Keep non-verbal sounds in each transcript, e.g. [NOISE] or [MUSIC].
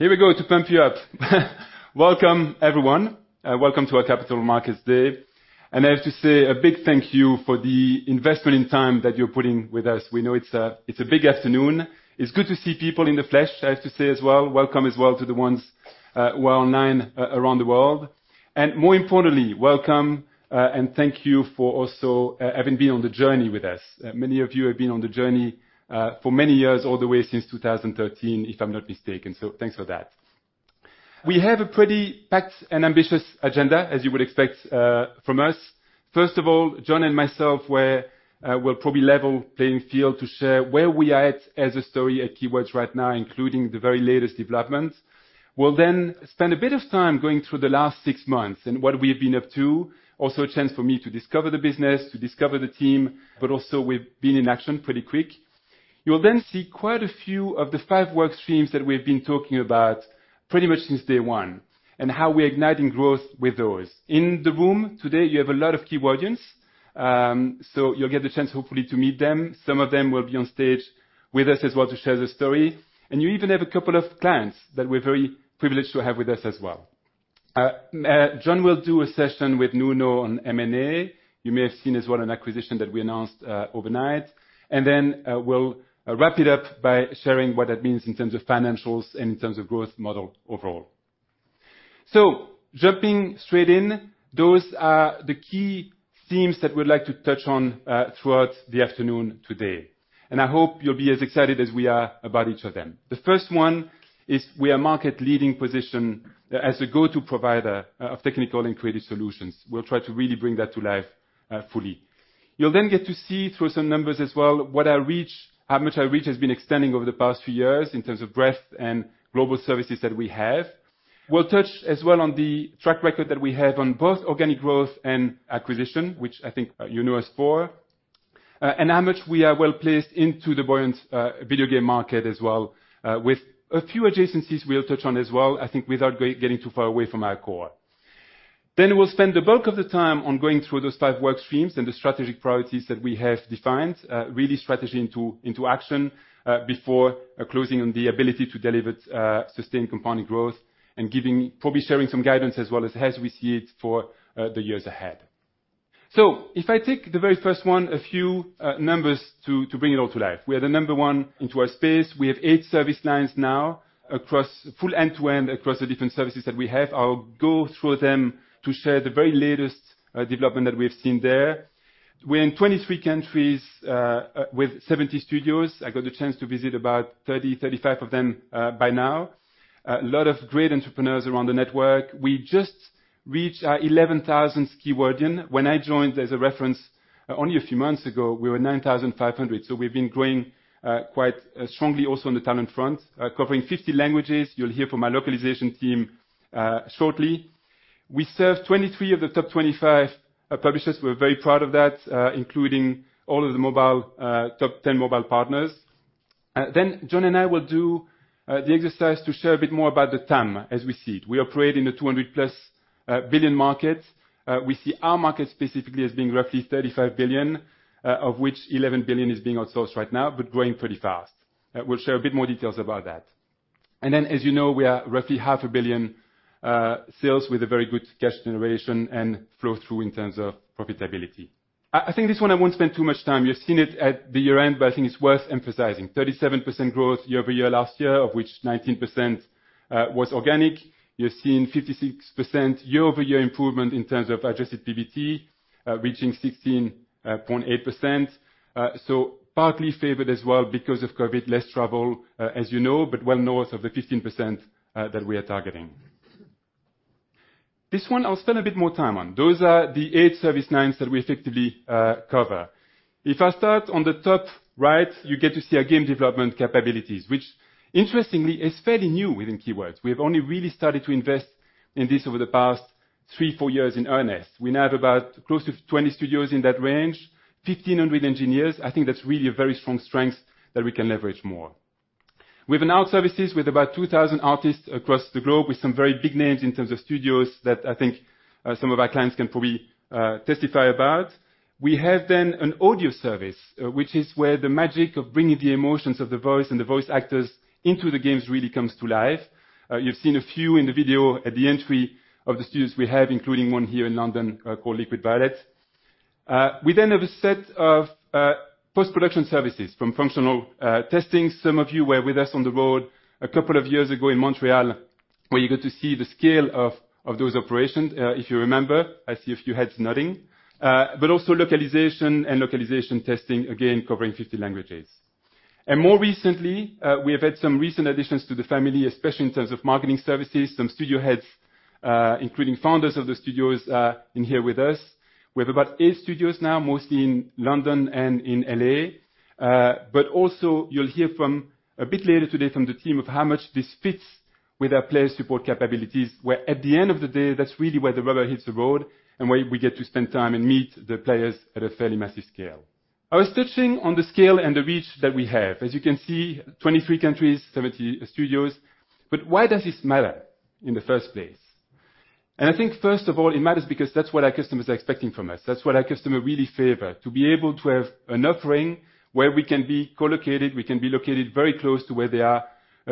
Here we go to pump you up. Welcome, everyone. Welcome to our Capital Markets Day. I have to say a big thank you for the investment and time that you're putting with us. We know it's a big afternoon. It's good to see people in the flesh, I have to say as well. Welcome as well to the ones who are online around the world. More importantly, welcome and thank you for also having been on the journey with us. Many of you have been on the journey for many years, all the way since 2013, if I'm not mistaken. Thanks for that. We have a pretty packed and ambitious agenda, as you would expect from us. First of all, Jon and myself, we'll probably level playing field to share where we are at with our story at Keywords right now, including the very latest developments. We'll then spend a bit of time going through the last six months and what we've been up to. Also a chance for me to discover the business, to discover the team, but also we've been in action pretty quick. You'll then see quite a few of the five work streams that we've been talking about pretty much since day one, and how we're igniting growth with those. In the room today, you have a lot of Keywordians, so you'll get the chance, hopefully, to meet them. Some of them will be on stage with us as well to share the story. You even have a couple of clients that we're very privileged to have with us as well. Jon will do a session with Nuno on M&A. You may have seen as well an acquisition that we announced overnight. We'll wrap it up by sharing what that means in terms of financials and in terms of growth model overall. Jumping straight in, those are the key themes that we'd like to touch on throughout the afternoon today. I hope you'll be as excited as we are about each of them. The first one is we are market-leading position as a go-to provider of technical and creative solutions. We'll try to really bring that to life fully. You'll then get to see through some numbers as well what our reach, how much our reach has been extending over the past few years in terms of breadth and global services that we have. We'll touch as well on the track record that we have on both organic growth and acquisition, which I think, you know us for, and how much we are well-placed into the buoyant video game market as well, with a few adjacencies we'll touch on as well, I think without getting too far away from our core. We'll spend the bulk of the time on going through those five work streams and the strategic priorities that we have defined, turning strategy into action, before closing on the ability to deliver sustained compound growth. Probably sharing some guidance as we see it for the years ahead. If I take the very first one, a few numbers to bring it all to life. We are the number one in our space. We have eight service lines now across full end-to-end, across the different services that we have. I'll go through them to share the very latest development that we have seen there. We're in 23 countries with 70 studios. I got the chance to visit about 30-35 of them by now. A lot of great entrepreneurs around the network. We just reached our 11,000 Keywordians. When I joined, as a reference, only a few months ago, we were 9,500. We've been growing quite strongly also on the talent front. Covering 50 languages. You'll hear from my localization team shortly. We serve 23 of the top 25 publishers. We're very proud of that, including all of the mobile top 10 mobile partners. Then Jon and I will do the exercise to share a bit more about the TAM as we see it. We operate in the $200+ billion market. We see our market specifically as being roughly $35 billion, of which $11 billion is being outsourced right now, but growing pretty fast. We'll share a bit more details about that. As you know, we are roughly half a billion EUR sales with a very good cash generation and flow through in terms of profitability. I think this one I won't spend too much time. You've seen it at the year-end, but I think it's worth emphasizing. 37% growth year-over-year last year, of which 19% was organic. You're seeing 56% year-over-year improvement in terms of adjusted PBT, reaching 16.8%. Partly favored as well because of COVID, less travel, as you know, but well north of the 15% that we are targeting. This one, I'll spend a bit more time on. Those are the eight service lines that we effectively cover. If I start on the top right, you get to see our game development capabilities, which interestingly is fairly new within Keywords. We have only really started to invest in this over the past three, four years in earnest. We now have about close to 20 studios in that range, 1,500 engineers. I think that's really a very strong strength that we can leverage more. We have an art services with about 2,000 artists across the globe, with some very big names in terms of studios that I think some of our clients can probably testify about. We have then an audio service, which is where the magic of bringing the emotions of the voice and the voice actors into the games really comes to life. You've seen a few in the video at the entry of the studios we have, including one here in London called Liquid Violet. We then have a set of post-production services from functional testing. Some of you were with us on the road a couple of years ago in Montreal, where you got to see the scale of those operations if you remember. I see a few heads nodding. Also localization and localization testing, again, covering 50 languages. More recently, we have had some recent additions to the family, especially in terms of marketing services. Some studio heads, including founders of the studios, in here with us. We have about eight studios now, mostly in London and in L.A. You'll hear from a bit later today from the team of how much this fits with our player support capabilities, where at the end of the day, that's really where the rubber hits the road and where we get to spend time and meet the players at a fairly massive scale. I was touching on the scale and the reach that we have. As you can see, 23 countries, 70 studios. Why does this matter in the first place? I think first of all, it matters because that's what our customers are expecting from us. That's what our customer really favor, to be able to have an offering where we can be co-located, we can be located very close to where they are,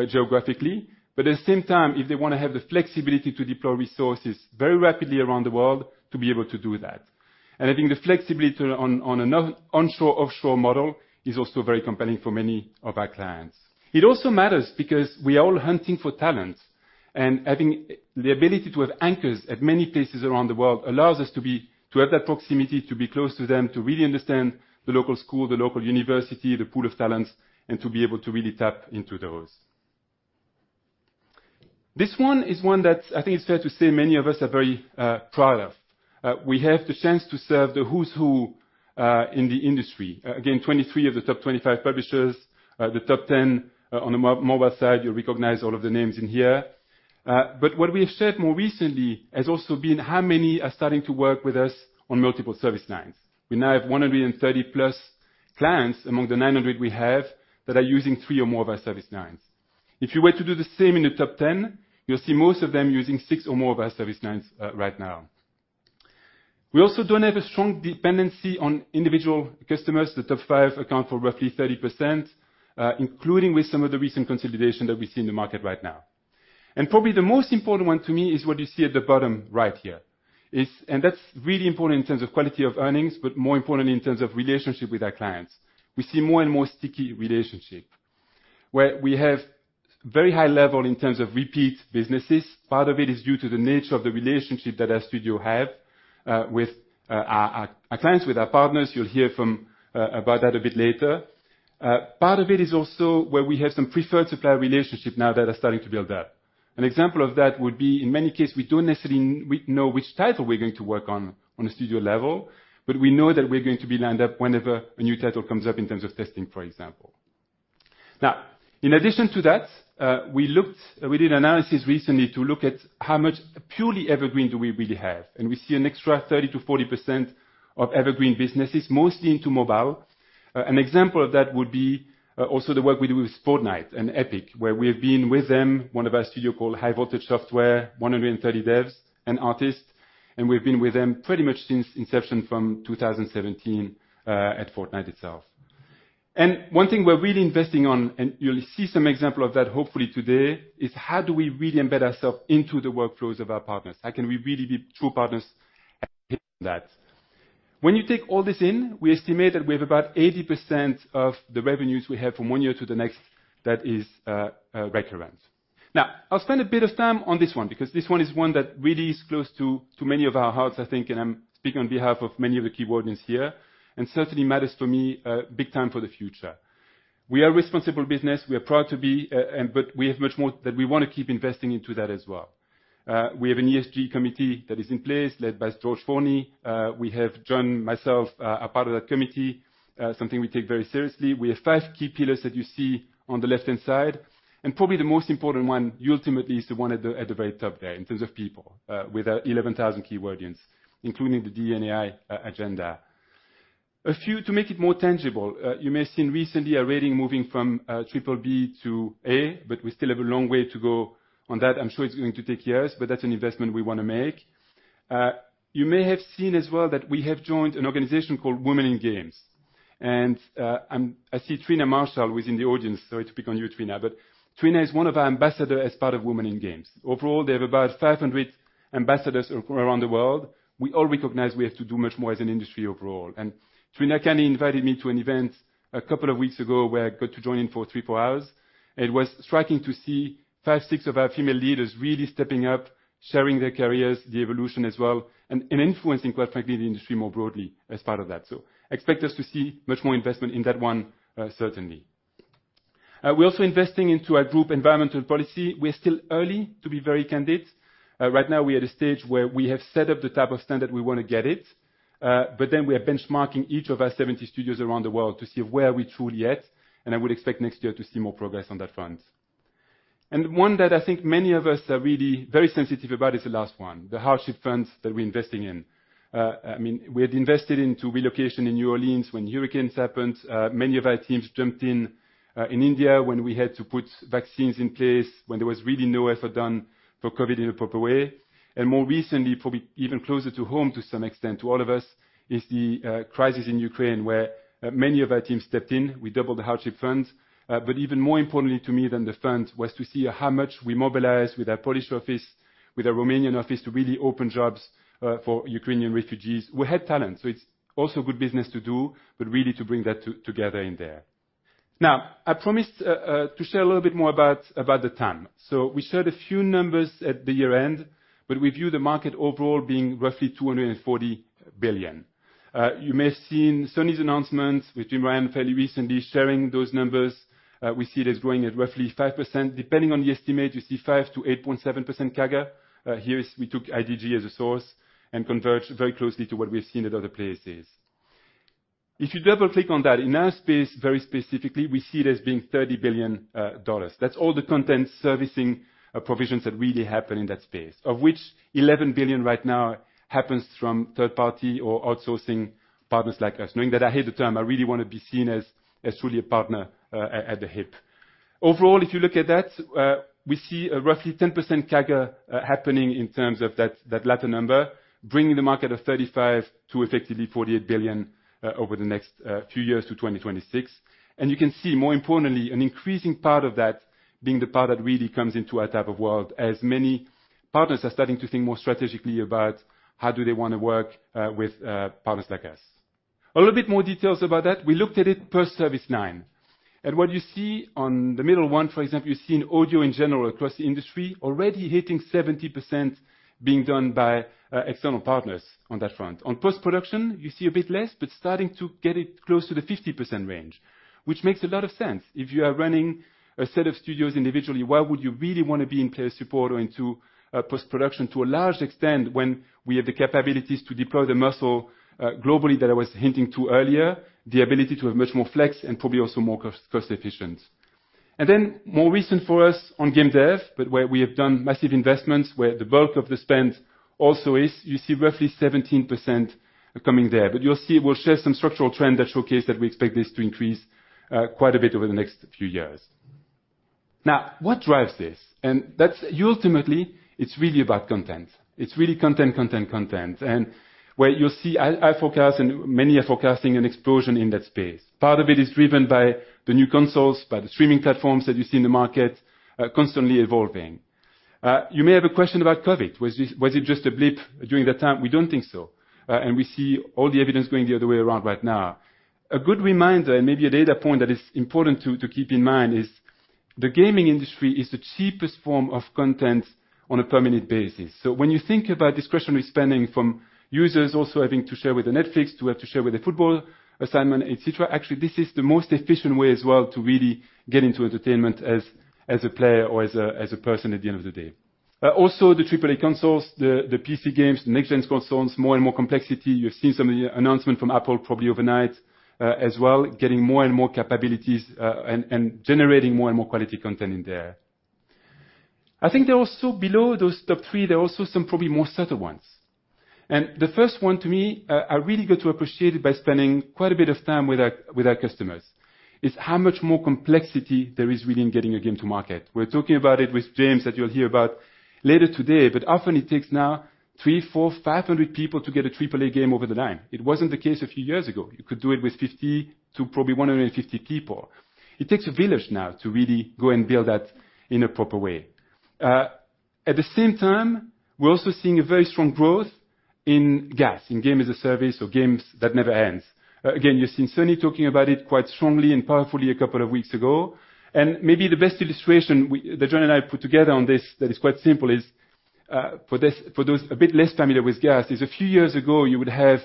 geographically. At the same time, if they want to have the flexibility to deploy resources very rapidly around the world, to be able to do that. I think the flexibility to an onshore, offshore model is also very compelling for many of our clients. It also matters because we are all hunting for talent, and having the ability to have anchors at many places around the world allows us to have that proximity, to be close to them, to really understand the local school, the local university, the pool of talents, and to be able to really tap into those. This one is one that I think it's fair to say many of us are very proud of. We have the chance to serve the who's who in the industry. Again, 23 of the top 25 publishers. The top 10 on the mobile side, you'll recognize all of the names in here. What we have shared more recently has also been how many are starting to work with us on multiple service lines. We now have 130+ clients among the 900 we have that are using three or more of our service lines. If you were to do the same in the top 10, you'll see most of them using six or more of our service lines right now. We also don't have a strong dependency on individual customers. The top five account for roughly 30%, including with some of the recent consolidation that we see in the market right now. Probably the most important one to me is what you see at the bottom right here. That's really important in terms of quality of earnings, but more important in terms of relationship with our clients. We see more and more sticky relationship, where we have very high level in terms of repeat businesses. Part of it is due to the nature of the relationship that our studio have with our clients, with our partners. You'll hear from about that a bit later. Part of it is also where we have some preferred supplier relationships now that are starting to build up. An example of that would be, in many cases, we don't necessarily know which title we're going to work on on a studio level, but we know that we're going to be lined up whenever a new title comes up in terms of testing, for example. Now, in addition to that, we did analysis recently to look at how much purely evergreen do we really have, and we see an extra 30%-40% of evergreen businesses, mostly into mobile. An example of that would be also the work we do with Fortnite and Epic, where we have been with them, one of our studio called High Voltage Software, 130 devs and artists, and we've been with them pretty much since inception from 2017 at Fortnite itself. One thing we're really investing on, and you'll see some example of that hopefully today, is how do we really embed ourselves into the workflows of our partners? How can we really be true partners in that? When you take all this in, we estimate that we have about 80% of the revenues we have from one year to the next that is recurrent. Now, I'll spend a bit of time on this one because this one is one that really is close to many of our hearts, I think, and I'm speaking on behalf of many of the Keywordians here, and certainly matters for me big time for the future. We are responsible business. We are proud to be, but we have much more that we want to keep investing into that as well. We have an ESG committee that is in place, led by George Forney. We have Jon, myself, a part of that committee, something we take very seriously. We have five key pillars that you see on the left-hand side, and probably the most important one ultimately is the one at the very top there in terms of people, with our 11,000 Keywordians, including the DE&I agenda. A few to make it more tangible, you may have seen recently a rating moving from BBB to A, but we still have a long way to go on that. I'm sure it's going to take years, but that's an investment we want to make. You may have seen as well that we have joined an organization called Women in Games. I see Trina Marshall within the audience, sorry to pick on you, Trina. But Trina is one of our ambassadors as part of Women in Games. Overall, they have about 500 ambassadors around the world. We all recognize we have to do much more as an industry overall. Trina kindly invited me to an event a couple of weeks ago where I got to join in for three, four hours. It was striking to see five, six of our female leaders really stepping up, sharing their careers, the evolution as well, and influencing, quite frankly, the industry more broadly as part of that. Expect us to see much more investment in that one, certainly. We're also investing into our group environmental policy. We're still early to be very candid. Right now we are at a stage where we have set up the type of standard we want to get it, but then we are benchmarking each of our 70 studios around the world to see where are we truly at. I would expect next year to see more progress on that front. One that I think many of us are really very sensitive about is the last one, the hardship funds that we're investing in. I mean, we had invested into relocation in New Orleans when hurricanes happened. Many of our teams jumped in in India when we had to put vaccines in place when there was really no effort done for COVID in a proper way. More recently, probably even closer to home to some extent, to all of us, is the crisis in Ukraine, where many of our teams stepped in. We doubled the hardship fund. Even more importantly to me than the fund was to see how much we mobilized with our Polish office, with our Romanian office, to really open jobs for Ukrainian refugees who had talent. It's also good business to do, but really to bring that together in there. Now, I promised to share a little bit more about the TAM. We shared a few numbers at the year-end, but we view the market overall being roughly $240 billion. You may have seen Sony's announcement with Jim Ryan fairly recently sharing those numbers. We see it as growing at roughly 5%. Depending on the estimate, you see 5%-8.7% CAGR. We took IDC as a source and converged very closely to what we've seen at other places. If you double-click on that, in our space, very specifically, we see it as being $30 billion. That's all the content servicing provisions that really happen in that space, of which $11 billion right now happens from third-party or outsourcing partners like us. Knowing that I hate the term, I really want to be seen as truly a partner at the hip. Overall, if you look at that, we see a roughly 10% CAGR happening in terms of that latter number, bringing the market of 35 to effectively $48 billion over the next few years to 2026. You can see more importantly, an increasing part of that being the part that really comes into our type of world, as many partners are starting to think more strategically about how do they want to work with partners like us. A little bit more details about that. We looked at it post service line. What you see on the middle one, for example, you see in audio in general across the industry, already hitting 70% being done by external partners on that front. On post-production, you see a bit less, but starting to get it close to the 50% range, which makes a lot of sense. If you are running a set of studios individually, why would you really want to be in player support or into post-production to a large extent when we have the capabilities to deploy the muscle globally that I was hinting to earlier, the ability to have much more flex and probably also more cost efficient. More recent for us on game dev, but where we have done massive investments, where the bulk of the spend also is, you see roughly 17% coming there. You'll see we'll share some structural trend that showcase that we expect this to increase quite a bit over the next few years. Now, what drives this? That's ultimately it's really about content. It's really content, content. Where you'll see I forecast and many are forecasting an explosion in that space. Part of it is driven by the new consoles, by the streaming platforms that you see in the market, constantly evolving. You may have a question about COVID. Was it just a blip during that time? We don't think so. We see all the evidence going the other way around right now. A good reminder and maybe a data point that is important to keep in mind is the gaming industry is the cheapest form of content on a permanent basis. When you think about discretionary spending from users also having to share with Netflix, to have to share with the football and cinema, etc., actually, this is the most efficient way as well to really get into entertainment as a player or as a person at the end of the day. Also the AAA consoles, the PC games, the next gen consoles, more and more complexity. You've seen some of the announcement from Apple probably overnight, as well, getting more and more capabilities, and generating more and more quality content in there. I think there are also below those top three, there are also some probably more subtle ones. The first one to me, I really got to appreciate it by spending quite a bit of time with our customers, is how much more complexity there is really in getting a game to market. We're talking about it with James that you'll hear about later today, but often it takes now 300, 400, 500 people to get a AAA game over the line. It wasn't the case a few years ago. You could do it with 50 to probably 150 people. It takes a village now to really go and build that in a proper way. At the same time, we're also seeing a very strong growth in GaaS, Games as a Service or games that never ends. Again, you're seeing Sony talking about it quite strongly and powerfully a couple of weeks ago. Maybe the best illustration that Jon and I put together on this that is quite simple is, for those a bit less familiar with GaaS, a few years ago, you would have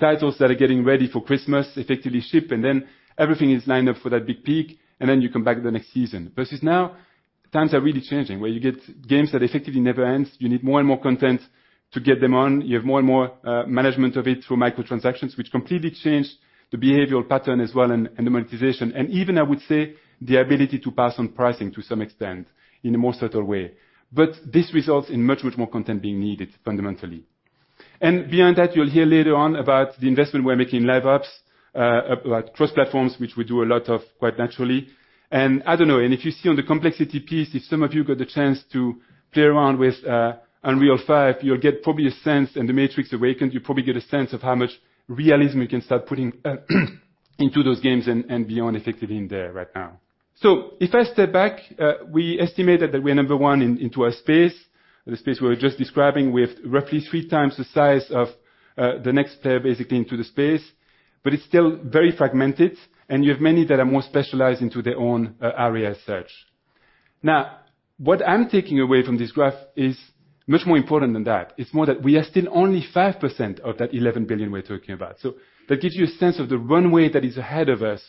titles that are getting ready for Christmas effectively ship, and then everything is lined up for that big peak, and then you come back the next season. Versus now, times are really changing, where you get games that effectively never ends. You need more and more content to get them on. You have more and more management of it through micro-transactions, which completely change the behavioral pattern as well and the monetization. Even, I would say, the ability to pass on pricing to some extent in a more subtle way. This results in much, much more content being needed fundamentally. Beyond that, you'll hear later on about the investment we're making in LiveOps, like cross-platforms, which we do a lot of quite naturally. I don't know. If you see on the complexity piece, if some of you got the chance to play around with Unreal 5, you'll probably get a sense in The Matrix Awakens of how much realism you can start putting into those games and beyond effectively in there right now. If I step back, we estimated that we are number one in our space, the space we were just describing, with roughly 3x the size of the next player basically in the space. But it's still very fragmented, and you have many that are more specialized in their own area as such. Now, what I'm taking away from this graph is much more important than that. It's more that we are still only 5% of that $11 billion we're talking about. That gives you a sense of the runway that is ahead of us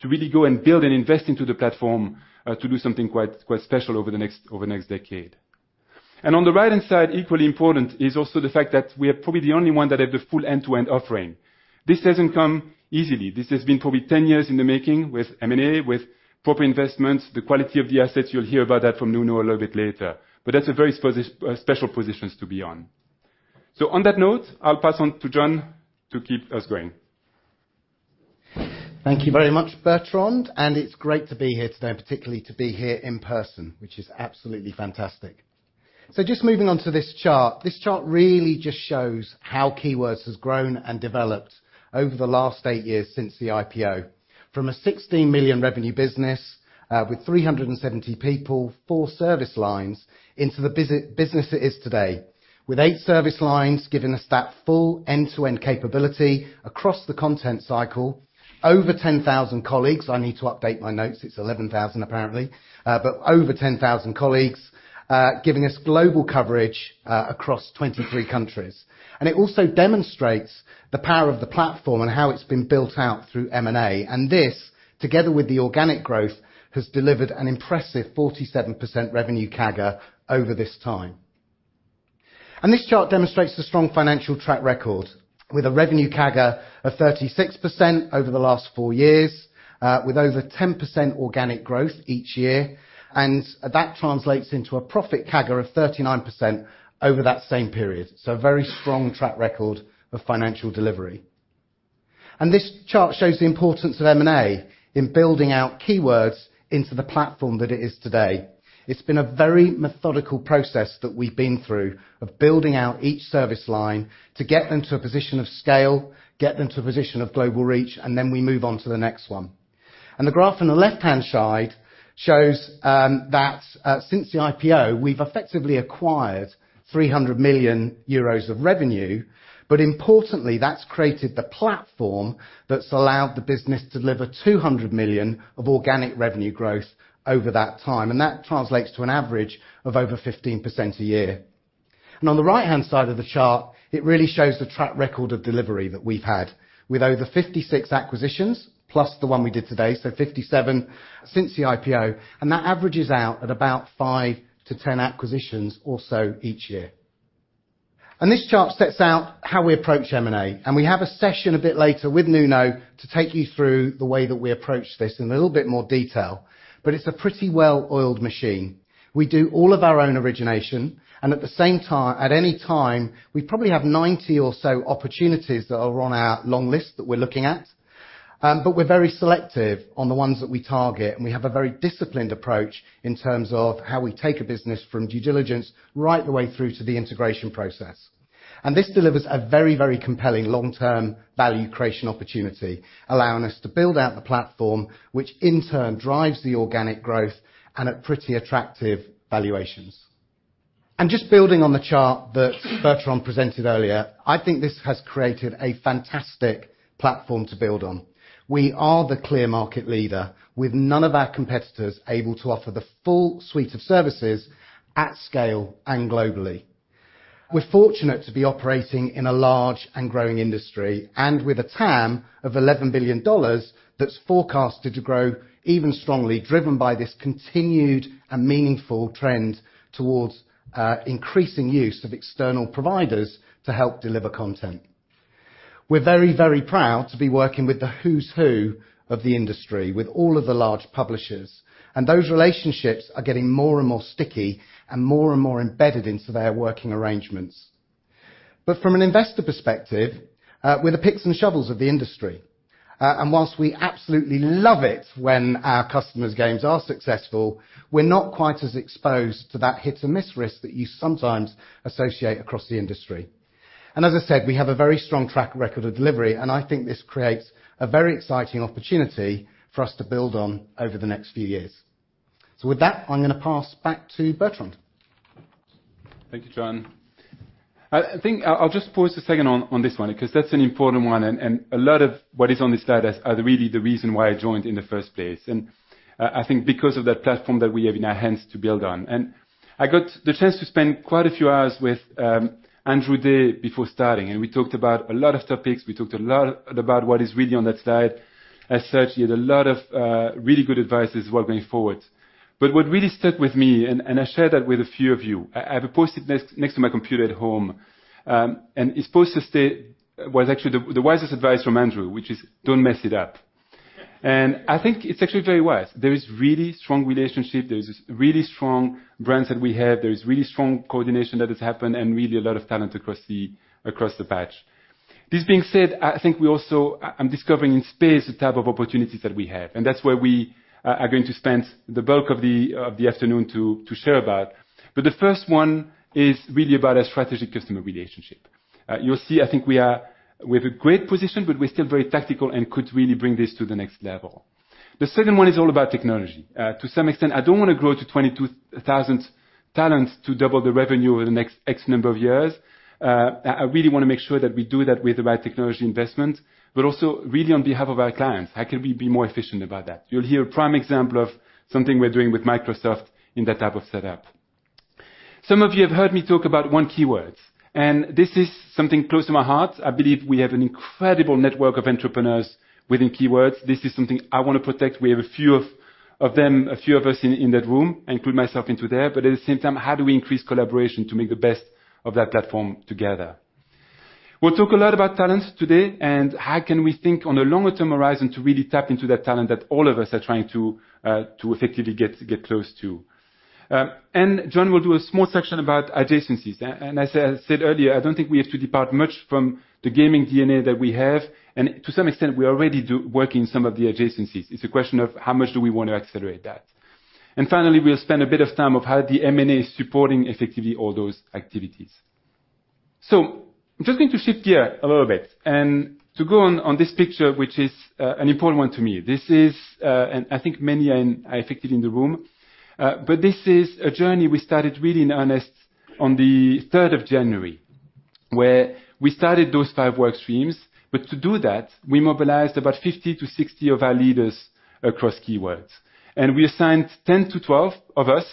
to really go and build and invest in the platform to do something quite special over the next decade. On the right-hand side, equally important is also the fact that we are probably the only one that have the full end-to-end offering. This hasn't come easily. This has been probably 10 years in the making with M&A, with proper investments, the quality of the assets. You'll hear about that from Nuno a little bit later. That's a very special positions to be on. On that note, I'll pass on to Jon to keep us going. Thank you very much, Bertrand, and it's great to be here today, and particularly to be here in person, which is absolutely fantastic. Just moving on to this chart. This chart really just shows how Keywords has grown and developed over the last eight years since the IPO. From a $16 million revenue business, with 370 people, four service lines, into the business it is today, with eight service lines giving us that full end-to-end capability across the content cycle. Over 10,000 colleagues. I need to update my notes, it's 11,000 apparently. But over 10,000 colleagues, giving us global coverage, across 23 countries. It also demonstrates the power of the platform and how it's been built out through M&A. This, together with the organic growth, has delivered an impressive 47% revenue CAGR over this time. This chart demonstrates the strong financial track record, with a revenue CAGR of 36% over the last four years, with over 10% organic growth each year, and that translates into a profit CAGR of 39% over that same period. A very strong track record of financial delivery. This chart shows the importance of M&A in building out Keywords into the platform that it is today. It's been a very methodical process that we've been through of building out each service line to get them to a position of scale, get them to a position of global reach, and then we move on to the next one. The graph on the left-hand side shows that since the IPO, we've effectively acquired 300 million euros of revenue. Importantly, that's created the platform that's allowed the business to deliver 200 million of organic revenue growth over that time. That translates to an average of over 15% a year. On the right-hand side of the chart, it really shows the track record of delivery that we've had. With over 56 acquisitions, plus the one we did today, so 57 since the IPO, and that averages out at about five to 10 acquisitions or so each year. This chart sets out how we approach M&A, and we have a session a bit later with Nuno to take you through the way that we approach this in a little bit more detail, but it's a pretty well-oiled machine. We do all of our own origination, and at any time, we probably have 90 or so opportunities that are on our long list that we're looking at. But we're very selective on the ones that we target, and we have a very disciplined approach in terms of how we take a business from due diligence right the way through to the integration process. This delivers a very, very compelling long-term value creation opportunity, allowing us to build out the platform, which in turn drives the organic growth and at pretty attractive valuations. Just building on the chart that Bertrand presented earlier, I think this has created a fantastic platform to build on. We are the clear market leader, with none of our competitors able to offer the full suite of services at scale and globally. We're fortunate to be operating in a large and growing industry and with a TAM of $11 billion that's forecasted to grow even strongly, driven by this continued and meaningful trend towards increasing use of external providers to help deliver content. We're very, very proud to be working with the who's who of the industry, with all of the large publishers, and those relationships are getting more and more sticky and more and more embedded into their working arrangements. From an investor perspective, we're the picks and shovels of the industry. While we absolutely love it when our customers' games are successful, we're not quite as exposed to that hit-and-miss risk that you sometimes associate across the industry. As I said, we have a very strong track record of delivery, and I think this creates a very exciting opportunity for us to build on over the next few years. With that, I'm going to pass back to Bertrand. Thank you, Jon. I think I'll just pause a second on this one because that's an important one and a lot of what is on this slide are really the reason why I joined in the first place. I think because of that platform that we have in our hands to build on. I got the chance to spend quite a few hours with Andrew Day before starting, and we talked about a lot of topics. We talked a lot about what is really on that slide. As such, he had a lot of really good advice while going forward. What really stuck with me, and I shared that with a few of you. I have a Post-it note next to my computer at home, and it's supposed to stay. was actually the wisest advice from Andrew, which is, "Don't mess it up." I think it's actually very wise. There is really strong relationship. There are really strong brands that we have. There is really strong coordination that has happened and really a lot of talent across the board. This being said, I think we also. I'm discovering in this space the type of opportunities that we have, and that's where we are going to spend the bulk of the afternoon to share about. The first one is really about a strategic customer relationship. You'll see, I think we have a great position, but we're still very tactical and could really bring this to the next level. The second one is all about technology. To some extent, I don't want to grow to 22,000 talents to double the revenue over the next X number of years. I really want to make sure that we do that with the right technology investment, but also really on behalf of our clients. How can we be more efficient about that? You'll hear a prime example of something we're doing with Microsoft in that type of setup. Some of you have heard me talk about One Keywords, and this is something close to my heart. I believe we have an incredible network of entrepreneurs within Keywords. This is something I want to protect. We have a few of them, a few of us in that room. I include myself into there. At the same time, how do we increase collaboration to make the best of that platform together? We'll talk a lot about talents today, and how can we think on a longer-term horizon to really tap into that talent that all of us are trying to effectively get close to. Jon will do a small section about adjacencies. As I said earlier, I don't think we have to depart much from the gaming DNA that we have, and to some extent, we already do work in some of the adjacencies. It's a question of how much do we want to accelerate that. Finally, we'll spend a bit of time on how the M&A is supporting effectively all those activities. I'm just going to shift gear a little bit and to go on this picture, which is an important one to me. This is, and I think many are affected in the room, but this is a journey we started really in earnest on the third of January, where we started those five work streams. To do that, we mobilized about 50-60 of our leaders across Keywords. We assigned 10-12 of us,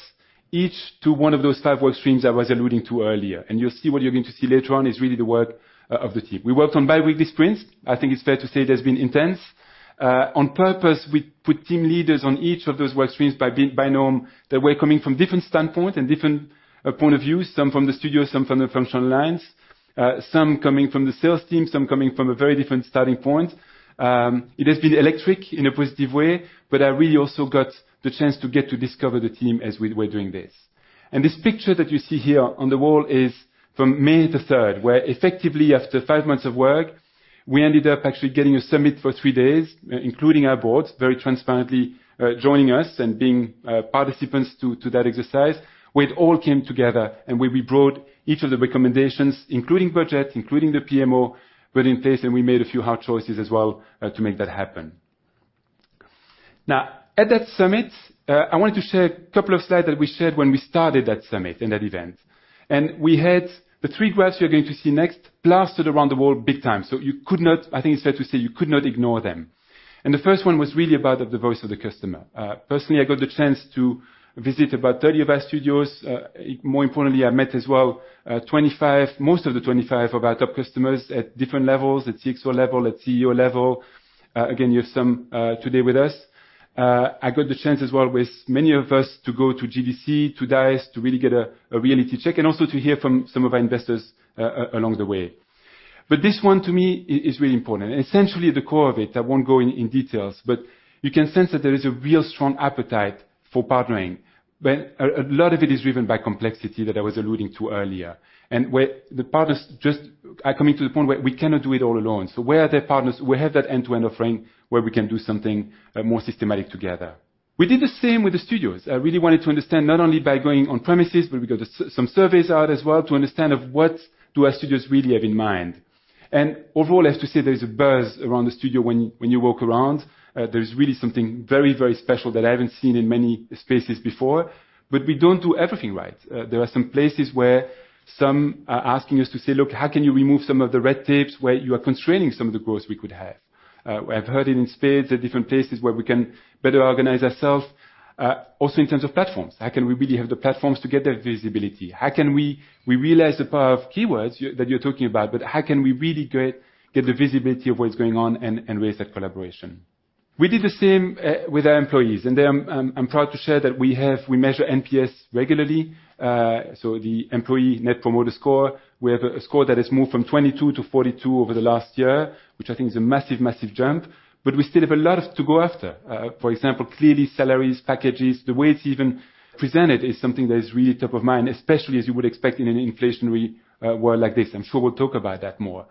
each to one of those five work streams I was alluding to earlier. You'll see what you're going to see later on is really the work of the team. We worked on bi-weekly sprints. I think it's fair to say it has been intense. On purpose, we put team leaders on each of those work streams that were coming from different standpoint and different points of view. Some from the studio, some from the functional lines, some coming from the sales team, some coming from a very different starting point. It has been electric in a positive way, but I really also got the chance to get to discover the team as we were doing this. This picture that you see here on the wall is from May 3rd, where effectively after five months of work, we ended up actually getting a summit for three days, including our board, very transparently, joining us and being participants to that exercise, where it all came together and where we brought each of the recommendations, including budget, including the PMO, put in place, and we made a few hard choices as well, to make that happen. Now, at that summit, I wanted to share a couple of slides that we shared when we started that summit and that event. We had the three graphs you're going to see next plastered around the world big time. You could not, I think it's fair to say, ignore them. The first one was really about the voice of the customer. Personally, I got the chance to visit about 30 of our studios. More importantly, I met most of the 25 of our top customers at different levels, at CXO level, at CEO level. Again, you have some today with us. I got the chance as well with many of us to go to GDC, to DICE, to really get a reality check and also to hear from some of our investors along the way. This one to me is really important. Essentially, the core of it, I won't go in details, but you can sense that there is a real strong appetite for partnering. A lot of it is driven by complexity that I was alluding to earlier, and where the partners just are coming to the point where we cannot do it all alone. Where are their partners? We have that end-to-end offering where we can do something more systematic together. We did the same with the studios. I really wanted to understand not only by going on premises, but we got some surveys out as well to understand of what do our studios really have in mind. Overall, I have to say there is a buzz around the studio when you walk around. There's really something very, very special that I haven't seen in many spaces before, but we don't do everything right. There are some places where some are asking us to say, "Look, how can you remove some of the red tapes where you are constraining some of the growth we could have?" I've heard it in spades at different places where we can better organize ourselves, also in terms of platforms. How can we really have the platforms to get that visibility? We realize the power of Keywords that you're talking about, but how can we really get the visibility of what's going on and raise that collaboration? We did the same with our employees. I'm proud to share that we have. We measure NPS regularly, so the employee net promoter score. We have a score that has moved from 22 to 42 over the last year, which I think is a massive jump, but we still have a lot to go after. For example, clearly salaries, packages, the way it's even presented is something that is really top of mind, especially as you would expect in an inflationary world like this. I'm sure we'll talk about that more.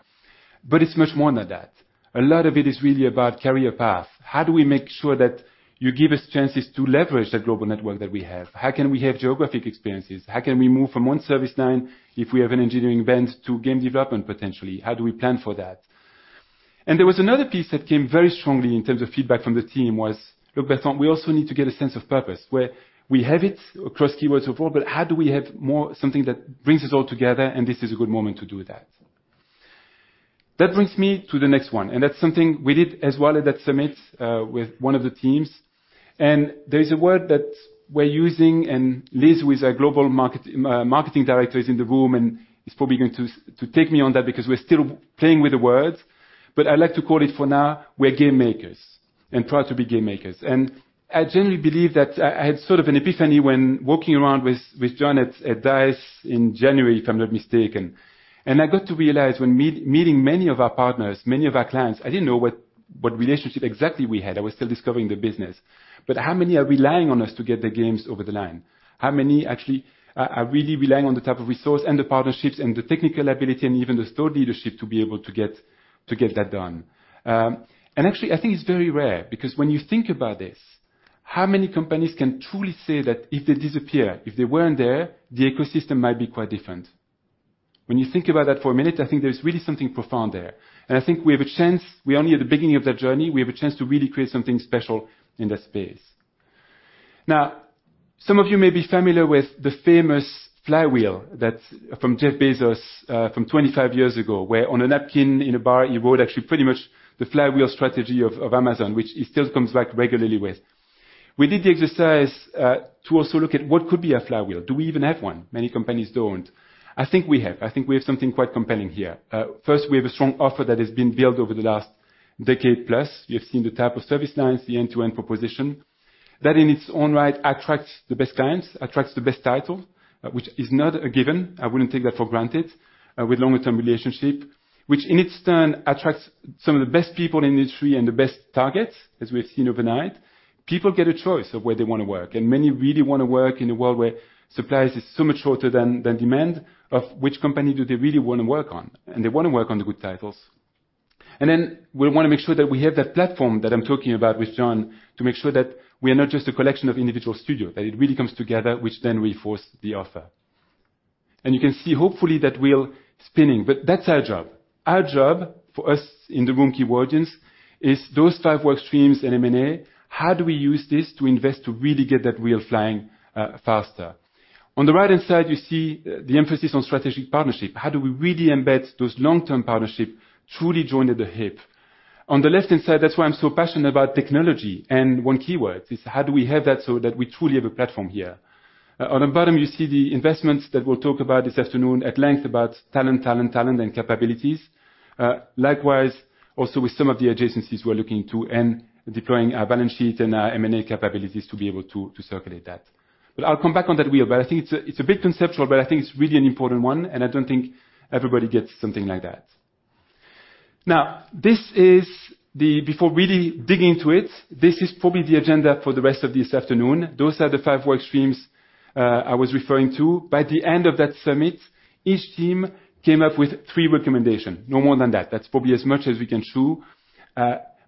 It's much more than that. A lot of it is really about career path. How do we make sure that you give us chances to leverage the global network that we have? How can we have geographic experiences? How can we move from one service line if we have an engineering bent to game development, potentially? How do we plan for that? There was another piece that came very strongly in terms of feedback from the team was, "Look, Bertrand, we also need to get a sense of purpose, where we have it across Keywords overall, but how do we have more something that brings us all together? And this is a good moment to do that." That brings me to the next one, and that's something we did as well at that summit, with one of the teams. There is a word that we're using, and Liz, who is our global marketing director is in the room, and is probably going to take me on that because we're still playing with the words, but I like to call it for now, we're game makers, and proud to be game makers. I genuinely believe that I had sort of an epiphany when walking around with Jon at DICE in January, if I'm not mistaken. I got to realize when meeting many of our partners, many of our clients, I didn't know what relationship exactly we had. I was still discovering the business. How many are relying on us to get the games over the line? How many actually are really relying on the type of resource and the partnerships and the technical ability and even the store leadership to be able to get that done? Actually, I think it's very rare because when you think about this. How many companies can truly say that if they disappear, if they weren't there, the ecosystem might be quite different? When you think about that for a minute, I think there's really something profound there. I think we have a chance. We're only at the beginning of that journey, we have a chance to really create something special in that space. Now, some of you may be familiar with the famous flywheel that from Jeff Bezos, from 25 years ago, where on a napkin in a bar, he wrote actually pretty much the flywheel strategy of Amazon, which he still comes back regularly with. We did the exercise to also look at what could be a flywheel. Do we even have one? Many companies don't. I think we have. I think we have something quite compelling here. First, we have a strong offer that has been built over the last decade plus. You have seen the type of service lines, the end-to-end proposition. That in its own right attracts the best clients, attracts the best title, which is not a given. I wouldn't take that for granted, with long-term relationship. Which in its turn attracts some of the best people in the industry and the best targets, as we have seen overnight. People get a choice of where they want to work, and many really want to work in a world where supply is so much shorter than demand, of which company do they really want to work on, and they want to work on the good titles. We want to make sure that we have that platform that I'm talking about with Jon to make sure that we are not just a collection of individual studios, that it really comes together, which then reinforce the offer. You can see hopefully that wheel spinning. That's our job. Our job for us in the room and in the audience is those five work streams and M&A, how do we use this to invest to really get that wheel flying faster? On the right-hand side, you see the emphasis on strategic partnership. How do we really embed those long-term partnership, truly joined at the hip? On the left-hand side, that's why I'm so passionate about technology and one keyword, is how do we have that so that we truly have a platform here. On the bottom, you see the investments that we'll talk about this afternoon at length about talent, talent and capabilities. Likewise, also with some of the adjacencies we're looking into and deploying our balance sheet and our M&A capabilities to be able to circulate that. I'll come back on that wheel. I think it's a bit conceptual, but I think it's really an important one, and I don't think everybody gets something like that. Before really digging into it, this is probably the agenda for the rest of this afternoon. Those are the five work streams I was referring to. By the end of that summit, each team came up with three recommendations, no more than that. That's probably as much as we can chew.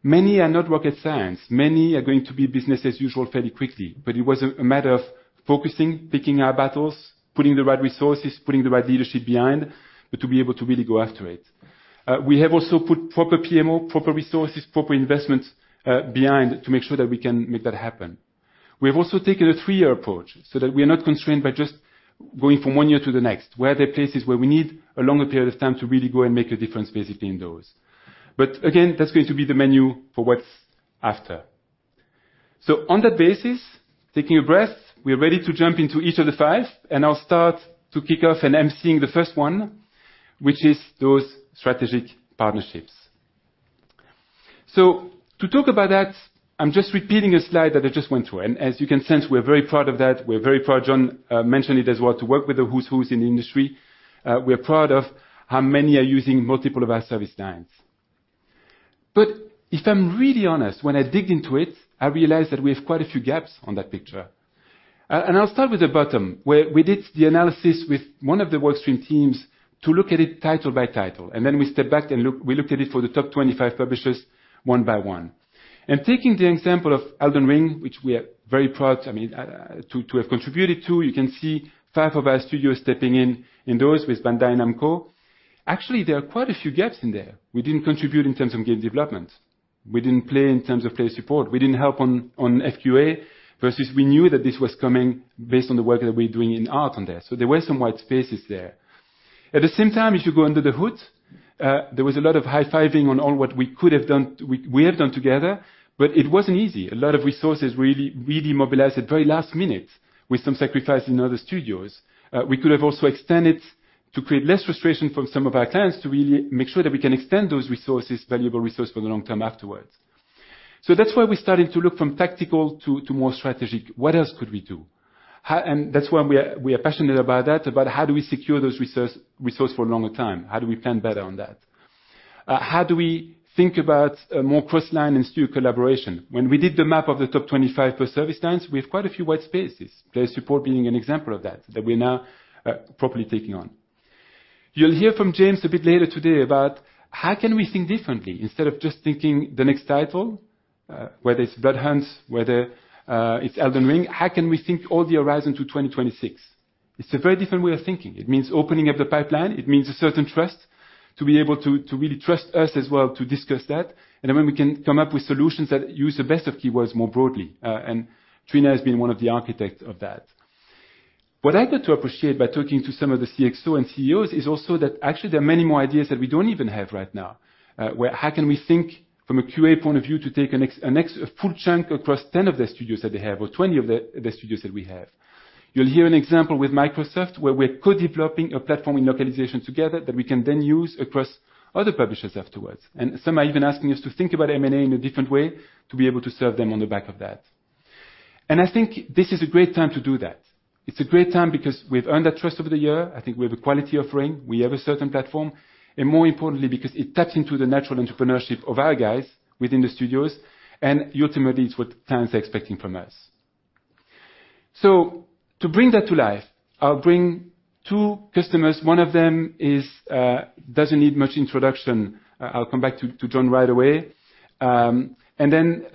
Many are not rocket science. Many are going to be business as usual fairly quickly. It was a matter of focusing, picking our battles, putting the right resources, putting the right leadership behind, but to be able to really go after it. We have also put proper PMO, proper resources, proper investments behind to make sure that we can make that happen. We have also taken a three-year approach so that we are not constrained by just going from one year to the next. Where there are places where we need a longer period of time to really go and make a difference, basically in those. Again, that's going to be the menu for what's after. On that basis, taking a breath, we are ready to jump into each of the five, and I'll start to kick off and emceeing the first one, which is those strategic partnerships. To talk about that, I'm just repeating a slide that I just went through. As you can sense, we're very proud of that. We're very proud, Jon, mentioned it as well, to work with the who's who in the industry. We're proud of how many are using multiple of our service lines. If I'm really honest, when I dig into it, I realize that we have quite a few gaps on that picture. I'll start with the bottom, where we did the analysis with one of the work stream teams to look at it title by title, and then we stepped back and looked at it for the top 25 publishers one by one. Taking the example of Elden Ring, which we are very proud, I mean, to have contributed to, you can see five of our studios stepping in those with Bandai Namco. Actually, there are quite a few gaps in there. We didn't contribute in terms of game development. We didn't play in terms of play support. We didn't help on FQA, versus we knew that this was coming based on the work that we're doing in art on there. There were some white spaces there. At the same time, if you go under the hood, there was a lot of high-fiving on all what we could have done we have done together, but it wasn't easy. A lot of resources really mobilized at the very last minute with some sacrifice in other studios. We could have also extended to create less frustration from some of our clients to really make sure that we can extend those resources, valuable resources for the long-term afterwards. That's why we started to look from tactical to more strategic. What else could we do? That's why we are passionate about that, about how do we secure those resource for a longer time? How do we plan better on that? How do we think about a more cross-line and studio collaboration? When we did the map of the top 25 per service lines, we have quite a few white spaces. Player support being an example of that we're now properly taking on. You'll hear from James a bit later today about how can we think differently instead of just thinking the next title, whether it's Bloodhunt, whether it's Elden Ring, how can we think all the horizon to 2026. It's a very different way of thinking. It means opening up the pipeline. It means a certain trust to be able to really trust us as well to discuss that. When we can come up with solutions that use the best of Keywords more broadly. Trina has been one of the architect of that. What I got to appreciate by talking to some of the CXO and CEOs is also that actually there are many more ideas that we don't even have right now. Where how can we think from a QA point of view to take a full chunk across 10 of the studios that they have or 20 of the studios that we have. You'll hear an example with Microsoft, where we're co-developing a platform in localization together that we can then use across other publishers afterwards. Some are even asking us to think about M&A in a different way to be able to serve them on the back of that. I think this is a great time to do that. It's a great time because we've earned that trust over the year. I think we have a quality offering. We have a certain platform, and more importantly, because it taps into the natural entrepreneurship of our guys within the studios, and ultimately, it's what clients are expecting from us. To bring that to life, I'll bring two customers. One of them doesn't need much introduction. I'll come back to Jon right away. And then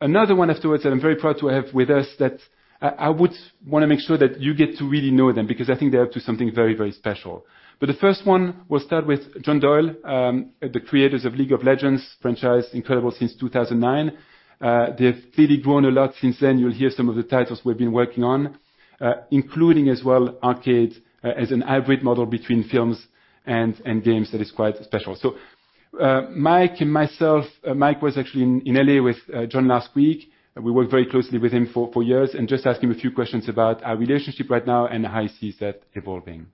another one afterwards that I'm very proud to have with us that I would want to make sure that you get to really know them because I think they're up to something very, very special. The first one, we'll start with John Doyle, the creators of League of Legends franchise. Incredible. Since 2009. They've really grown a lot since then. You'll hear some of the titles we've been working on, including as well Arcane as a hybrid model between films and games that is quite special. Mike and myself. Mike was actually in L.A. with John last week. We worked very closely with him for years and just ask him a few questions about our relationship right now and how he sees that evolving.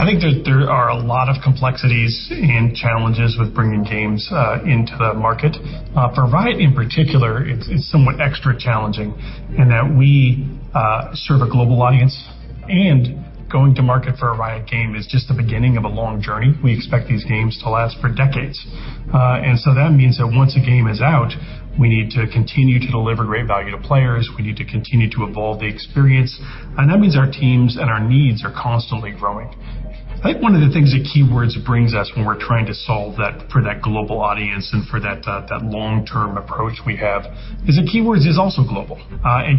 I think there are a lot of complexities and challenges with bringing games into the market. For Riot in particular, it's somewhat extra challenging in that we serve a global audience, and going to market for a Riot game is just the beginning of a long journey. We expect these games to last for decades. That means that once a game is out, we need to continue to deliver great value to players. We need to continue to evolve the experience, and that means our teams and our needs are constantly growing. I think one of the things that Keywords brings us when we're trying to solve that for that global audience and for that long-term approach we have is that Keywords is also global.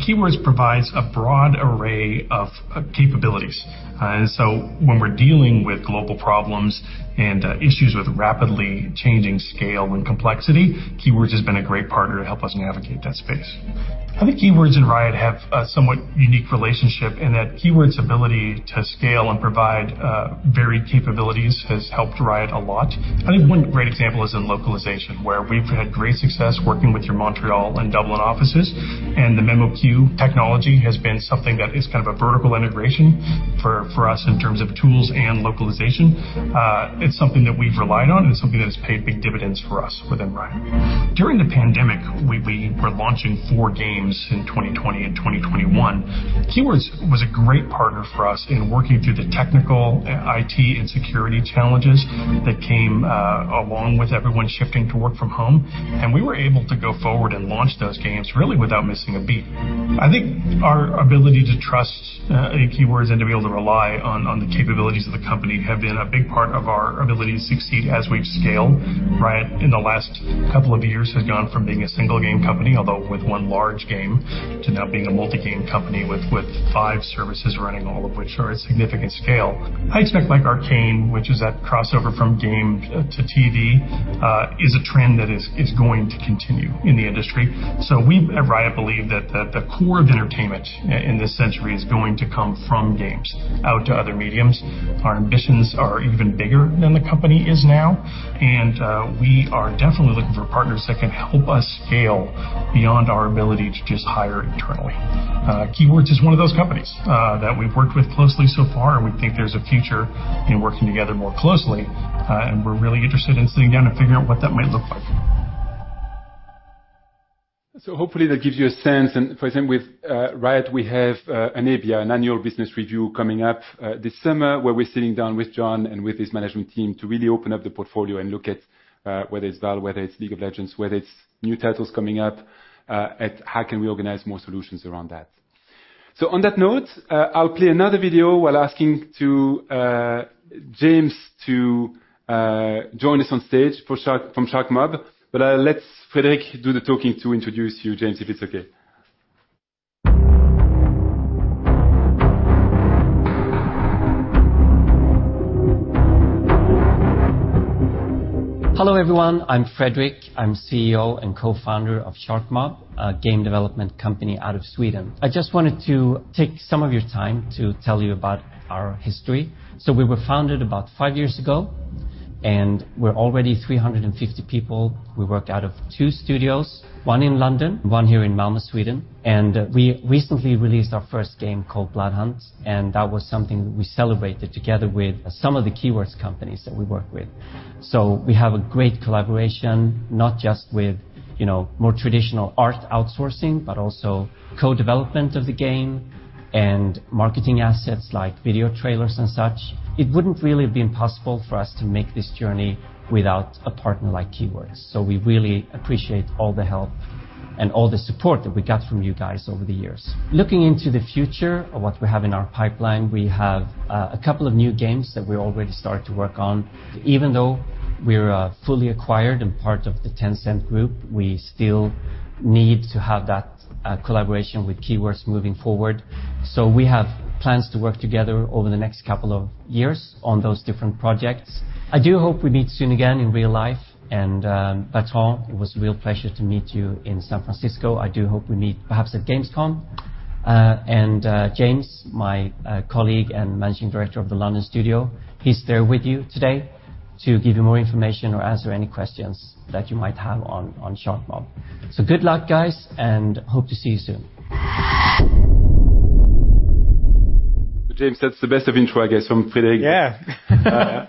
Keywords provides a broad array of capabilities. When we're dealing with global problems and, issues with rapidly changing scale and complexity, Keywords has been a great partner to help us navigate that space. I think Keywords and Riot have a somewhat unique relationship in that Keywords ability to scale and provide, varied capabilities has helped Riot a lot. I think one great example is in localization, where we've had great success working with your Montreal and Dublin offices, and the memoQ technology has been something that is kind of a vertical integration for us in terms of tools and localization. It's something that we've relied on and something that has paid big dividends for us within Riot. During the pandemic, we were launching four games in 2020 and 2021. Keywords was a great partner for us in working through the technical, IT, and security challenges that came along with everyone shifting to work from home, and we were able to go forward and launch those games really without missing a beat. I think our ability to trust Keywords and to be able to rely on the capabilities of the company have been a big part of our ability to succeed as we've scaled. Riot in the last couple of years has gone from being a single game company, although with one large game, to now being a multi-game company with five services running, all of which are at significant scale. I expect like Arcane, which is that crossover from game to TV, is a trend that is going to continue in the industry. We at Riot believe that the core of entertainment in this century is going to come from games out to other mediums. Our ambitions are even bigger than the company is now, and we are definitely looking for partners that can help us scale beyond our ability to just hire internally. Keywords is one of those companies that we've worked with closely so far, and we think there's a future in working together more closely, and we're really interested in sitting down and figuring out what that might look like. Hopefully that gives you a sense. For example, with Riot, we have an ABR, an annual business review, coming up this summer where we're sitting down with John and with his management team to really open up the portfolio and look at whether it's VALORANT, whether it's League of Legends, whether it's new titles coming up and how we can organize more solutions around that. On that note, I'll play another video while asking James to join us on stage from Sharkmob. I'll let Fredrik do the talking to introduce you, James, if it's okay. Hello, everyone. I'm Fredrik. I'm CEO and co-founder of Sharkmob, a game development company out of Sweden. I just wanted to take some of your time to tell you about our history. We were founded about five years ago, and we're already 350 people. We work out of two studios, one in London, one here in Malmö, Sweden, and we recently released our first game called Bloodhunt, and that was something we celebrated together with some of the Keywords companies that we work with. We have a great collaboration, not just with, you know, more traditional art outsourcing, but also co-development of the game and marketing assets like video trailers and such. It wouldn't really have been possible for us to make this journey without a partner like Keywords. We really appreciate all the help and all the support that we got from you guys over the years. Looking into the future of what we have in our pipeline, we have a couple of new games that we already started to work on. Even though we're fully acquired and part of the Tencent group, we still need to have that collaboration with Keywords moving forward. We have plans to work together over the next couple of years on those different projects. I do hope we meet soon again in real life. Bertrand, it was a real pleasure to meet you in San Francisco. I do hope we meet perhaps at Gamescom. James, my colleague and managing director of the London studio, he's there with you today to give you more information or answer any questions that you might have on Sharkmob. Good luck, guys, and hope to see you soon. James, that's the best of intro, I guess, from Fredrik. Yeah.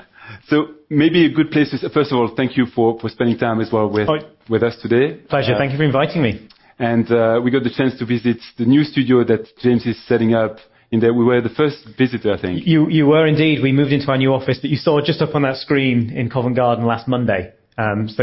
Maybe a good place is. First of all, thank you for spending time as well with us today. Pleasure. Thank you for inviting me. We got the chance to visit the new studio that James is setting up in there. We were the first visitor, I think. You were indeed. We moved into our new office that you saw just up on that screen in Covent Garden last Monday. Bertrand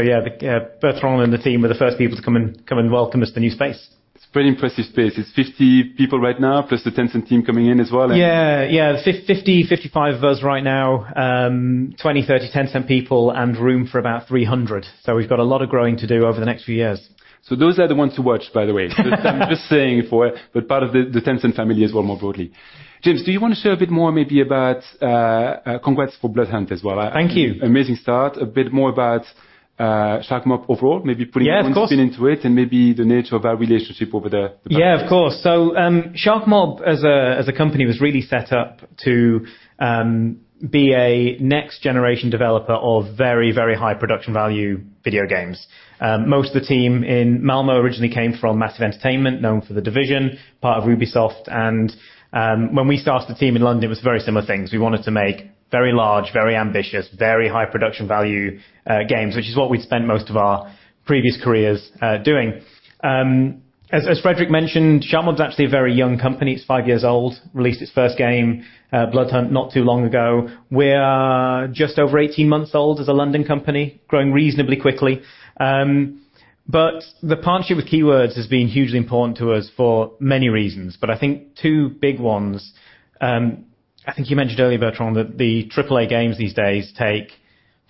and the team were the first people to come and welcome us to the new space. It's a pretty impressive space. It's 50 people right now, plus the Tencent team coming in as well. Yeah. Yeah, 55 of us right now. 20-30 Tencent people and room for about 300. We've got a lot of growing to do over the next few years. Those are the ones to watch, by the way. Just, I'm just saying, but part of the Tencent family as well, more broadly. James, do you want to share a bit more maybe about, congrats for Bloodhunt as well. Thank you. Amazing start. A bit more about Sharkmob overall, maybe putting maybe the nature of our relationship over the past years. Yeah, of course. Sharkmob as a company was really set up to be a next generation developer of very, very high production value video games. Most of the team in Malmö originally came from Massive Entertainment, known for The Division, part of Ubisoft, and when we started the team in London, it was very similar things. We wanted to make very large, very ambitious, very high production value games, which is what we'd spent most of our previous careers doing. As Fredrik mentioned, Sharkmob is actually a very young company. It's five years old. Released its first game, Bloodhunt, not too long ago. We're just over 18 months old as a London company, growing reasonably quickly. The partnership with Keywords has been hugely important to us for many reasons. I think two big ones, I think you mentioned earlier, Bertrand, that the triple-A games these days take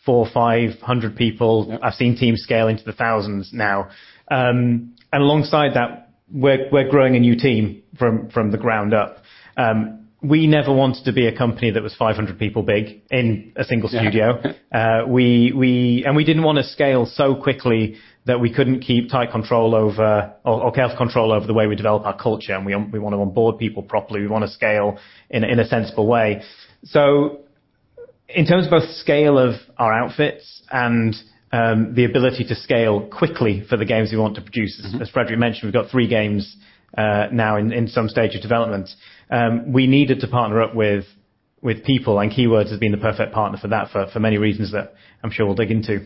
400-500 people. I've seen teams scale into the thousands now. Alongside that, we're growing a new team from the ground up. We never wanted to be a company that was 500 people big in a single studio. We didn't want to scale so quickly that we couldn't keep tight control over or account control over the way we develop our culture. We want to onboard people properly. We want to scale in a sensible way. In terms of both scale of our outfits and the ability to scale quickly for the games we want to produce. As Fredrik mentioned, we've got three games now in some stage of development. We needed to partner up with people, and Keywords has been the perfect partner for that for many reasons that I'm sure we'll dig into.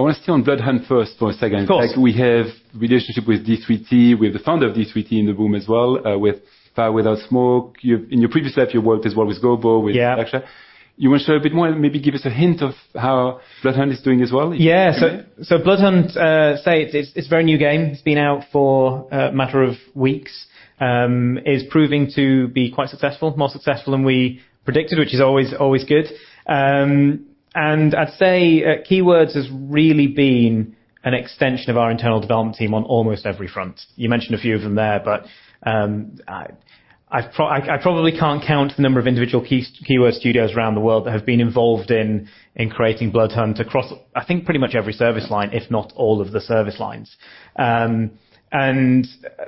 I want to stay on Bloodhunt first for a second. Like we have relationship with d3t. We have the founder of d3t in the room as well, with Fire Without Smoke. In your previous life, you worked as well with Global with Black Shark. You want to share a bit more and maybe give us a hint of how Bloodhunt is doing as well? Yeah. Bloodhunt is a very new game. It's been out for a matter of weeks. It is proving to be quite successful, more successful than we predicted, which is always good. I'd say Keywords has really been an extension of our internal development team on almost every front. You mentioned a few of them there. I probably can't count the number of individual Keywords studios around the world that have been involved in creating Bloodhunt across, I think, pretty much every service line, if not all of the service lines.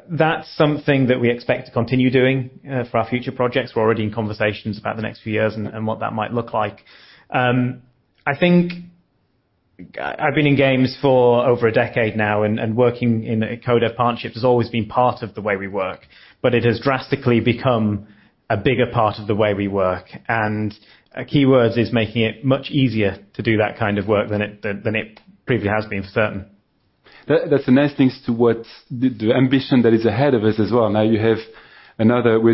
That's something that we expect to continue doing for our future projects. We're already in conversations about the next few years and what that might look like. I think I've been in games for over a decade now, and working in a mode of partnership has always been part of the way we work, but it has drastically become a bigger part of the way we work. Keywords is making it much easier to do that kind of work than it previously has been for certain. That's a nice thing towards the ambition that is ahead of us as well. We're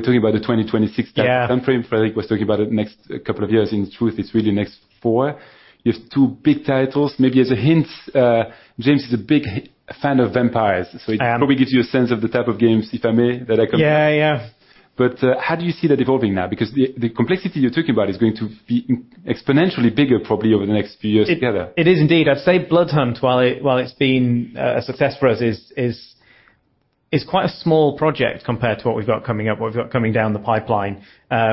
talking about the 2026 time frame. Frederic was talking about it next couple of years. In truth, it's really next four. You've two big titles. Maybe as a hint, James is a big fan of vampires. It probably gives you a sense of the type of games, if I may, that are coming. How do you see that evolving now? Because the complexity you're talking about is going to be exponentially bigger, probably over the next few years together. It is indeed. I'd say Bloodhunt, while it's been a success for us, is quite a small project compared to what we've got coming up, what we've got coming down the pipeline.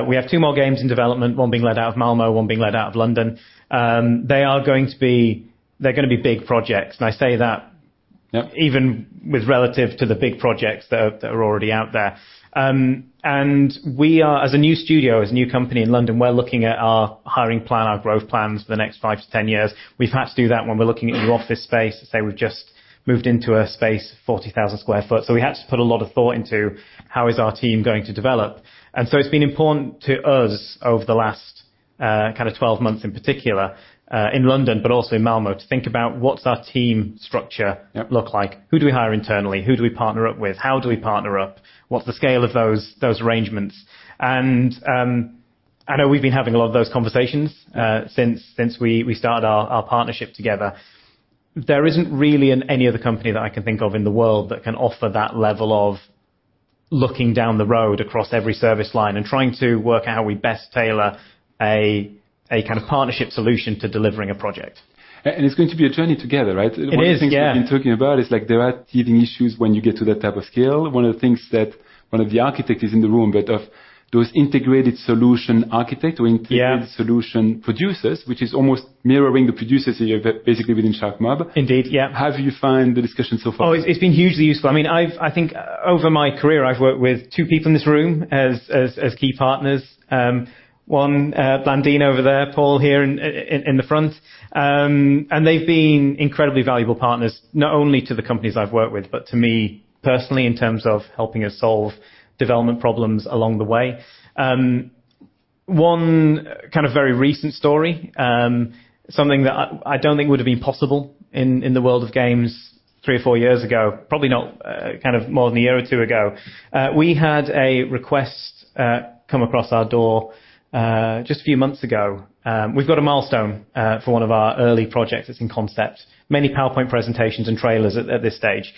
We have two more games in development, one being led out of Malmö, one being led out of London. They're going to be big projects, and I say that. Even with relative to the big projects that are already out there. We are as a new studio, as a new company in London, we're looking at our hiring plan, our growth plans for the next five to 10 years. We've had to do that when we're looking at new office space. Say we've just moved into a space 40,000 sq ft. We had to put a lot of thought into how is our team going to develop. It's been important to us over the last kind of 12 months in particular in London, but also in Malmö, to think about what's our team structure look like. Who do we hire internally? Who do we partner up with? How do we partner up? What's the scale of those arrangements? I know we've been having a lot of those conversations since we started our partnership together. There isn't really any other company that I can think of in the world that can offer that level of looking down the road across every service line and trying to work out how we best tailor a kind of partnership solution to delivering a project. It's going to be a journey together, right? It is, yeah. One of the things we've been talking about is, like, there are teething issues when you get to that type of scale. One of the things that one of the architects is in the room, but of those integrated solution architect or integrated solution producers, which is almost mirroring the producers here, but basically within Sharkmob. Indeed, yeah. How do you find the discussion so far? It's been hugely useful. I mean, I think over my career, I've worked with two people in this room as key partners. One, Blandine over there, Paul here in the front. They've been incredibly valuable partners, not only to the companies I've worked with, but to me personally, in terms of helping us solve development problems along the way. One kind of very recent story, something that I don't think would have been possible in the world of games three or four years ago, probably not, kind of more than a year or two ago. We had a request come across our door just a few months ago. We've got a milestone for one of our early projects. It's in concept. Many PowerPoint presentations and trailers at this stage.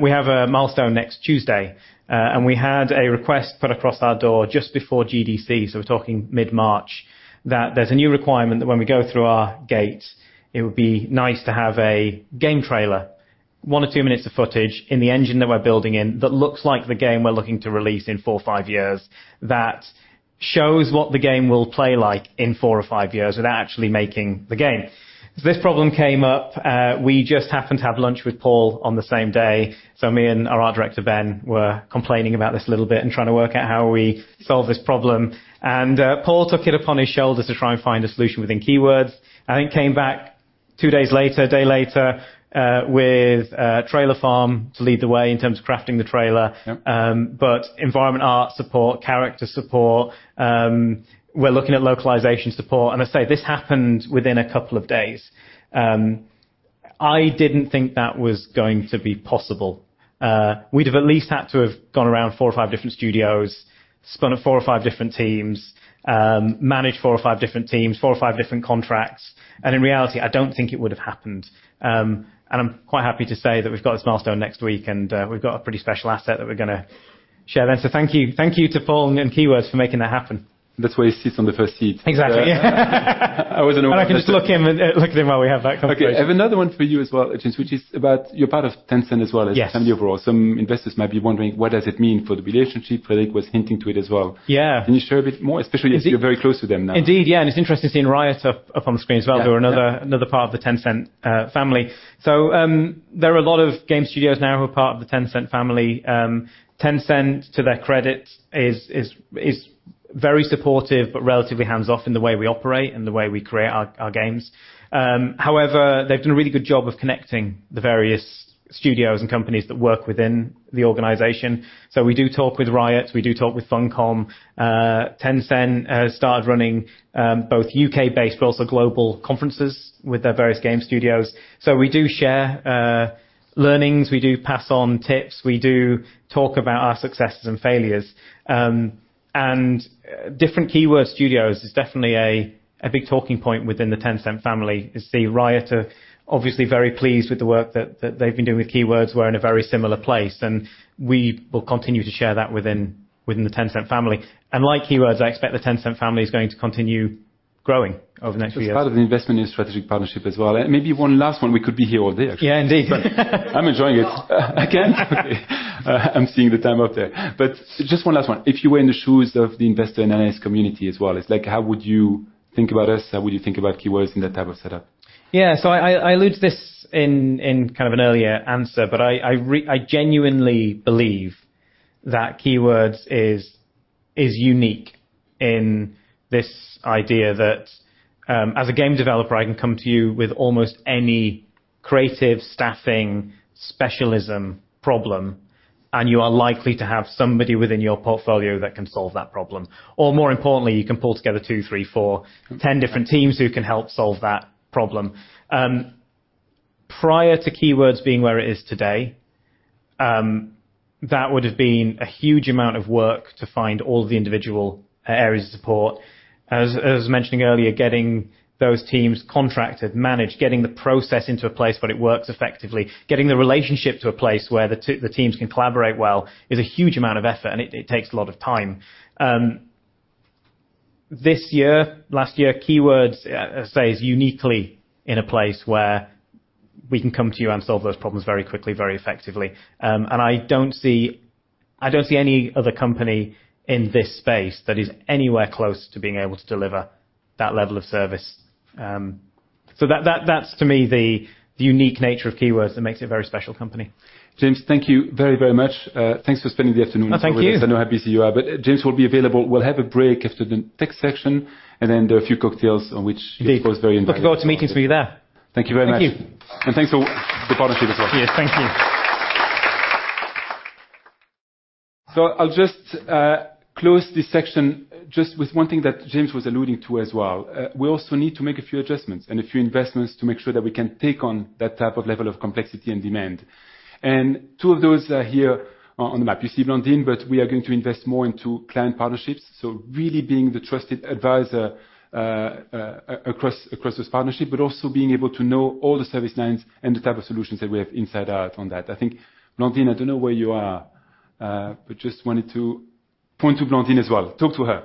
We have a milestone next Tuesday. We had a request put across our door just before GDC, so we're talking mid-March, that there's a new requirement that when we go through our gates, it would be nice to have a game trailer, one or two minutes of footage in the engine that we're building in that looks like the game we're looking to release in four or five years that shows what the game will play like in four or five years without actually making the game. This problem came up. We just happened to have lunch with Paul on the same day, so me and our art director, Ben, were complaining about this a little bit and trying to work out how we solve this problem. Paul took it upon himself to try and find a solution within Keywords and then came back two days later, a day later, with a Trailer Farm to lead the way in terms of crafting the trailer. Environment art support, character support, we're looking at localization support, and I say this happened within a couple of days. I didn't think that was going to be possible. We'd have at least had to have gone around four or five different studios, spun up four or five different teams, managed four or five different teams, four or five different contracts. In reality, I don't think it would have happened. I'm quite happy to say that we've got this milestone next week, and we've got a pretty special asset that we're going to share then. Thank you, thank you to Paul and Keywords for making that happen. That's why he sits on the first seat. Exactly. I can just look at him while we have that conversation. Okay. I have another one for you as well, James, which is about you're part of Tencent as well as family overall. Some investors might be wondering what does it mean for the relationship. Fredrik was hinting to it as well. Can you share a bit more, especially as you're very close to them now? Indeed. Yeah. It's interesting seeing Riot up on the screen as well. They're another part of the Tencent family. There are a lot of game studios now who are part of the Tencent family. Tencent, to their credit, is very supportive but relatively hands-off in the way we operate and the way we create our games. However, they've done a really good job of connecting the various studios and companies that work within the organization. We do talk with Riot, we do talk with Funcom. Tencent has started running both U.K.-based but also global conferences with their various game studios. We do share learnings. We do pass on tips. We do talk about our successes and failures. Indeed Keywords Studios is definitely a big talking point within the Tencent family, you see. Riot are obviously very pleased with the work that they've been doing with Keywords. We're in a very similar place, and we will continue to share that within the Tencent family. Like Keywords, I expect the Tencent family is going to continue growing over the next few years. It's part of the investment and strategic partnership as well. Maybe one last one. We could be here all day actually. I'm enjoying it. Again, I'm seeing the time up there. Just one last one. If you were in the shoes of the investor, in the eyes of the investor community as well, it's like how would you think about us? How would you think about Keywords in that type of setup? Yeah. I alluded to this in kind of an earlier answer, but I genuinely believe that Keywords is unique in this idea that, as a game developer, I can come to you with almost any creative staffing specialism problem, and you are likely to have somebody within your portfolio that can solve that problem. More importantly, you can pull together two, three, four, 10 different teams who can help solve that problem. Prior to Keywords being where it is today, that would have been a huge amount of work to find all of the individual areas of support. As mentioned earlier, getting those teams contracted, managed, getting the process into a place where it works effectively, getting the relationship to a place where the teams can collaborate well, is a huge amount of effort, and it takes a lot of time. This year, last year, Keywords is uniquely in a place where we can come to you and solve those problems very quickly, very effectively. I don't see any other company in this space that is anywhere close to being able to deliver that level of service. That's to me the unique nature of Keywords that makes it a very special company. James, thank you very, very much. Thanks for spending the afternoon with us. Thank you. I know how busy you are. James will be available. We'll have a break after the tech section, and then there are a few cocktails to which you are cordially invited. Indeed. Looking forward to meeting you there. Thank you very much. Thank you. Thanks for the partnership as well. Yes, thank you. I'll just close this section just with one thing that James was alluding to as well. We also need to make a few adjustments and a few investments to make sure that we can take on that type of level of complexity and demand. Two of those are here on the map. You see Blandine, but we are going to invest more into client partnerships. Really being the trusted advisor across this partnership, but also being able to know all the service lines and the type of solutions that we have inside out on that. I think, Blandine, I don't know where you are, but just wanted to point to Blandine as well. Talk to her.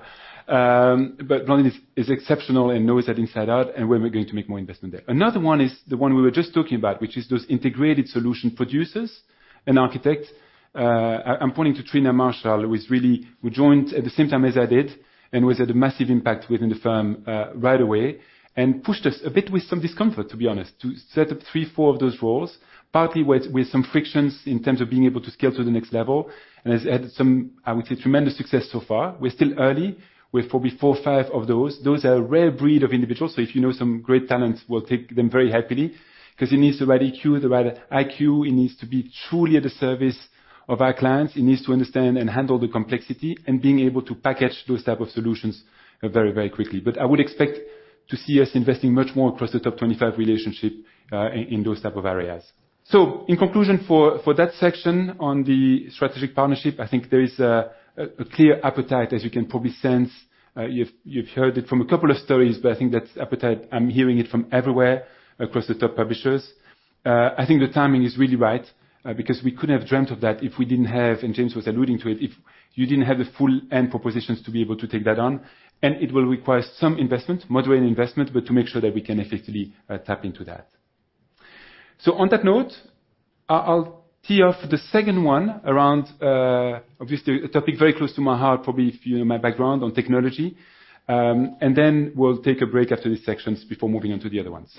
Blandine is exceptional and knows that inside out, and we're going to make more investment there. Another one is the one we were just talking about, which is those integrated solution producers and architects. I'm pointing to Trina Marshall, who joined at the same time as I did and who's had a massive impact within the firm, right away, and pushed us a bit with some discomfort, to be honest, to set up three, four of those roles, partly with some frictions in terms of being able to scale to the next level, and has had some, I would say, tremendous success so far. We're still early. We're probably four or five of those. Those are a rare breed of individuals, so if you know some great talent, we'll take them very happily because it needs the right EQ, the right IQ. It needs to be truly at the service of our clients. It needs to understand and handle the complexity and being able to package those type of solutions very, very quickly. I would expect to see us investing much more across the top 25 relationship in those type of areas. In conclusion for that section on the strategic partnership, I think there is a clear appetite, as you can probably sense. You've heard it from a couple of stories, but I think that appetite, I'm hearing it from everywhere across the top publishers. I think the timing is really right, because we couldn't have dreamt of that if we didn't have, and James was alluding to it, if you didn't have the full end-to-end propositions to be able to take that on. It will require some investment, moderate investment, but to make sure that we can effectively tap into that. On that note, I'll tee off the second one around obviously a topic very close to my heart, probably if you know my background on technology. Then we'll take a break after these sections before moving on to the other ones.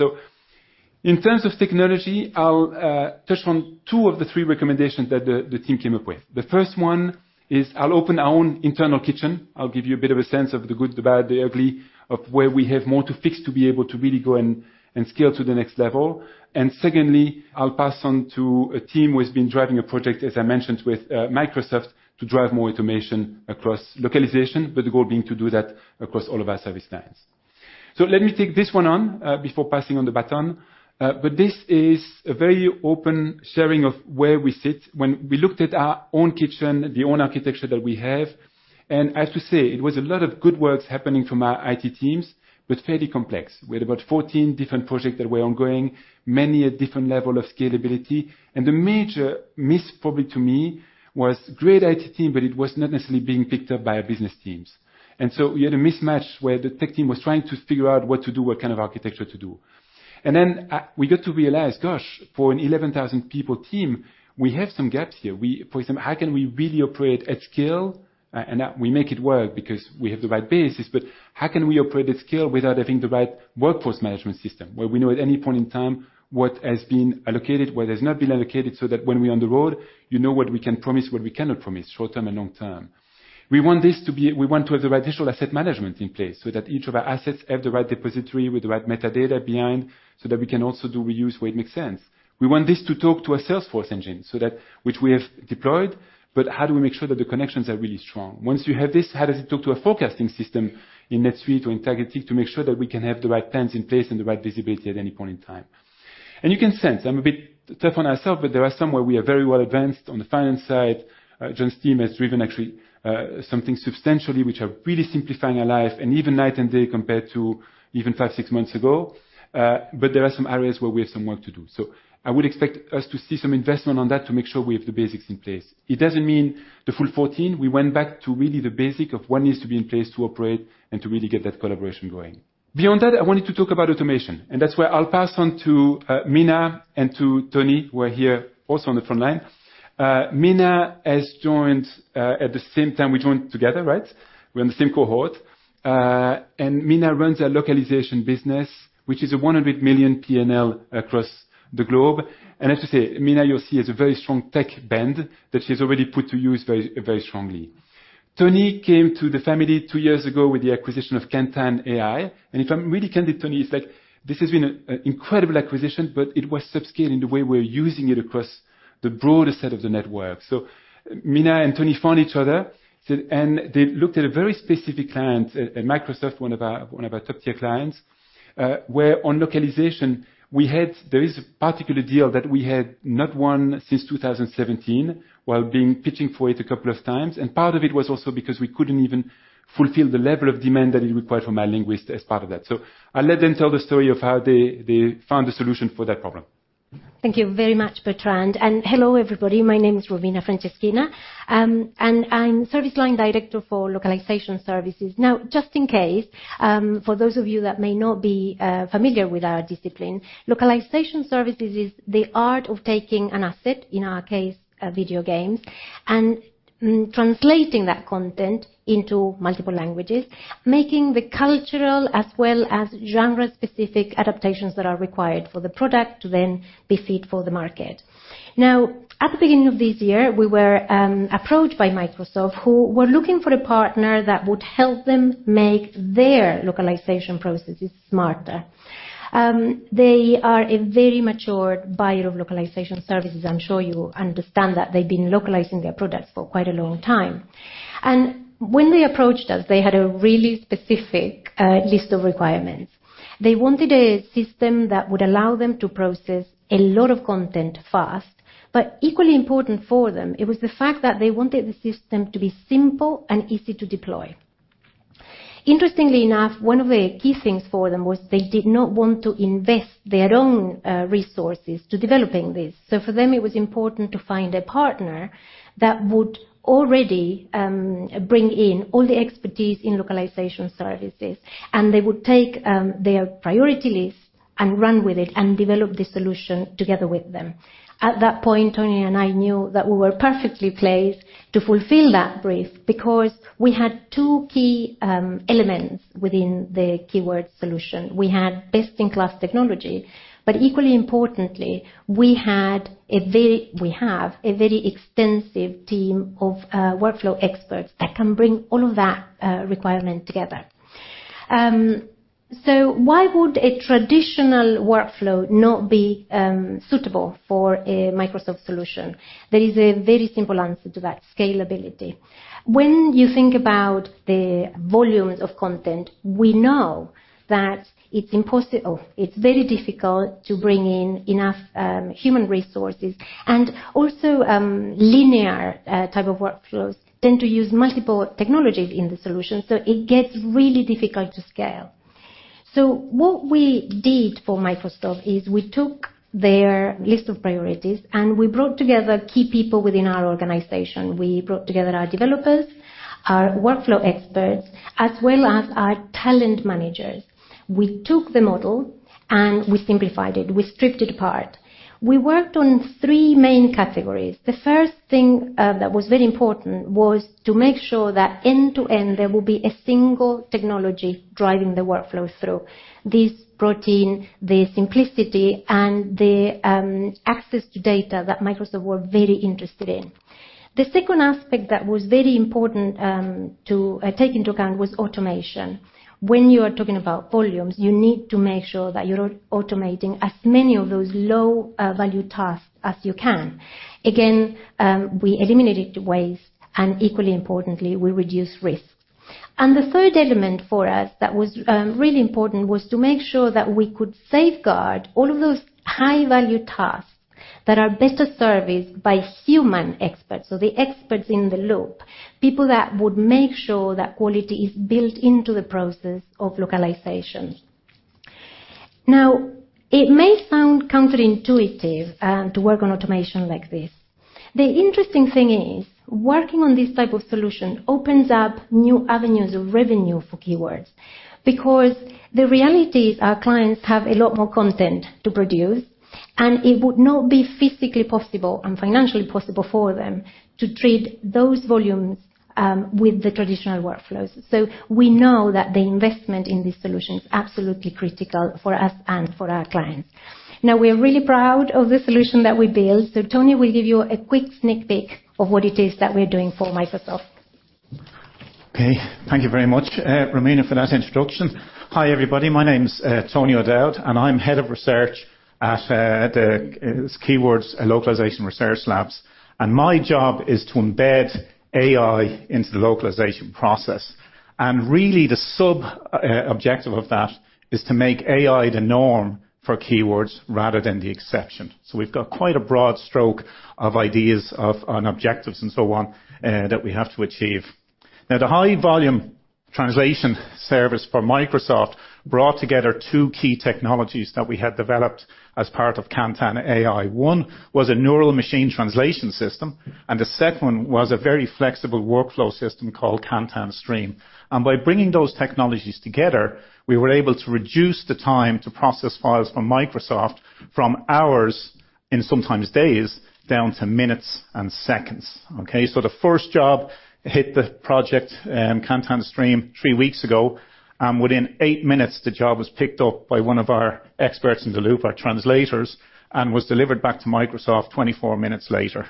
In terms of technology, I'll touch on two of the three recommendations that the team came up with. The first one is I'll open our own internal kitchen. I'll give you a bit of a sense of the good, the bad, the ugly of where we have more to fix to be able to really go and scale to the next level. Secondly, I'll pass on to a team who has been driving a project, as I mentioned, with Microsoft to drive more automation across localization, with the goal being to do that across all of our service lines. Let me take this one on before passing on the baton. This is a very open sharing of where we sit. When we looked at our own kitchen, the own architecture that we have, and as to say it was a lot of good works happening from our IT teams, but fairly complex. We had about 14 different projects that were ongoing, many at different level of scalability. The major miss probably to me was great IT team, but it was not necessarily being picked up by our business teams. We had a mismatch where the tech team was trying to figure out what to do, what kind of architecture to do. We got to realize, gosh, for an 11,000 people team, we have some gaps here. For example, how can we really operate at scale? We make it work because we have the right basis, but how can we operate at scale without having the right workforce management system where we know at any point in time what has been allocated, what has not been allocated, so that when we're on the road, you know what we can promise, what we cannot promise short-term and long-term. We want this to be. We want to have the right digital asset management in place so that each of our assets have the right depository with the right metadata behind so that we can also do reuse where it makes sense. We want this to talk to a Salesforce engine so that, which we have deployed, but how do we make sure that the connections are really strong? Once you have this, how does it talk to a forecasting system in NetSuite or Intacct to make sure that we can have the right plans in place and the right visibility at any point in time? You can sense I'm a bit tough on ourselves, but there are some where we are very well advanced. On the finance side, Jon Hauck's team has driven actually, something substantially which are really simplifying our life and even night and day compared to even five, six months ago. There are some areas where we have some work to do. I would expect us to see some investment on that to make sure we have the basics in place. It doesn't mean the full 14. We went back to really the basic of what needs to be in place to operate and to really get that collaboration going. Beyond that, I wanted to talk about automation, and that's where I'll pass on to Mina and to Tony, who are here also on the front line. Mina has joined at the same time we joined together, right? We're in the same cohort. Mina runs our localization business, which is a 100 million P&L across the globe. As you say, Mina, you'll see has a very strong tech bent that she's already put to use very, very strongly. Tony came to the family two years ago with the acquisition of KantanAI, and if I'm really candid, Tony is like, this has been an incredible acquisition, but it was subscale in the way we're using it across the broader set of the network. Mina and Tony found each other. They looked at a very specific client at Microsoft, one of our top-tier clients, where on localization we had a particular deal that we had not won since 2017, while being pitching for it a couple of times. Part of it was also because we couldn't even fulfill the level of demand that it required from our linguist as part of that. I'll let them tell the story of how they found a solution for that problem. Thank you very much, Bertrand, and hello, everybody. My name is Romina Franceschina, and I'm Service Line Director for Localization Services. Now, just in case, for those of you that may not be familiar with our discipline, localization services is the art of taking an asset, in our case, video games, and translating that content into multiple languages, making the cultural as well as genre-specific adaptations that are required for the product to then be fit for the market. Now, at the beginning of this year, we were approached by Microsoft, who were looking for a partner that would help them make their localization processes smarter. They are a very mature buyer of localization services. I'm sure you understand that they've been localizing their products for quite a long time. When they approached us, they had a really specific list of requirements. They wanted a system that would allow them to process a lot of content fast, but equally important for them it was the fact that they wanted the system to be simple and easy to deploy. Interestingly enough, one of the key things for them was they did not want to invest their own resources to developing this. For them, it was important to find a partner that would already bring in all the expertise in localization services, and they would take their priority list and run with it and develop the solution together with them. At that point, Tony and I knew that we were perfectly placed to fulfill that brief because we had two key elements within the Keywords solution. We had best-in-class technology, but equally importantly, we have a very extensive team of workflow experts that can bring all of that requirement together. Why would a traditional workflow not be suitable for a Microsoft solution? There is a very simple answer to that: scalability. When you think about the volumes of content, we know that it's very difficult to bring in enough human resources and also linear type of workflows tend to use multiple technologies in the solution, so it gets really difficult to scale. What we did for Microsoft is we took their list of priorities, and we brought together key people within our organization. We brought together our developers, our workflow experts, as well as our talent managers. We took the model, and we simplified it. We stripped it apart. We worked on three main categories. The first thing that was very important was to make sure that end-to-end there would be a single technology driving the workflow through. This brought in the simplicity and the access to data that Microsoft were very interested in. The second aspect that was very important to take into account was automation. When you are talking about volumes, you need to make sure that you're automating as many of those low-value tasks as you can. Again, we eliminated waste and equally importantly, we reduced risks. The third element for us that was really important was to make sure that we could safeguard all of those high-value tasks that are best serviced by human experts. The experts in the loop, people that would make sure that quality is built into the process of localization. Now, it may sound counterintuitive to work on automation like this. The interesting thing is working on this type of solution opens up new avenues of revenue for Keywords because the reality is our clients have a lot more content to produce, and it would not be physically possible and financially possible for them to treat those volumes with the traditional workflows. We know that the investment in this solution is absolutely critical for us and for our clients. Now we are really proud of the solution that we built. Tony will give you a quick sneak peek of what it is that we're doing for Microsoft. Okay. Thank you very much, Romina, for that introduction. Hi, everybody. My name's Tony O'Dowd, and I'm head of research at the Keywords Studios Localization Research Labs, and my job is to embed AI into the localization process. Really the sub objective of that is to make AI the norm for Keywords rather than the exception. We've got quite a broad stroke of ideas and objectives and so on that we have to achieve. Now, the high volume translation service for Microsoft brought together two key technologies that we had developed as part of KantanAI. One was a neural machine translation system, and the second one was a very flexible workflow system called KantanStream. By bringing those technologies together, we were able to reduce the time to process files from Microsoft from hours and sometimes days down to minutes and seconds. Okay, so the first job hit the project, KantanStream three weeks ago, and within eight minutes, the job was picked up by one of our experts in the loop, our translators, and was delivered back to Microsoft 24 minutes later.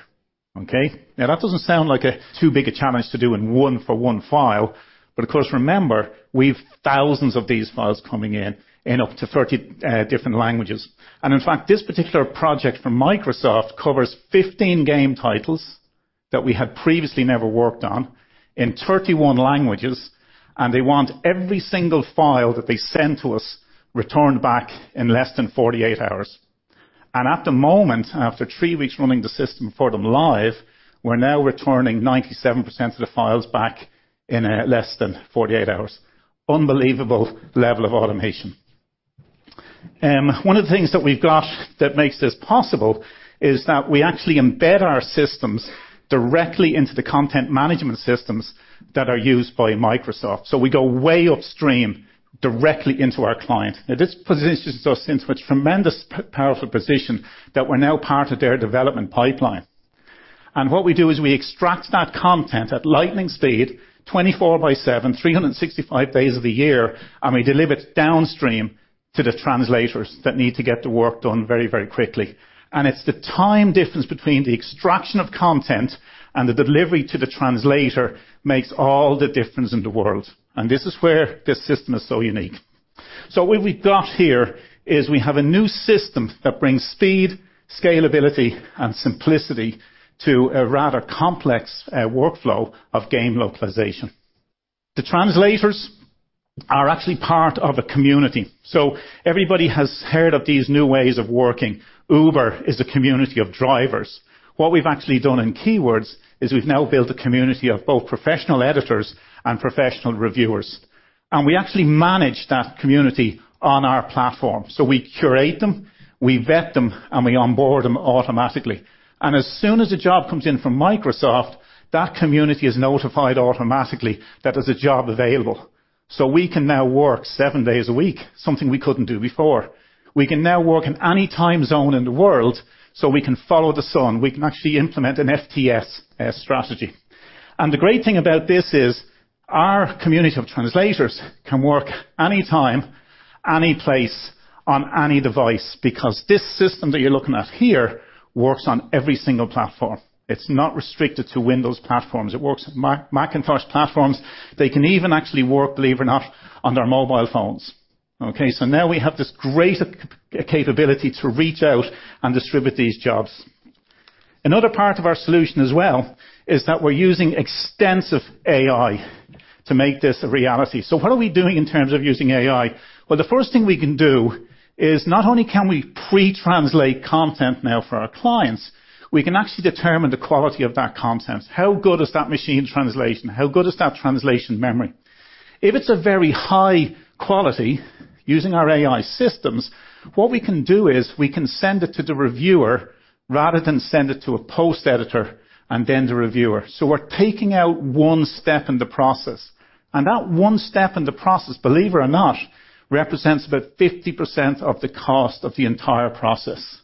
Okay? Now, that doesn't sound like a too big a challenge to do in one for one file, but of course, remember, we've thousands of these files coming in in up to 30 different languages. In fact, this particular project from Microsoft covers 15 game titles that we had previously never worked on in 31 languages, and they want every single file that they send to us returned back in less than 48 hours. At the moment, after three weeks running the system for them live, we're now returning 97% of the files back in less than 48 hours. Unbelievable level of automation. One of the things that we've got that makes this possible is that we actually embed our systems directly into the content management systems that are used by Microsoft. We go way upstream directly into our client. Now, this positions us into a tremendous powerful position that we're now part of their development pipeline. What we do is we extract that content at lightning speed 24/7, 365 days of the year, and we deliver it downstream to the translators that need to get the work done very, very quickly. It's the time difference between the extraction of content and the delivery to the translator makes all the difference in the world. This is where this system is so unique. What we've got here is we have a new system that brings speed, scalability, and simplicity to a rather complex workflow of game localization. The translators are actually part of a community, so everybody has heard of these new ways of working. Uber is a community of drivers. What we've actually done in Keywords is we've now built a community of both professional editors and professional reviewers, and we actually manage that community on our platform. We curate them, we vet them, and we onboard them automatically. As soon as a job comes in from Microsoft, that community is notified automatically that there's a job available. We can now work seven days a week, something we couldn't do before. We can now work in any time zone in the world, so we can follow the sun. We can actually implement an FTS strategy. The great thing about this is our community of translators can work any time, any place, on any device because this system that you're looking at here works on every single platform. It's not restricted to Windows platforms. It works on Macintosh platforms. They can even actually work, believe it or not, on their mobile phones. Okay. We now have this great capability to reach out and distribute these jobs. Another part of our solution as well is that we're using extensive AI to make this a reality. What are we doing in terms of using AI? Well, the first thing we can do is not only can we pre-translate content now for our clients, we can actually determine the quality of that content. How good is that machine translation? How good is that translation memory? If it's a very high quality using our AI systems, what we can do is we can send it to the reviewer rather than send it to a post editor and then the reviewer. We're taking out one step in the process, and that one step in the process, believe it or not, represents about 50% of the cost of the entire process.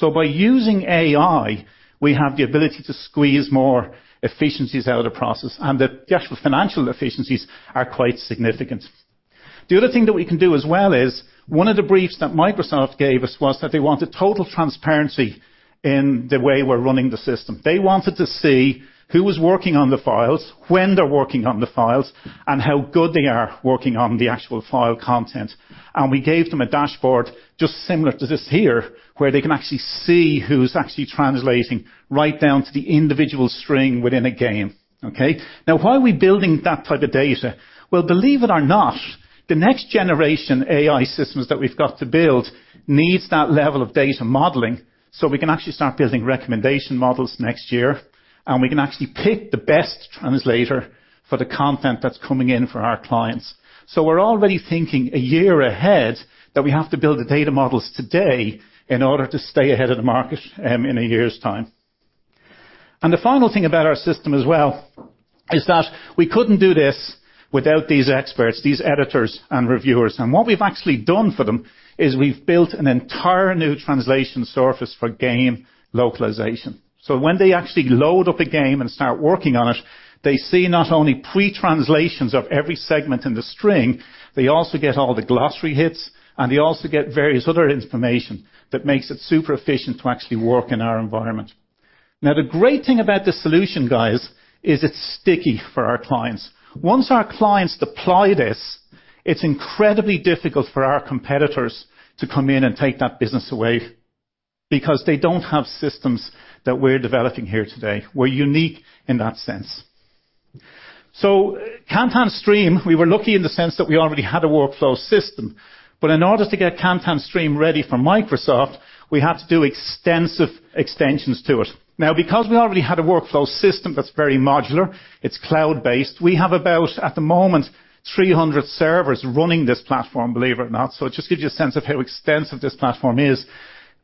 By using AI, we have the ability to squeeze more efficiencies out of the process, and the actual financial efficiencies are quite significant. The other thing that we can do as well is one of the briefs that Microsoft gave us was that they wanted total transparency in the way we're running the system. They wanted to see who was working on the files, when they're working on the files, and how good they are working on the actual file content. We gave them a dashboard just similar to this here, where they can actually see who's actually translating right down to the individual string within a game. Okay. Now, why are we building that type of data? Well, believe it or not, the next generation AI systems that we've got to build needs that level of data modeling, so we can actually start building recommendation models next year, and we can actually pick the best translator for the content that's coming in for our clients. We're already thinking a year ahead that we have to build the data models today in order to stay ahead of the market, in a year's time. The final thing about our system as well is that we couldn't do this without these experts, these editors and reviewers. What we've actually done for them is we've built an entire new translation surface for game localization. When they actually load up a game and start working on it, they see not only pre-translations of every segment in the string, they also get all the glossary hits, and they also get various other information that makes it super efficient to actually work in our environment. Now, the great thing about this solution, guys, is it's sticky for our clients. Once our clients deploy this, it's incredibly difficult for our competitors to come in and take that business away because they don't have systems that we're developing here today. We're unique in that sense. KantanStream, we were lucky in the sense that we already had a workflow system. In order to get KantanStream ready for Microsoft, we had to do extensive extensions to it. Now, because we already had a workflow system that's very modular, it's cloud-based. We have about, at the moment, 300 servers running this platform, believe it or not. It just gives you a sense of how extensive this platform is.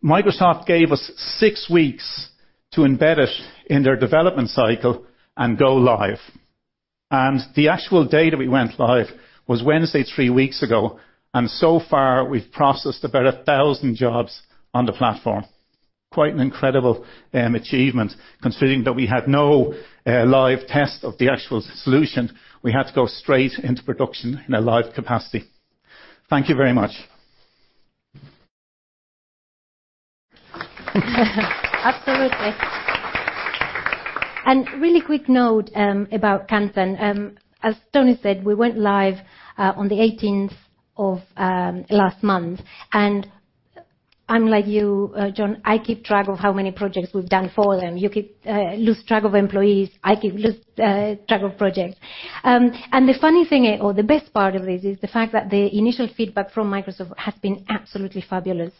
Microsoft gave us six weeks to embed it in their development cycle and go live. The actual date that we went live was Wednesday, three weeks ago, and so far we've processed about 1,000 jobs on the platform. Quite an incredible achievement considering that we had no live test of the actual solution. We had to go straight into production in a live capacity. Thank you very much. Absolutely. Really quick note about Kantan. As Tony said, we went live on the eighteenth of last month. I'm like you, John, I keep track of how many projects we've done for them. You keep losing track of employees, I keep losing track of projects. The funny thing or the best part of this is the fact that the initial feedback from Microsoft has been absolutely fabulous.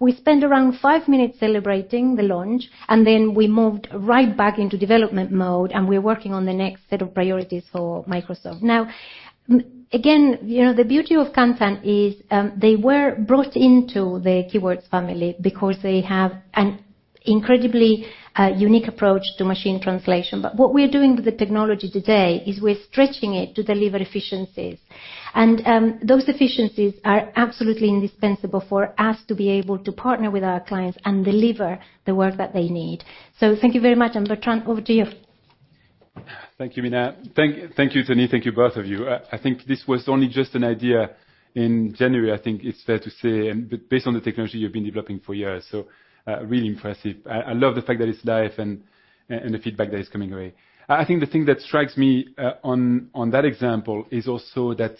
We spent around five minutes celebrating the launch, and then we moved right back into development mode, and we're working on the next set of priorities for Microsoft. Now, again, you know, the beauty of Kantan is they were brought into the Keywords family because they have an incredibly unique approach to machine translation. What we're doing with the technology today is we're stretching it to deliver efficiencies. Those efficiencies are absolutely indispensable for us to be able to partner with our clients and deliver the work that they need. Thank you very much, and Bertrand, over to you. Thank you, Mina. Thank you, Tony. Thank you, both of you. I think this was only just an idea in January. I think it's fair to say, but based on the technology you've been developing for years. Really impressive. I love the fact that it's live and the feedback that is coming your way. I think the thing that strikes me, on that example is also that,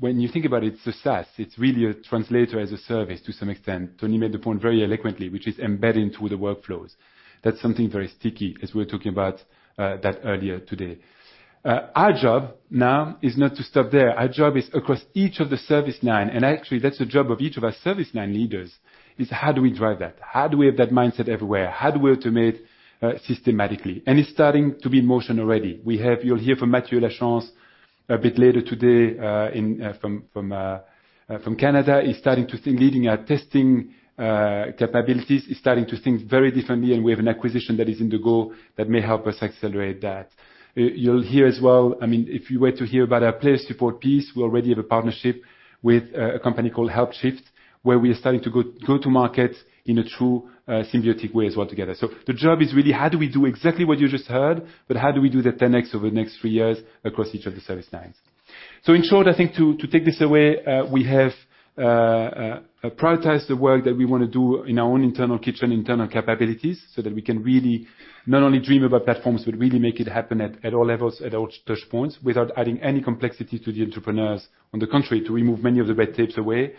when you think about its SaaS, it's really a translation as a service to some extent. Tony made the point very eloquently, which is embedded into the workflows. That's something very sticky as we were talking about that earlier today. Our job now is not to stop there. Our job is across each of the service line, and actually that's the job of each of our service line leaders is how do we drive that? How do we have that mindset everywhere? How do we automate systematically? It's starting to be in motion already. You'll hear from Mathieu Lachance a bit later today from Canada. He's leading our testing capabilities. He's starting to think very differently, and we have an acquisition that is in the works that may help us accelerate that. You'll hear as well, I mean, if you were to hear about our player support piece, we already have a partnership with a company called Helpshift, where we are starting to go to market in a true symbiotic way as well together. The job is really how do we do exactly what you just heard, but how do we do the 10x over the next three years across each of the service lines? In short, I think to take this away, we have prioritized the work that we want to do in our own internal kitchen, internal capabilities, so that we can really not only dream about platforms, but really make it happen at all levels, at all touch points without adding any complexity to the entrepreneurs. On the contrary, to remove many of the red tapes away.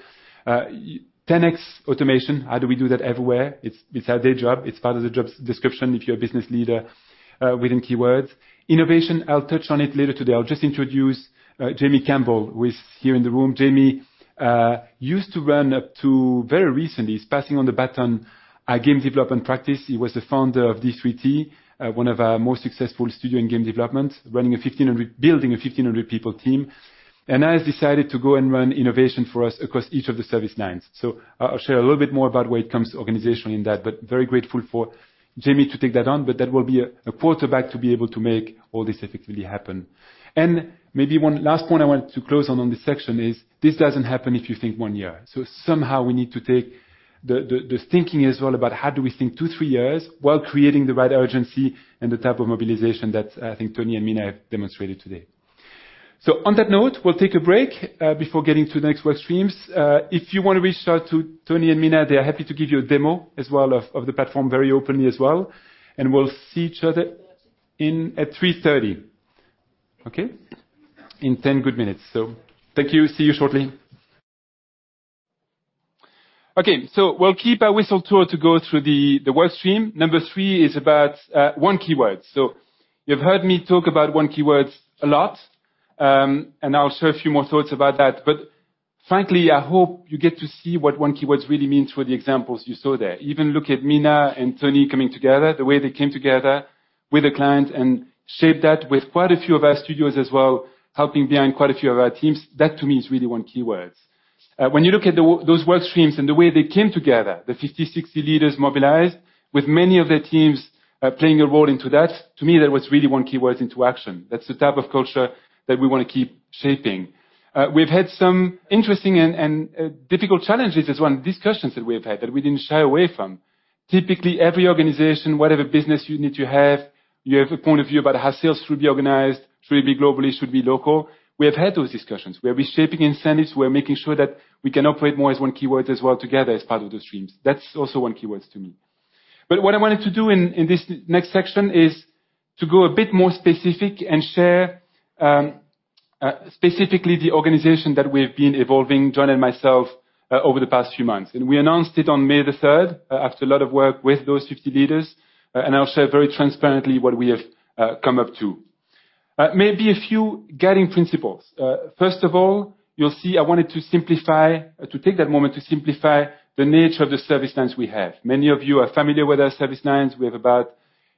10x automation, how do we do that everywhere? It's a day job. It's part of the job's description if you're a business leader within Keywords. Innovation, I'll touch on it later today. I'll just introduce Jamie Campbell, who is here in the room. Jamie used to run up to very recently, he's passing on the baton at game development practice. He was the founder of d3t, one of our most successful studio in game development, building a 1,500 people team, and has decided to go and run innovation for us across each of the service lines. I'll share a little bit more about where it comes to organization in that, but very grateful for Jamie to take that on, but that will be a quarterback to be able to make all this effectively happen. Maybe one last point I want to close on this section is this doesn't happen if you think one year. Somehow we need to take the thinking as well about how do we think two, three years while creating the right urgency and the type of mobilization that I think Tony and Mina have demonstrated today. On that note, we'll take a break before getting to the next work streams. If you want to reach out to Tony and Mina, they are happy to give you a demo as well of the platform very openly as well. We'll see each other at 3:30 P.M., okay? In 10 good minutes. Thank you. See you shortly. We'll keep our whistle-stop tour to go through the work stream. Number three is about one Keywords. You've heard me talk about one Keywords a lot, and I'll share a few more thoughts about that. Frankly, I hope you get to see what one Keywords really means for the examples you saw there. Even look at Mina and Tony coming together, the way they came together with a client and shaped that with quite a few of our studios as well, helping behind quite a few of our teams. That to me is really one Keywords. When you look at those work streams and the way they came together, the 50, 60 leaders mobilized with many of their teams, playing a role into that, to me that was really one Keywords into action. That's the type of culture that we want to keep shaping. We've had some interesting and difficult challenges as well, and discussions that we have had that we didn't shy away from. Typically, every organization, whatever business unit you have, you have a point of view about how sales should be organized, should it be globally, should it be local. We have had those discussions. We're reshaping incentives. We're making sure that we can operate more as one Keywords as well together as part of those streams. That's also one Keywords to me. But what I wanted to do in this next section is to go a bit more specific and share specifically the organization that we've been evolving, Jon and myself, over the past few months. We announced it on May the third, after a lot of work with those 50 leaders, and I'll share very transparently what we have come up with. Maybe a few guiding principles. First of all, you'll see I wanted to simplify. To take that moment to simplify the nature of the service lines we have. Many of you are familiar with our service lines. We have about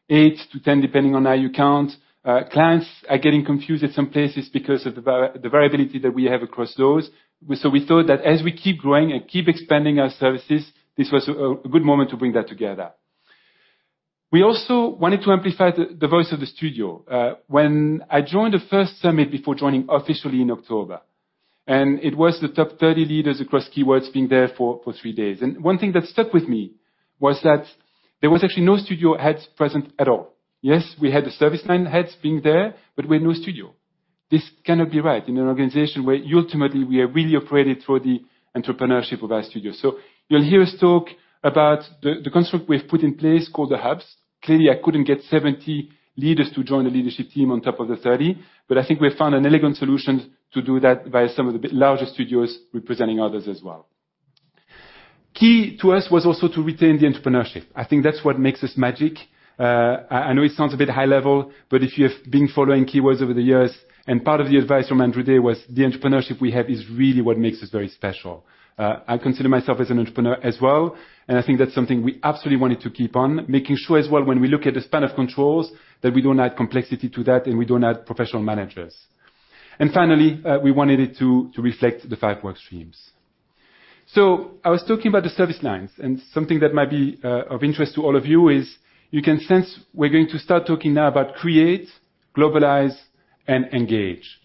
eight to 10, depending on how you count. Clients are getting confused at some places because of the variability that we have across those. We thought that as we keep growing and keep expanding our services, this was a good moment to bring that together. We also wanted to amplify the voice of the studio. When I joined the first summit before joining officially in October, it was the top 30 leaders across Keywords being there for three days. One thing that stuck with me was that there was actually no studio heads present at all. Yes, we had the service line heads being there, but we had no studio. This cannot be right in an organization where ultimately we are really operated through the entrepreneurship of our studio. You'll hear us talk about the construct we've put in place called the hubs. Clearly, I couldn't get 70 leaders to join the leadership team on top of the 30, but I think we found an elegant solution to do that by some of the bigger studios representing others as well. Key to us was also to retain the entrepreneurship. I think that's what makes us magic. I know it sounds a bit high level, but if you have been following Keywords over the years, part of the advice from Andrew Day was the entrepreneurship we have is really what makes us very special. I consider myself as an entrepreneur as well, and I think that's something we absolutely wanted to keep on making sure as well when we look at the span of controls, that we don't add complexity to that, and we don't add professional managers. Finally, we wanted it to reflect the five work streams. I was talking about the service lines, and something that might be of interest to all of you is you can sense we're going to start talking now about Create, Globalize, and Engage.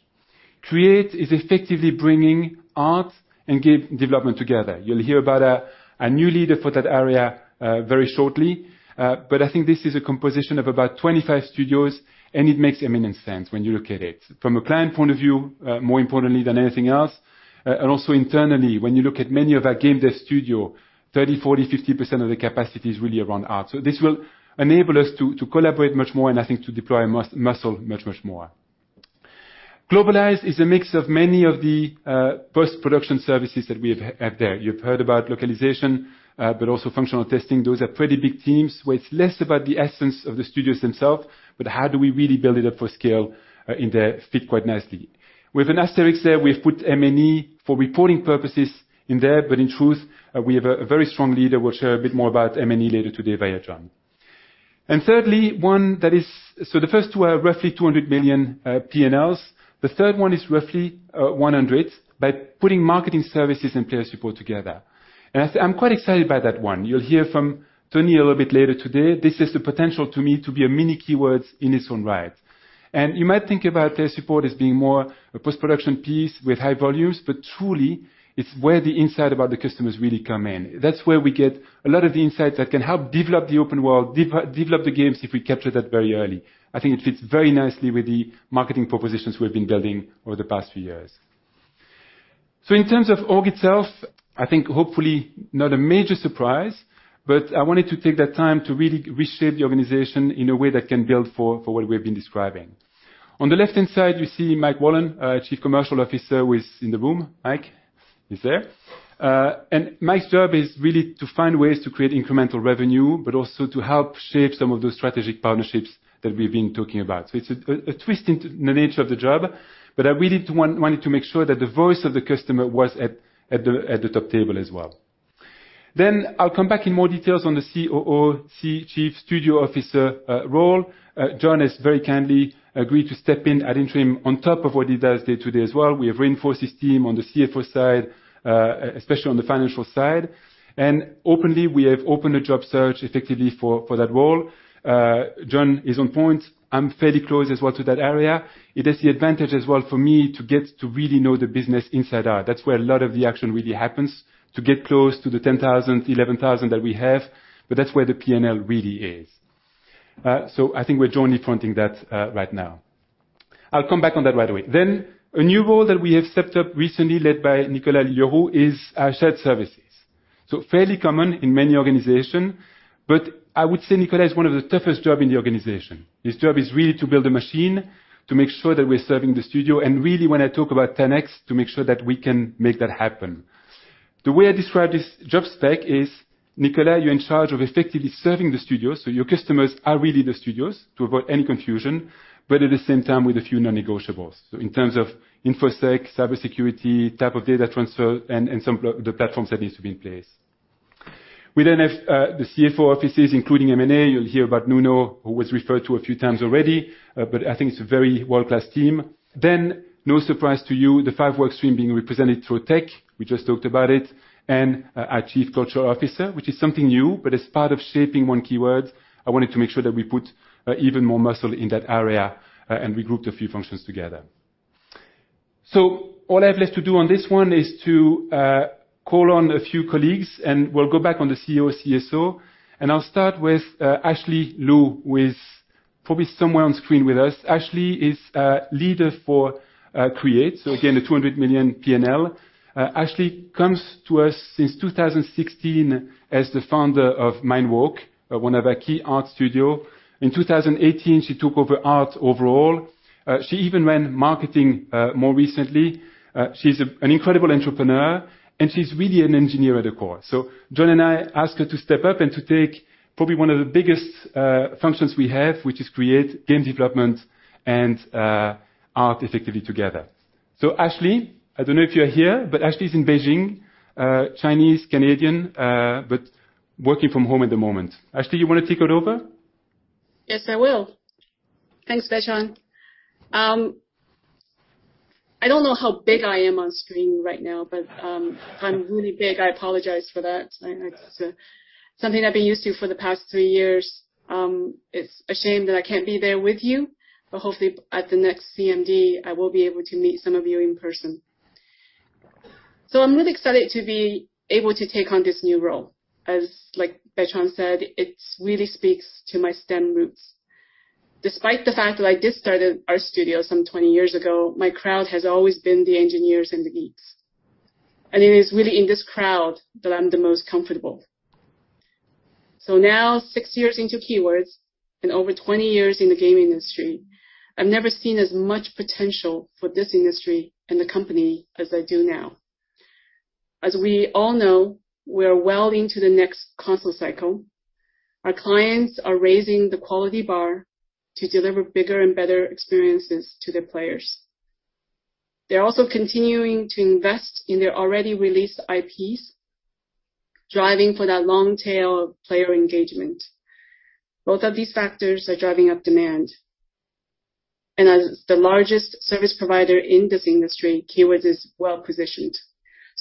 Create is effectively bringing art and game development together. You'll hear about a new leader for that area very shortly. But I think this is a composition of about 25 studios, and it makes eminent sense when you look at it. From a client point of view, more importantly than anything else, and also internally, when you look at many of our game dev studio, 30%, 40%, 50% of the capacity is really around art. This will enable us to collaborate much more, and I think to deploy muscle much, much more. Globalize is a mix of many of the post-production services that we have there. You've heard about localization, but also functional testing. Those are pretty big teams where it's less about the essence of the studios themselves, but how do we really build it up for scale, and they fit quite nicely. With an asterisk there, we have put M&E for reporting purposes in there, but in truth, we have a very strong leader. We'll share a bit more about M&E later today via Jon. Thirdly, one that is. The first two are roughly $200 million P&Ls. The third one is roughly $100 million by putting marketing services and player support together. I'm quite excited by that one. You'll hear from Tony a little bit later today. This has the potential, to me, to be a mini Keywords in its own right. You might think about player support as being more a post-production piece with high volumes, but truly, it's where the insight about the customers really come in. That's where we get a lot of the insights that can help develop the open world, develop the games if we capture that very early. I think it fits very nicely with the marketing propositions we have been building over the past few years. In terms of org itself, I think hopefully not a major surprise, but I wanted to take that time to really reshape the organization in a way that can build for what we have been describing. On the left-hand side, you see Mike Wallen, our Chief Commercial Officer, who is in the room. Mike is there. Mike's job is really to find ways to create incremental revenue, but also to help shape some of those strategic partnerships that we've been talking about. It's a twist in the nature of the job, but I really wanted to make sure that the voice of the customer was at the top table as well. I'll come back in more details on the COO, Chief Studio Officer, role. Jon has very kindly agreed to step in at interim on top of what he does day-to-day as well. We have reinforced his team on the CFO side, especially on the financial side. Openly, we have opened a job search effectively for that role. Jon is on point. I'm fairly close as well to that area. It is the advantage as well for me to get to really know the business inside out. That's where a lot of the action really happens, to get close to the 10,000, 11,000 that we have, but that's where the P&L really is. I think we're jointly fronting that right now. I'll come back on that right away. A new role that we have set up recently led by Nicolas Liégeois is our shared services. Fairly common in many organization, but I would say Nicolas has one of the toughest job in the organization. His job is really to build a machine to make sure that we're serving the studio and really when I talk about 10x, to make sure that we can make that happen. The way I describe his job spec is, Nicolas, you're in charge of effectively serving the studio, so your customers are really the studios to avoid any confusion, but at the same time with a few non-negotiables. In terms of info sec, cybersecurity, type of data transfer and some of the platforms that needs to be in place. We then have the CFO offices, including M&A. You'll hear about Nuno, who was referred to a few times already. I think it's a very world-class team. No surprise to you, the five work streams being represented through tech. We just talked about it, and our chief culture officer, which is something new, but as part of shaping one Keywords, I wanted to make sure that we put even more muscle in that area, and regrouped a few functions together. All I have left to do on this one is to call on a few colleagues and we'll go back on the COO, CSO. I'll start with Ashley Liu, who is probably somewhere on screen with us. Ashley is a leader for Create. So again, a $200 million P&L. Ashley comes to us since 2016 as the founder of Mindwalk Studios, one of our key art studios. In 2018, she took over art overall. She even ran marketing, more recently. She's an incredible entrepreneur, and she's really an engineer at the core. Jon and I asked her to step up and to take probably one of the biggest functions we have, which is Create game development and art effectively together. Ashley, I don't know if you're here, but Ashley's in Beijing, Chinese, Canadian, but working from home at the moment. Ashley, you want to take it over? Yes, I will. Thanks, Bertrand. I don't know how big I am on screen right now, but if I'm really big, I apologize for that. It's something I've been used to for the past three years. It's a shame that I can't be there with you, but hopefully at the next CMD, I will be able to meet some of you in person. I'm really excited to be able to take on this new role. As like Bertrand said, it really speaks to my STEM roots. Despite the fact that I did start at Art Studio some 20 years ago, my crowd has always been the engineers and the geeks. It is really in this crowd that I'm the most comfortable. Now six years into Keywords and over 20 years in the gaming industry, I've never seen as much potential for this industry and the company as I do now. As we all know, we are well into the next console cycle. Our clients are raising the quality bar to deliver bigger and better experiences to their players. They're also continuing to invest in their already released IPs, driving for that long tail player engagement. Both of these factors are driving up demand. As the largest service provider in this industry, Keywords is well-positioned.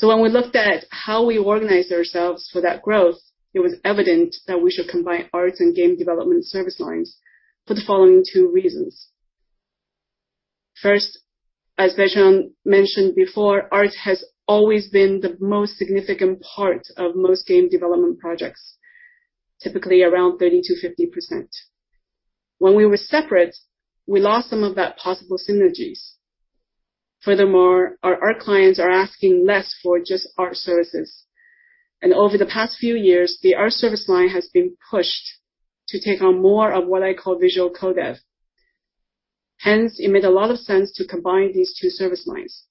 When we looked at how we organize ourselves for that growth, it was evident that we should combine arts and game development service lines for the following two reasons. First, as Bertrand mentioned before, art has always been the most significant part of most game development projects, typically around 30%-50%. When we were separate, we lost some of that possible synergies. Furthermore, our art clients are asking less for just art services. Over the past few years, the art service line has been pushed to take on more of what I call visual codev. Hence, it made a lot of sense to combine these two service lines.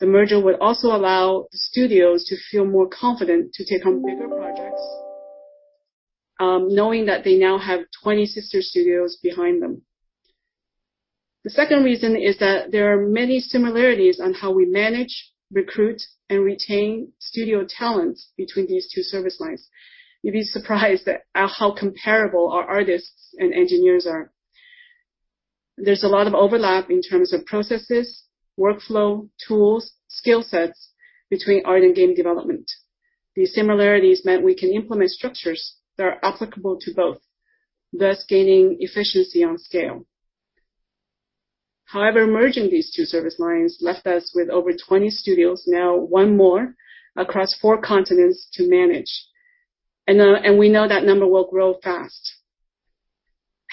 The merger would also allow studios to feel more confident to take on bigger projects, knowing that they now have 20 sister studios behind them. The second reason is that there are many similarities on how we manage, recruit, and retain studio talent between these two service lines. You'd be surprised at how comparable our artists and engineers are. There's a lot of overlap in terms of processes, workflow, tools, skill sets between art and game development. These similarities meant we can implement structures that are applicable to both, thus gaining efficiency on scale. However, merging these two service lines left us with over 20 studios, now one more, across four continents to manage. We know that number will grow fast.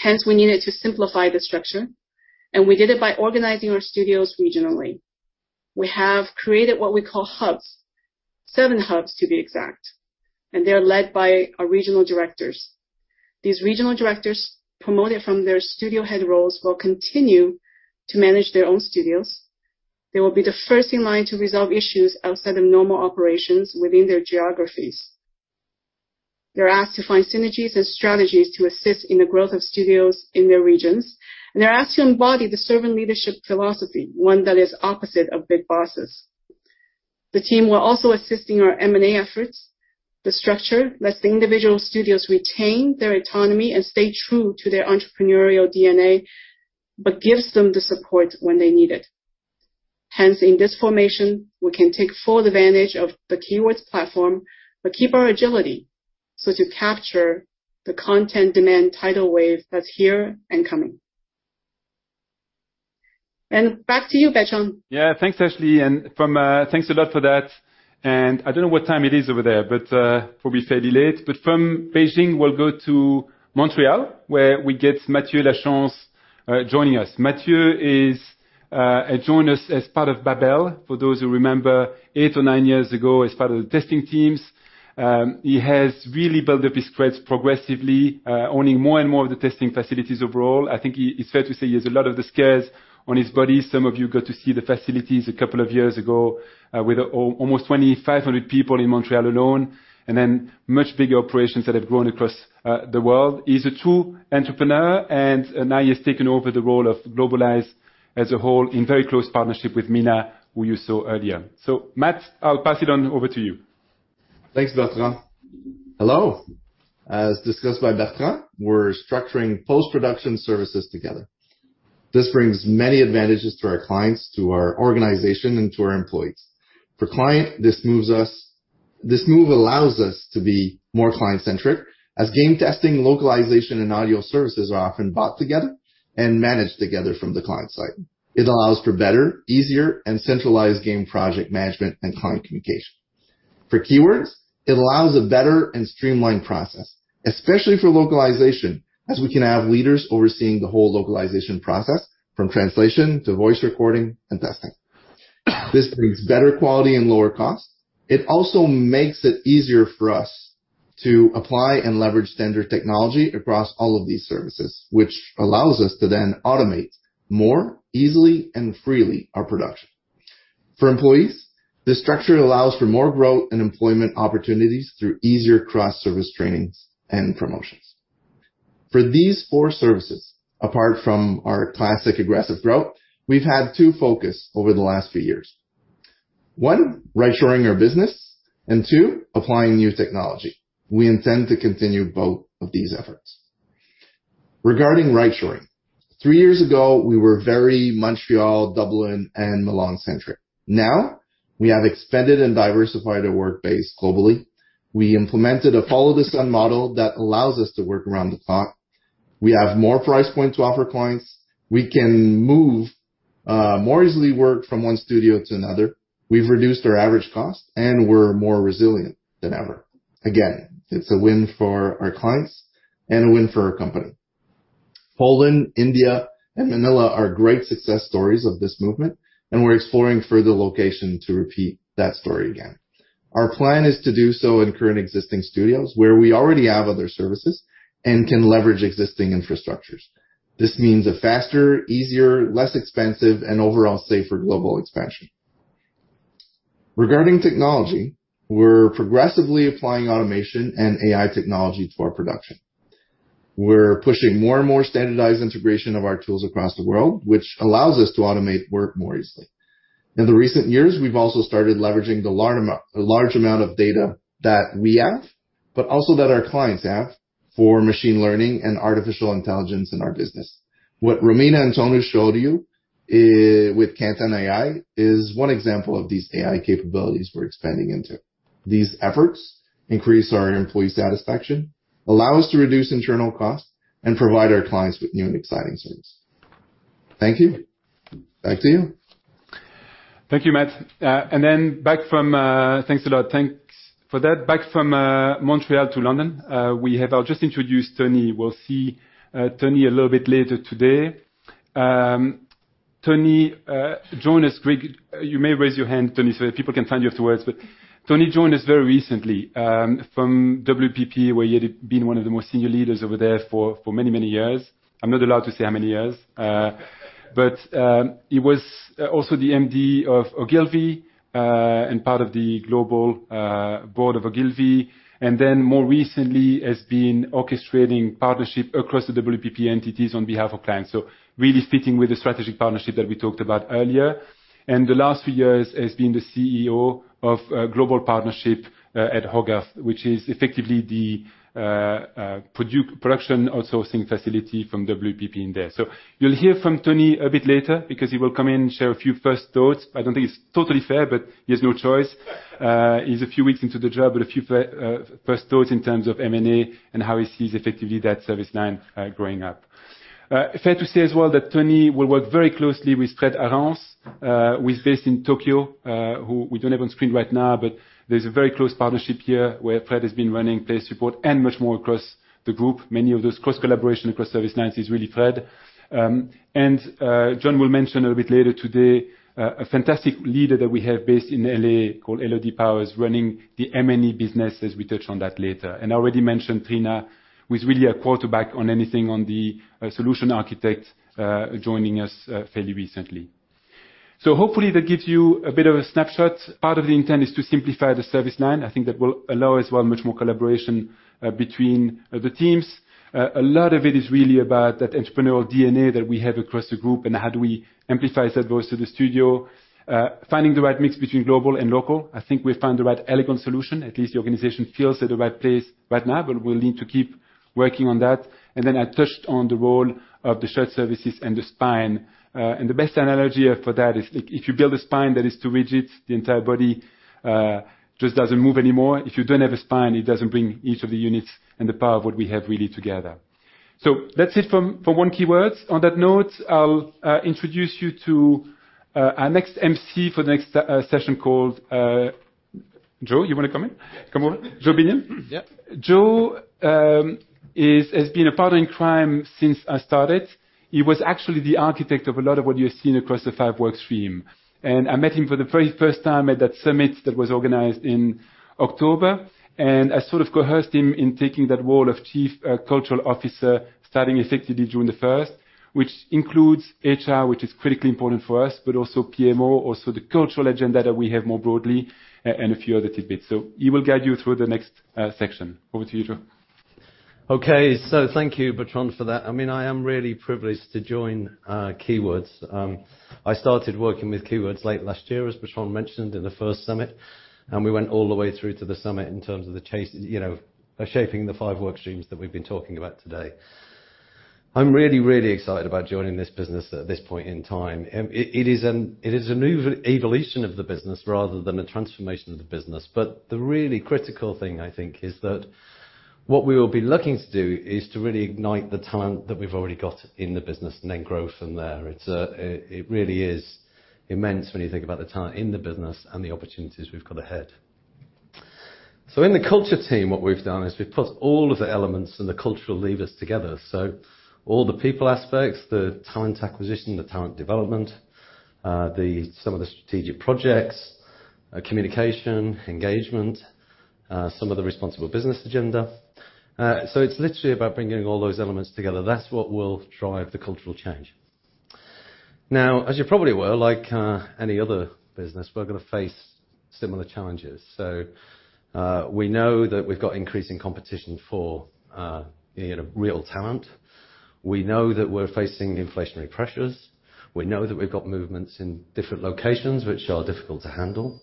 Hence, we needed to simplify the structure, and we did it by organizing our studios regionally. We have created what we call hubs, seven hubs to be exact, and they're led by our regional directors. These regional directors, promoted from their studio head roles, will continue to manage their own studios. They will be the first in line to resolve issues outside of normal operations within their geographies. They're asked to find synergies and strategies to assist in the growth of studios in their regions, and they're asked to embody the servant leadership philosophy, one that is opposite of big bosses. The team will also assist in our M&A efforts. The structure lets the individual studios retain their autonomy and stay true to their entrepreneurial DNA, but gives them the support when they need it. Hence, in this formation, we can take full advantage of the Keywords platform, but keep our agility so to capture the content demand tidal wave that's here and coming. Back to you, Bertrand. Yeah. Thanks, Ashley. Thanks a lot for that. I don't know what time it is over there, but probably fairly late. From Beijing, we'll go to Montreal, where we get Mathieu Lachance joining us. Mathieu has joined us as part of Babel, for those who remember eight or nine years ago, as part of the testing teams. He has really built up his credits progressively, owning more and more of the testing facilities overall. I think it's fair to say he has a lot of the scars on his body. Some of you got to see the facilities a couple of years ago, with almost 2,500 people in Montreal alone, and then much bigger operations that have grown across the world. He's a true entrepreneur, and now he has taken over the role of Globalize as a whole in very close partnership with Mina, who you saw earlier. Mathieu, I'll pass it on over to you. Thanks, Bertrand. Hello. As discussed by Bertrand, we're structuring post-production services together. This brings many advantages to our clients, to our organization, and to our employees. For client, this move allows us to be more client-centric as game testing, localization, and audio services are often bought together and managed together from the client side. It allows for better, easier, and centralized game project management and client communication. For Keywords, it allows a better and streamlined process, especially for localization, as we can have leaders overseeing the whole localization process from translation to voice recording and testing. This brings better quality and lower cost. It also makes it easier for us to apply and leverage standard technology across all of these services, which allows us to then automate more easily and freely our production. For employees, this structure allows for more growth and employment opportunities through easier cross-service trainings and promotions. For these four services, apart from our classic aggressive growth, we've had two focus over the last few years. One, rightshoring our business, and two, applying new technology. We intend to continue both of these efforts. Regarding rightshoring. Three years ago, we were very Montreal, Dublin, and Milan-centric. Now, we have expanded and diversified our work base globally. We implemented a Follow the Sun model that allows us to work around the clock. We have more price point to offer clients. We can move more easily work from one studio to another. We've reduced our average cost, and we're more resilient than ever. Again, it's a win for our clients and a win for our company. Poland, India, and Manila are great success stories of this movement, and we're exploring further location to repeat that story again. Our plan is to do so in current existing studios where we already have other services and can leverage existing infrastructures. This means a faster, easier, less expensive, and overall safer global expansion. Regarding technology, we're progressively applying automation and AI technology to our production. We're pushing more and more standardized integration of our tools across the world, which allows us to automate work more easily. In the recent years, we've also started leveraging the large amount of data that we have, but also that our clients have for machine learning and artificial intelligence in our business. What Romina and Tony showed you with Kantan AI is one example of these AI capabilities we're expanding into. These efforts increase our employee satisfaction, allow us to reduce internal costs, and provide our clients with new and exciting services. Thank you. Back to you. Thank you, Matt. Thanks a lot. Thanks for that. Back from Montreal to London. I'll just introduce Tony. We'll see Tony a little bit later today. You may raise your hand, Tony, so that people can find you afterwards. Tony joined us very recently from WPP, where he had been one of the most senior leaders over there for many years. I'm not allowed to say how many years. He was also the MD of Ogilvy and part of the global board of Ogilvy, and then more recently has been orchestrating partnership across the WPP entities on behalf of clients. Really speaking with the strategic partnership that we talked about earlier. The last few years has been the CEO of global partnership at Hogarth, which is effectively the production outsourcing facility from WPP in there. You'll hear from Tony a bit later because he will come in and share a few first thoughts. I don't think it's totally fair, but he has no choice. He's a few weeks into the job, but a few first thoughts in terms of M&A and how he sees effectively that service line growing up. Fair to say as well that Tony will work very closely with Frédéric Arens, who is based in Tokyo, who we don't have on screen right now, but there's a very close partnership here where Frederic has been running player support and much more across the group. Many of those close collaboration across service lines is really Fred. John will mention a little bit later today a fantastic leader that we have based in L.A. called Elodie Powers, running the M&A business as we touch on that later. I already mentioned Trina, who is really a quarterback on anything on the solution architect, joining us fairly recently. Hopefully that gives you a bit of a snapshot. Part of the intent is to simplify the service line. I think that will allow as well much more collaboration between the teams. A lot of it is really about that entrepreneurial DNA that we have across the group and how do we amplify that voice to the studio. Finding the right mix between global and local. I think we found the right elegant solution. At least the organization feels at the right place right now, but we'll need to keep working on that. Then I touched on the role of the shared services and the spine. The best analogy for that is if you build a spine that is too rigid, the entire body just doesn't move anymore. If you don't have a spine, it doesn't bring each of the units and the power of what we have really together. That's it from one Keywords. On that note, I'll introduce you to our next MC for the next session. Joe, you want to come in? Come over. Joe Binnion. Yeah. Joe has been a partner in crime since I started. He was actually the architect of a lot of what you have seen across the five work streams. I met him for the very first time at that summit that was organized in October, and I sort of coerced him into taking that role of Chief Cultural Officer, starting effectively June 1st, which includes HR, which is critically important for us, but also PMO, also the cultural agenda that we have more broadly, and a few other tidbits. He will guide you through the next section. Over to you, Joe. Okay. Thank you, Bertrand, for that. I mean, I am really privileged to join Keywords. I started working with Keywords late last year, as Bertrand mentioned, in the first summit, and we went all the way through to the summit in terms of the chase, you know, shaping the five work streams that we've been talking about today. I'm really, really excited about joining this business at this point in time. It is an evolution of the business rather than a transformation of the business. The really critical thing, I think, is that what we will be looking to do is to really ignite the talent that we've already got in the business and then grow from there. It really is immense when you think about the talent in the business and the opportunities we've got ahead. In the culture team, what we've done is we've put all of the elements and the cultural levers together. All the people aspects, the talent acquisition, the talent development, some of the strategic projects, communication, engagement, some of the responsible business agenda. It's literally about bringing all those elements together. That's what will drive the cultural change. Now, as you probably are, like, any other business, we're going to face similar challenges. We know that we've got increasing competition for, you know, real talent. We know that we're facing inflationary pressures. We know that we've got movements in different locations, which are difficult to handle.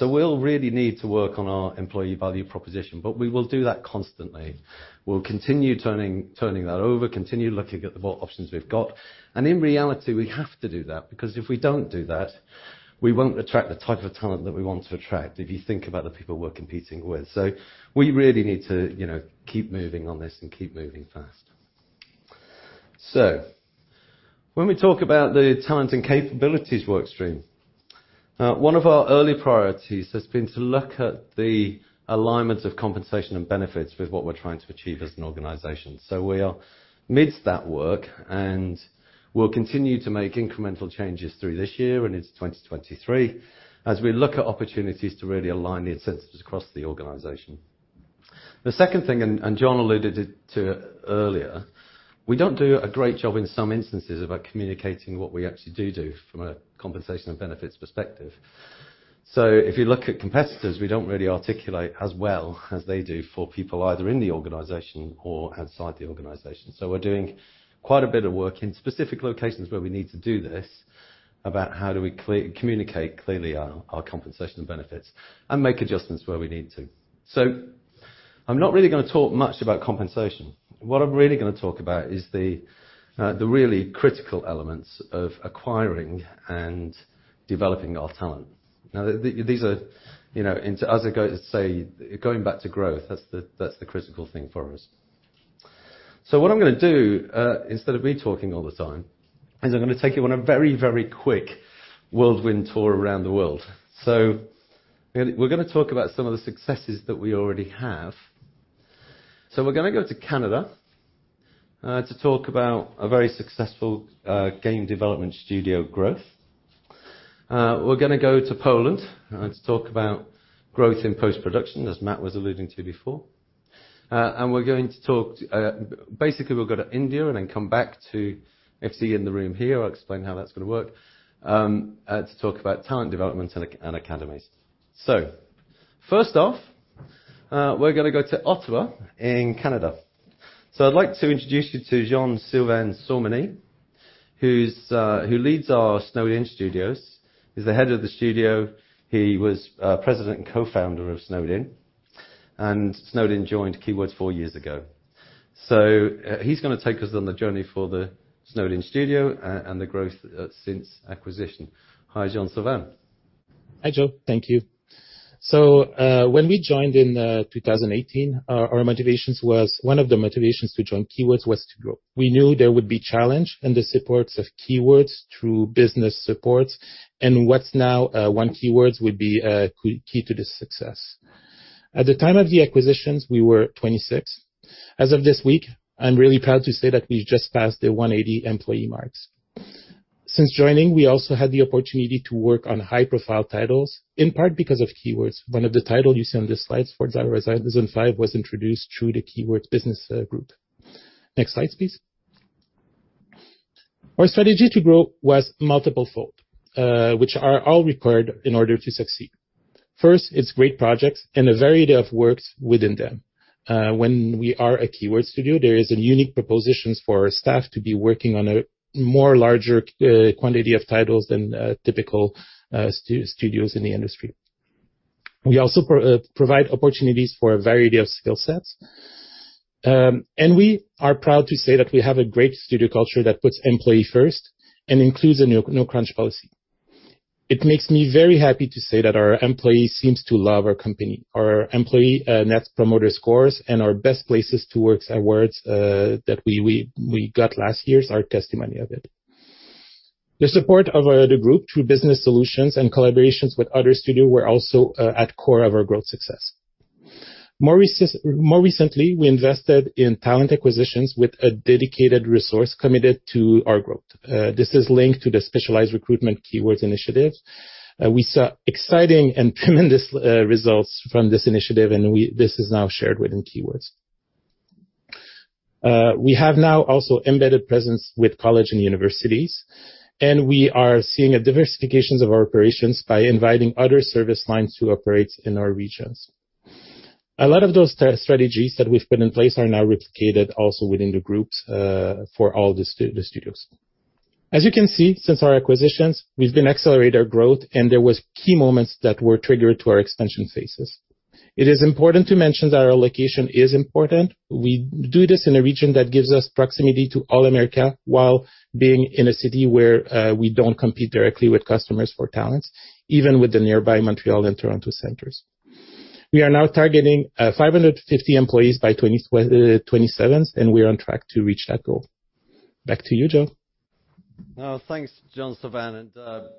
We'll really need to work on our employee value proposition, but we will do that constantly. We'll continue turning that over, continue looking at what options we've got. In reality, we have to do that because if we don't do that, we won't attract the type of talent that we want to attract, if you think about the people we're competing with. We really need to, you know, keep moving on this and keep moving fast. When we talk about the talent and capabilities work stream, one of our early priorities has been to look at the alignment of compensation and benefits with what we're trying to achieve as an organization. We are amidst that work, and we'll continue to make incremental changes through this year and into 2023, as we look at opportunities to really align the incentives across the organization. The second thing, Jon alluded to it earlier, we don't do a great job in some instances about communicating what we actually do from a compensation and benefits perspective. If you look at competitors, we don't really articulate as well as they do for people either in the organization or outside the organization. We're doing quite a bit of work in specific locations where we need to do this about how do we communicate clearly our compensation benefits and make adjustments where we need to. I'm not really going to talk much about compensation. What I'm really going to talk about is the really critical elements of acquiring and developing our talent. These are, you know, as I go to say, going back to growth, that's the critical thing for us. What I'm going to do, instead of me talking all the time, is I'm going to take you on a very, very quick whirlwind tour around the world. We're going to talk about some of the successes that we already have. We're going to go to Canada, to talk about a very successful game development studio growth. We're going to go to Poland, to talk about growth in post-production, as Matt was alluding to before. And we're going to talk, basically we'll go to India and then come back to FC in the room here. I'll explain how that's going to work, to talk about talent development and academies. First off, we're going to go to Ottawa in Canada. I'd like to introduce you to Jean-Sylvain Saumont, who's who leads our Snowed In Studios. He's the head of the studio. He was president and co-founder of Snowed In. Snowed In joined Keywords four years ago. He's going to take us on the journey for the Snowed In studio and the growth since acquisition. Hi, Jean-Sylvain. Hi, Joe. Thank you. When we joined in 2018, our motivations was one of the motivations to join Keywords was to grow. We knew there would be challenge and the supports of Keywords through business supports, and what's now one Keywords would be key to this success. At the time of the acquisitions, we were 26. As of this week, I'm really proud to say that we just passed the 180 employee mark. Since joining, we also had the opportunity to work on high-profile titles, in part because of Keywords. One of the title you see on the slides, for example, Resident Evil Village, was introduced through the Keywords business group. Next slide, please. Our strategy to grow was multiple fold, which are all required in order to succeed. First, it's great projects and a variety of works within them. When we are a Keywords Studios, there is a unique propositions for our staff to be working on a more larger quantity of titles than typical studios in the industry. We also provide opportunities for a variety of skill sets. We are proud to say that we have a great studio culture that puts employee first and includes a no crunch policy. It makes me very happy to say that our employees seems to love our company. Our employee net promoter scores and our best places to work awards that we got last year is our testimony of it. The support of the group through business solutions and collaborations with other studio were also at core of our growth success. More recently, we invested in talent acquisitions with a dedicated resource committed to our growth. This is linked to the specialized recruitment Keywords initiative. We saw exciting and tremendous results from this initiative, and this is now shared within Keywords. We have now also embedded presence with colleges and universities, and we are seeing a diversification of our operations by inviting other service lines to operate in our regions. A lot of those strategies that we've put in place are now replicated also within the groups for all the studios. As you can see, since our acquisitions, we've been accelerating our growth, and there were key moments that were triggered to our expansion phases. It is important to mention that our location is important. We do this in a region that gives us proximity to all America while being in a city where we don't compete directly with customers for talents, even with the nearby Montreal and Toronto centers. We are now targeting 500-550 employees by 2027, and we're on track to reach that goal. Back to you, Joe. Thanks, Jean-Sylvain.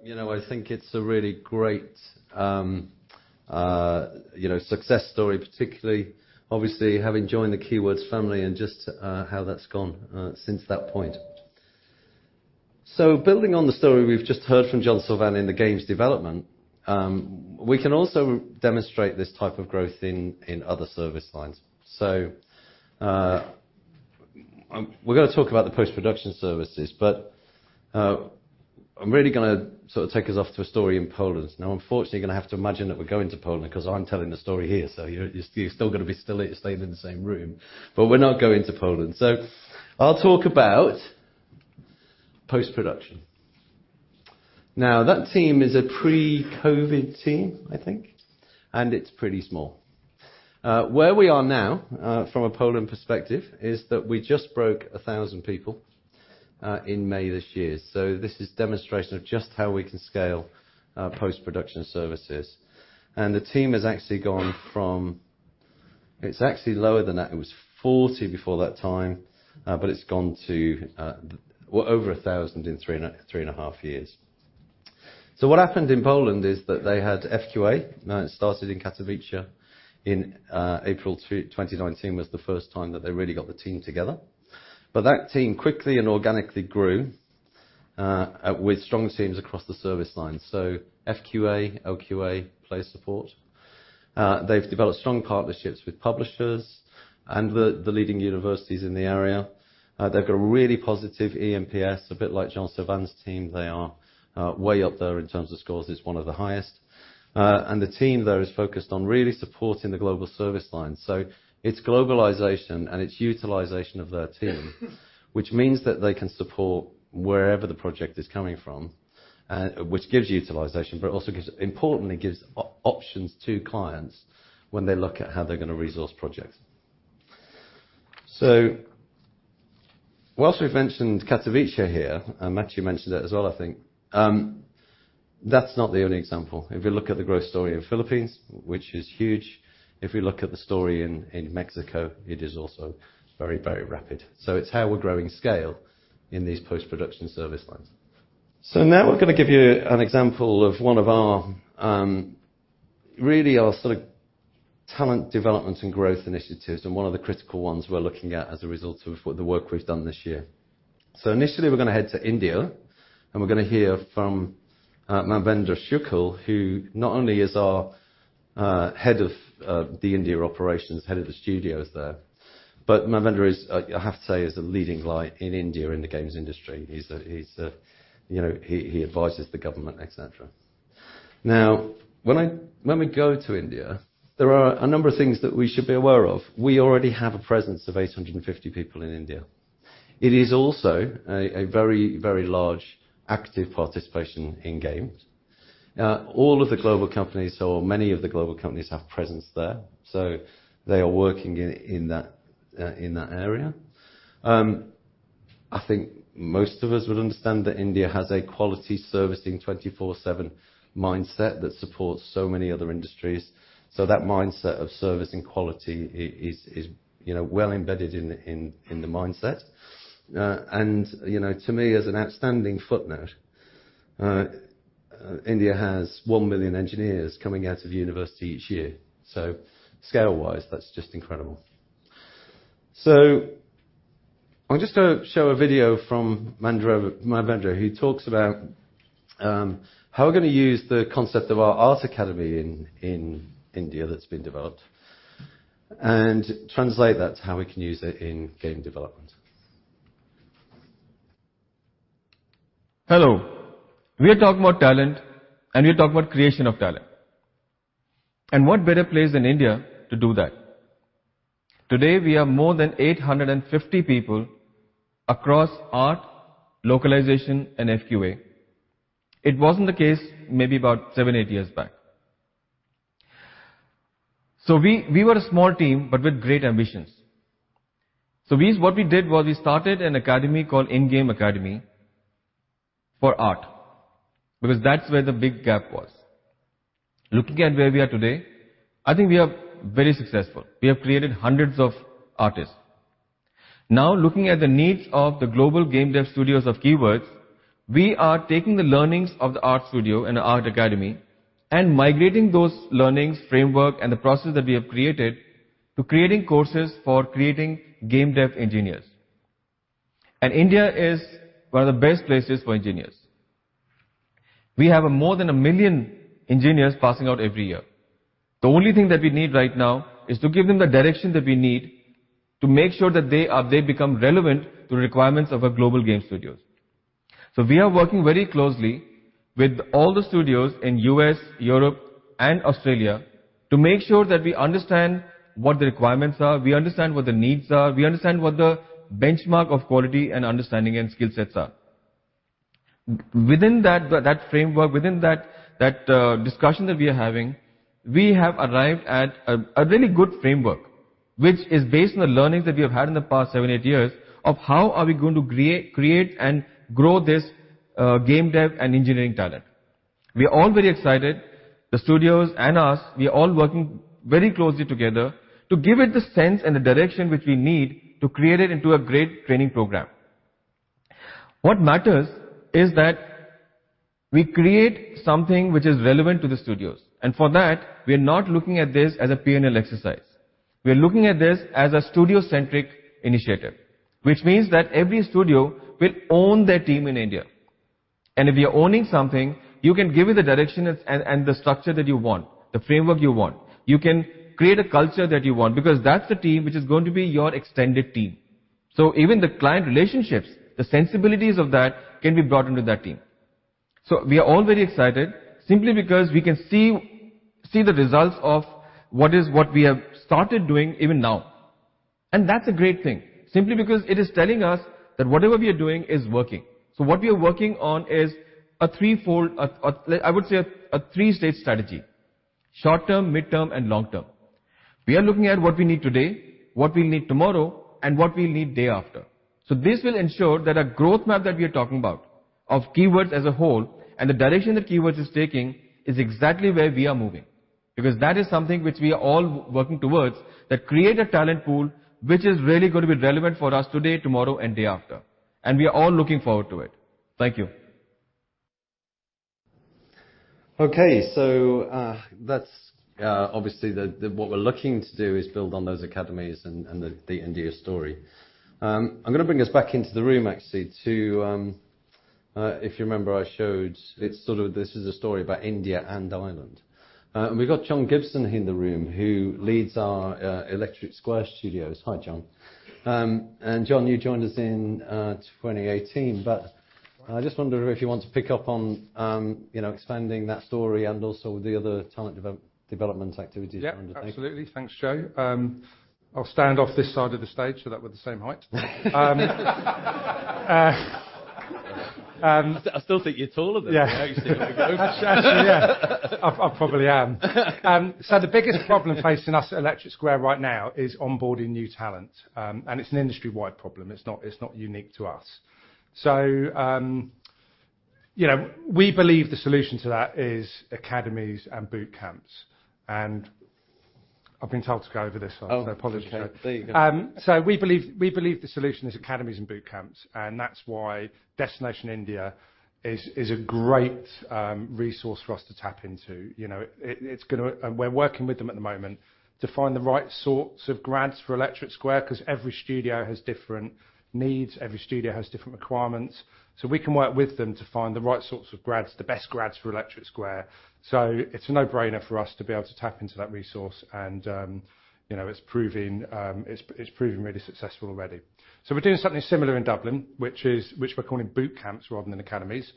You know, I think it's a really great, you know, success story, particularly obviously having joined the Keywords family and just, how that's gone, since that point. Building on the story we've just heard from Jean-Sylvain in the games development, we can also demonstrate this type of growth in other service lines. We're going to talk about the post-production services, but, I'm really going to sort of take us off to a story in Poland. Now, unfortunately, you're going to have to imagine that we're going to Poland 'cause I'm telling the story here. You're still going to be staying in the same room, but we're not going to Poland. I'll talk about post-production. Now, that team is a pre-COVID team, I think, and it's pretty small. Where we are now, from a Poland perspective, is that we just broke 1,000 people in May this year. This is a demonstration of just how we can scale our post-production services. The team, it's actually lower than that. It was 40 before that time, but it's gone to, we're over 1,000 in three and a half years. What happened in Poland is that they had FQA. It started in Katowice in April 2019 was the first time that they really got the team together. That team quickly and organically grew with strong teams across the service lines. FQA, LQA, play support. They've developed strong partnerships with publishers and the leading universities in the area. They've got a really positive ENPS, a bit like Jean-Sylvain's team. They are way up there in terms of scores. It's one of the highest. The team, though, is focused on really supporting the global service line. It's Globalize and it's utilization of their team, which means that they can support wherever the project is coming from, which gives utilization, but it also gives importantly, gives options to clients when they look at how they're going to resource projects. While we've mentioned Katowice here, and Mathieu mentioned it as well, I think, that's not the only example. If you look at the growth story in Philippines, which is huge. If we look at the story in Mexico, it is also very, very rapid. It's how we're growing scale in these post-production service lines. Now we're going to give you an example of one of our really our sort of talent development and growth initiatives and one of the critical ones we're looking at as a result of the work we've done this year. Initially, we're going to head to India, and we're going to hear from Mahendra Shukla, who not only is our head of the India operations, head of the studios there. Mahendra Shukla is, I have to say, a leading light in India in the games industry. He advises the government, etc. Now, when we go to India, there are a number of things that we should be aware of. We already have a presence of 850 people in India. It is also a very, very large active participation in games. All of the global companies or many of the global companies have presence there, so they are working in that area. I think most of us would understand that India has a quality servicing 24/7 mindset that supports so many other industries. That mindset of service and quality is, you know, well embedded in the mindset. You know, to me, as an outstanding footnote, India has 1 million engineers coming out of university each year. Scale-wise, that's just incredible. I'm just going to show a video from Mahendra, who talks about how we're going to use the concept of our art academy in India that's been developed and translate that to how we can use it in game development. Hello. We are talking about talent, and we are talking about creation of talent. What better place than India to do that? Today, we have more than 850 people across art, localization, and FQA. It wasn't the case maybe about seven or eight years back. We were a small team, but with great ambitions. What we did was we started an academy called inGame Academy for art, because that's where the big gap was. Looking at where we are today, I think we are very successful. We have created hundreds of artists. Now, looking at the needs of the global game dev studios of Keywords, we are taking the learnings of the art studio and the art academy and migrating those learnings, framework, and the process that we have created to creating courses for creating game dev engineers. India is one of the best places for engineers. We have more than 1 million engineers passing out every year. The only thing that we need right now is to give them the direction that we need to make sure that they become relevant to the requirements of a global game studios. We are working very closely with all the studios in U.S., Europe, and Australia to make sure that we understand what the requirements are, we understand what the needs are, we understand what the benchmark of quality and understanding and skill sets are. Within that framework, within that discussion that we are having, we have arrived at a really good framework, which is based on the learnings that we have had in the past seven, eight years of how we are going to create and grow this game dev and engineering talent. We are all very excited. The studios and us, we are all working very closely together to give it the sense and the direction which we need to create it into a great training program. What matters is that we create something which is relevant to the studios. For that, we're not looking at this as a P&L exercise. We are looking at this as a studio-centric initiative, which means that every studio will own their team in India. If you're owning something, you can give it the direction and the structure that you want, the framework you want. You can create a culture that you want because that's the team which is going to be your extended team. Even the client relationships, the sensibilities of that can be brought into that team. We are all very excited simply because we can see the results of what we have started doing even now. That's a great thing simply because it is telling us that whatever we are doing is working. What we are working on is, like I would say, a three-stage strategy, short-term, midterm, and long-term. We are looking at what we need today, what we'll need tomorrow, and what we'll need day after. This will ensure that our growth map that we are talking about of Keywords as a whole and the direction that Keywords is taking is exactly where we are moving because that is something which we are all working towards, that create a talent pool which is really going to be relevant for us today, tomorrow, and day after. We are all looking forward to it. Thank you. Okay. That's obviously what we're looking to do is build on those academies and the India story. I'm going to bring us back into the room actually. If you remember, I showed this is a story about India and Ireland. We've got Jon Gibson in the room who leads our Electric Square Studios. Hi, Jon. Jon, you joined us in 2018. I just wonder if you want to pick up on, you know, expanding that story and also the other talent development activities you're undertaking. Yeah, absolutely. Thanks, Joe. I'll stand off this side of the stage, so that we're the same height. I still think you're taller than me. You see. Actually, yeah. I probably am. The biggest problem facing us at Electric Square right now is onboarding new talent. It's an industry-wide problem. It's not unique to us. You know, we believe the solution to that is academies and boot camps. I've been told to go over this one. Apologies, Joe. There you go. We believe the solution is academies and boot camps, and that's why Destination India is a great resource for us to tap into. You know, we're working with them at the moment to find the right sorts of grads for Electric Square, because every studio has different needs, every studio has different requirements. We can work with them to find the right sorts of grads, the best grads for Electric Square. It's a no-brainer for us to be able to tap into that resource, and you know, it's proving really successful already. We're doing something similar in Dublin, which we're calling boot camps rather than academies.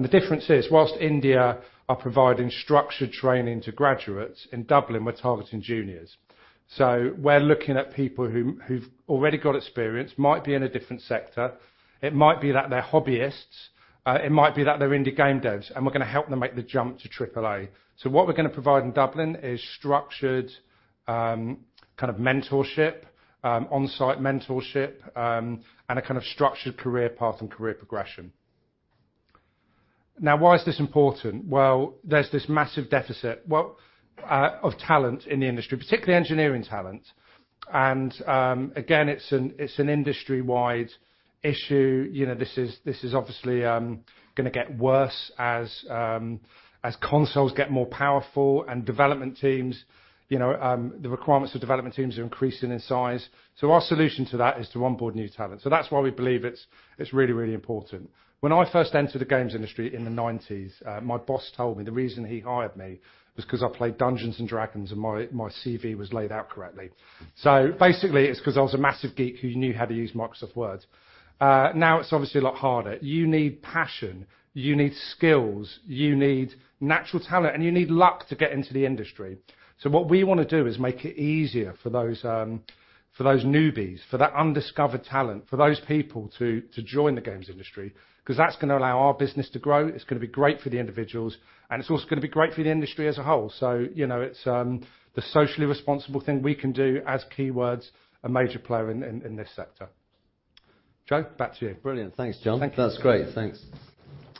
The difference is, while India are providing structured training to graduates, in Dublin, we're targeting juniors. We're looking at people who've already got experience, might be in a different sector. It might be that they're hobbyists, it might be that they're indie game devs, and we're going to help them make the jump to AAA. What we're going to provide in Dublin is structured kind of mentorship, on-site mentorship, and a kind of structured career path and career progression. Now, why is this important? Well, there's this massive deficit, well, of talent in the industry, particularly engineering talent. Again, it's an industry-wide issue. You know, this is obviously going to get worse as consoles get more powerful and you know, the requirements for development teams are increasing in size. Our solution to that is to onboard new talent. That's why we believe it's really important. When I first entered the games industry in the '90s, my boss told me the reason he hired me was because I played Dungeons & Dragons and my CV was laid out correctly. Basically, it's because I was a massive geek who knew how to use Microsoft Word. Now it's obviously a lot harder. You need passion, you need skills, you need natural talent, and you need luck to get into the industry. What we want to do is make it easier for those newbies, for that undiscovered talent, for those people to join the games industry, 'cause that's going to allow our business to grow. It's going to be great for the individuals, and it's also going to be great for the industry as a whole. You know, it's the socially responsible thing we can do as Keywords, a major player in this sector. Joe, back to you. Brilliant. Thanks, Jon. Thank you. That's great. Thanks.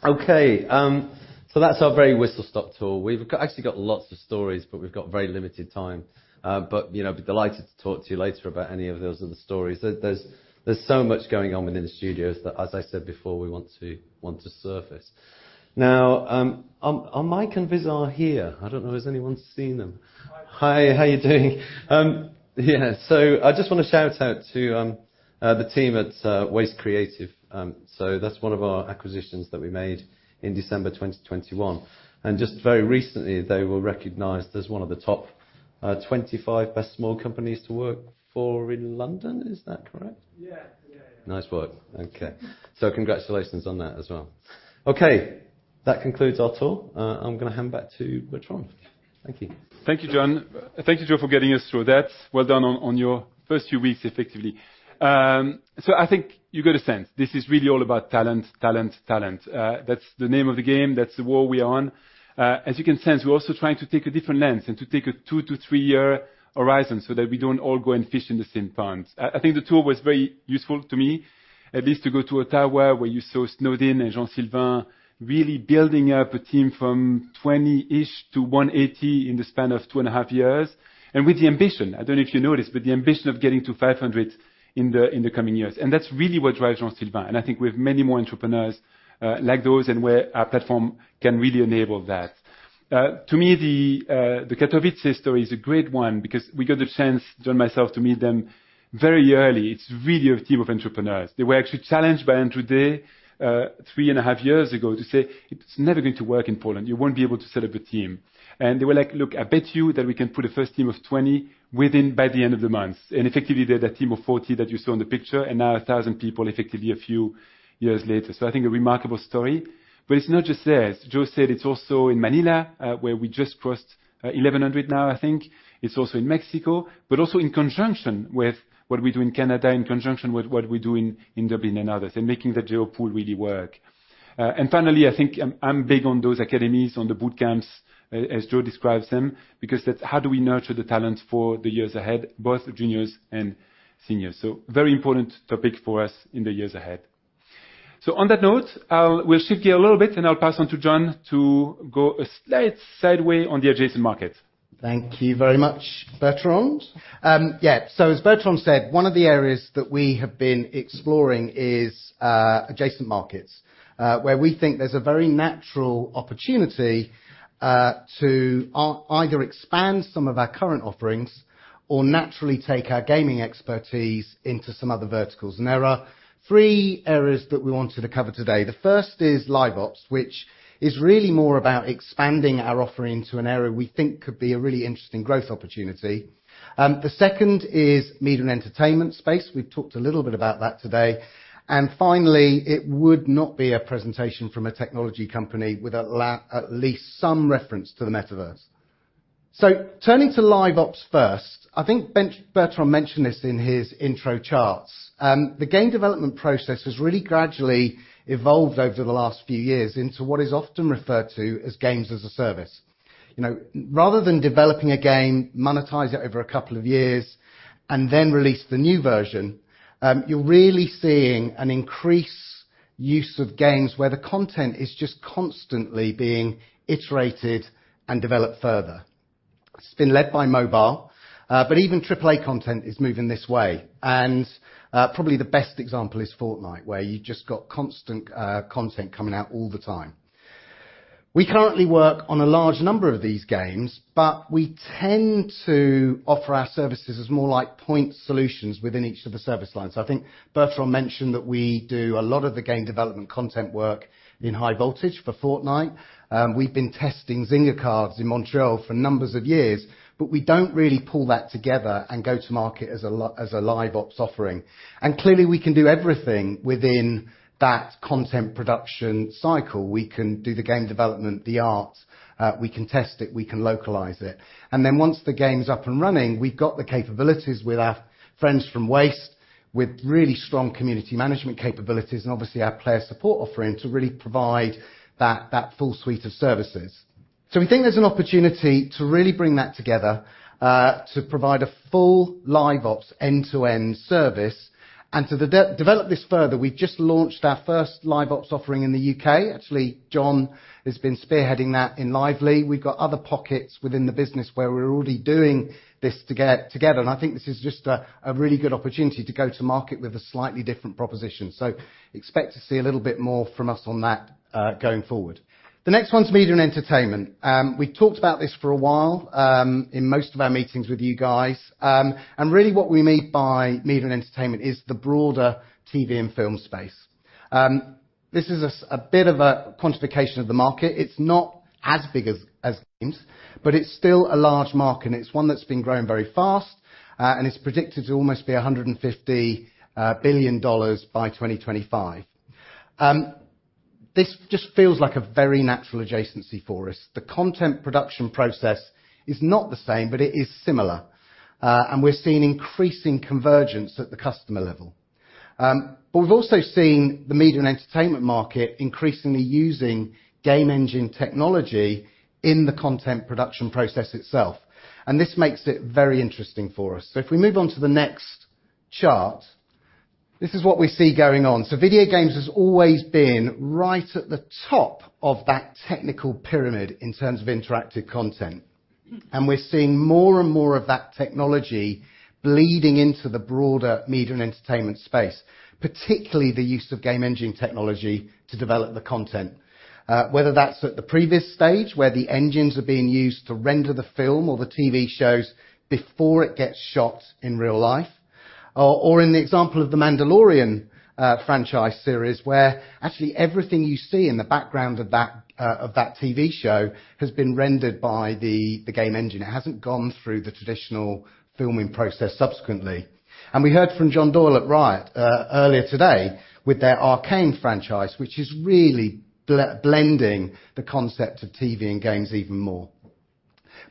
Okay, that's our very whistle-stop tour. We've actually got lots of stories, but we've got very limited time. You know, I'd be delighted to talk to you later about any of those other stories. There's so much going on within the studios that, as I said before, we want to surface. Now, are Mike and Visar here? I don't know. Has anyone seen them? Hi. How are you doing? Yeah, I just want to shout out to the team at Waste Creative. That's one of our acquisitions that we made in December 2021, and just very recently, they were recognized as one of the top 25 best small companies to work for in London. Is that correct? Yeah. Yeah, yeah. Nice work. Okay. Congratulations on that as well. Okay, that concludes our tour. I'm going to hand back to Bertrand. Thank you. Thank you, Jon. Thank you, Joe, for getting us through that. Well done on your first few weeks, effectively. I think you get a sense, this is really all about talent. That's the name of the game. That's the war we're on. As you can sense, we're also trying to take a different lens and to take a two to three-year horizon so that we don't all go and fish in the same pond. I think the tour was very useful to me, at least to go to Ottawa, where you saw Snowed In and Jean-Sylvain really building up a team from 20-ish to 180 in the span of two and a half years, and with the ambition, I don't know if you know this, but the ambition of getting to 500 in the coming years. That's really what drives Jean-Sylvain, and I think we have many more entrepreneurs like those and where our platform can really enable that. To me, the Katowice story is a great one because we got a chance, Jon and myself, to meet them very early. It's really a team of entrepreneurs. They were actually challenged by Andrew Day three and a half years ago to say, "It's never going to work in Poland. You won't be able to set up a team." They were like, "Look, I bet you that we can put a first team of 20 within by the end of the month." Effectively, they're the team of 40 that you saw in the picture, and now 1,000 people, effectively, a few years later. I think a remarkable story, but it's not just there. As Joe said, it's also in Manila, where we just crossed 1,100 now, I think. It's also in Mexico, but also in conjunction with what we do in Canada, in conjunction with what we do in Dublin and others, and making the geo-pool really work. Finally, I think I'm big on those academies, on the boot camps as Joe describes them, because that's how we nurture the talent for the years ahead, both juniors and seniors. Very important topic for us in the years ahead. On that note, we'll shift gears a little bit, and I'll pass on to Jon to go a slight sideways on the adjacent market. Thank you very much, Bertrand. As Bertrand said, one of the areas that we have been exploring is adjacent markets, where we think there's a very natural opportunity to either expand some of our current offerings or naturally take our gaming expertise into some other verticals. There are three areas that we wanted to cover today. The first is LiveOps, which is really more about expanding our offering into an area we think could be a really interesting growth opportunity. The second is media and entertainment space. We've talked a little bit about that today. Finally, it would not be a presentation from a technology company without at least some reference to the Metaverse. Turning to LiveOps first, I think Bertrand mentioned this in his intro charts. The game development process has really gradually evolved over the last few years into what is often referred to as Games as a Service. You know, rather than developing a game, monetize it over a couple of years, and then release the new version, you're really seeing an increased use of games where the content is just constantly being iterated and developed further. It's been led by mobile, but even triple A content is moving this way. Probably the best example is Fortnite, where you just got constant content coming out all the time. We currently work on a large number of these games, but we tend to offer our services as more like point solutions within each of the service lines. I think Bertrand mentioned that we do a lot of the game development content work in High Voltage for Fortnite. We've been testing Zynga cards in Montreal for a number of years, but we don't really pull that together and go to market as a LiveOps offering. Clearly, we can do everything within that content production cycle. We can do the game development, the art, we can test it, we can localize it. Then once the game is up and running, we've got the capabilities with our friends from Waste with really strong community management capabilities and obviously our player support offering to really provide that full suite of services. We think there's an opportunity to really bring that together to provide a full LiveOps end-to-end service. To develop this further, we just launched our first Live Ops offering in the U.K. Actually, John has been spearheading that in Lively. We've got other pockets within the business where we're already doing this together, and I think this is just a really good opportunity to go to market with a slightly different proposition. Expect to see a little bit more from us on that going forward. The next one's media and entertainment. We talked about this for a while in most of our meetings with you guys. Really what we mean by media and entertainment is the broader TV and film space. This is a bit of a quantification of the market. It's not as big as games, but it's still a large market, and it's one that's been growing very fast, and it's predicted to almost be $150 billion by 2025. This just feels like a very natural adjacency for us. The content production process is not the same, but it is similar, and we're seeing increasing convergence at the customer level. We've also seen the media and entertainment market increasingly using game engine technology in the content production process itself, and this makes it very interesting for us. If we move on to the next chart. This is what we see going on. Video games has always been right at the top of that technical pyramid in terms of interactive content. We're seeing more and more of that technology bleeding into the broader media and entertainment space, particularly the use of game engine technology to develop the content. Whether that's at the previous stage, where the engines are being used to render the film or the TV shows before it gets shot in real life, or in the example of The Mandalorian franchise series, where actually everything you see in the background of that TV show has been rendered by the game engine. It hasn't gone through the traditional filming process subsequently. We heard from Jon Doyle at Riot Games earlier today with their Arcane franchise, which is really blending the concept of TV and games even more.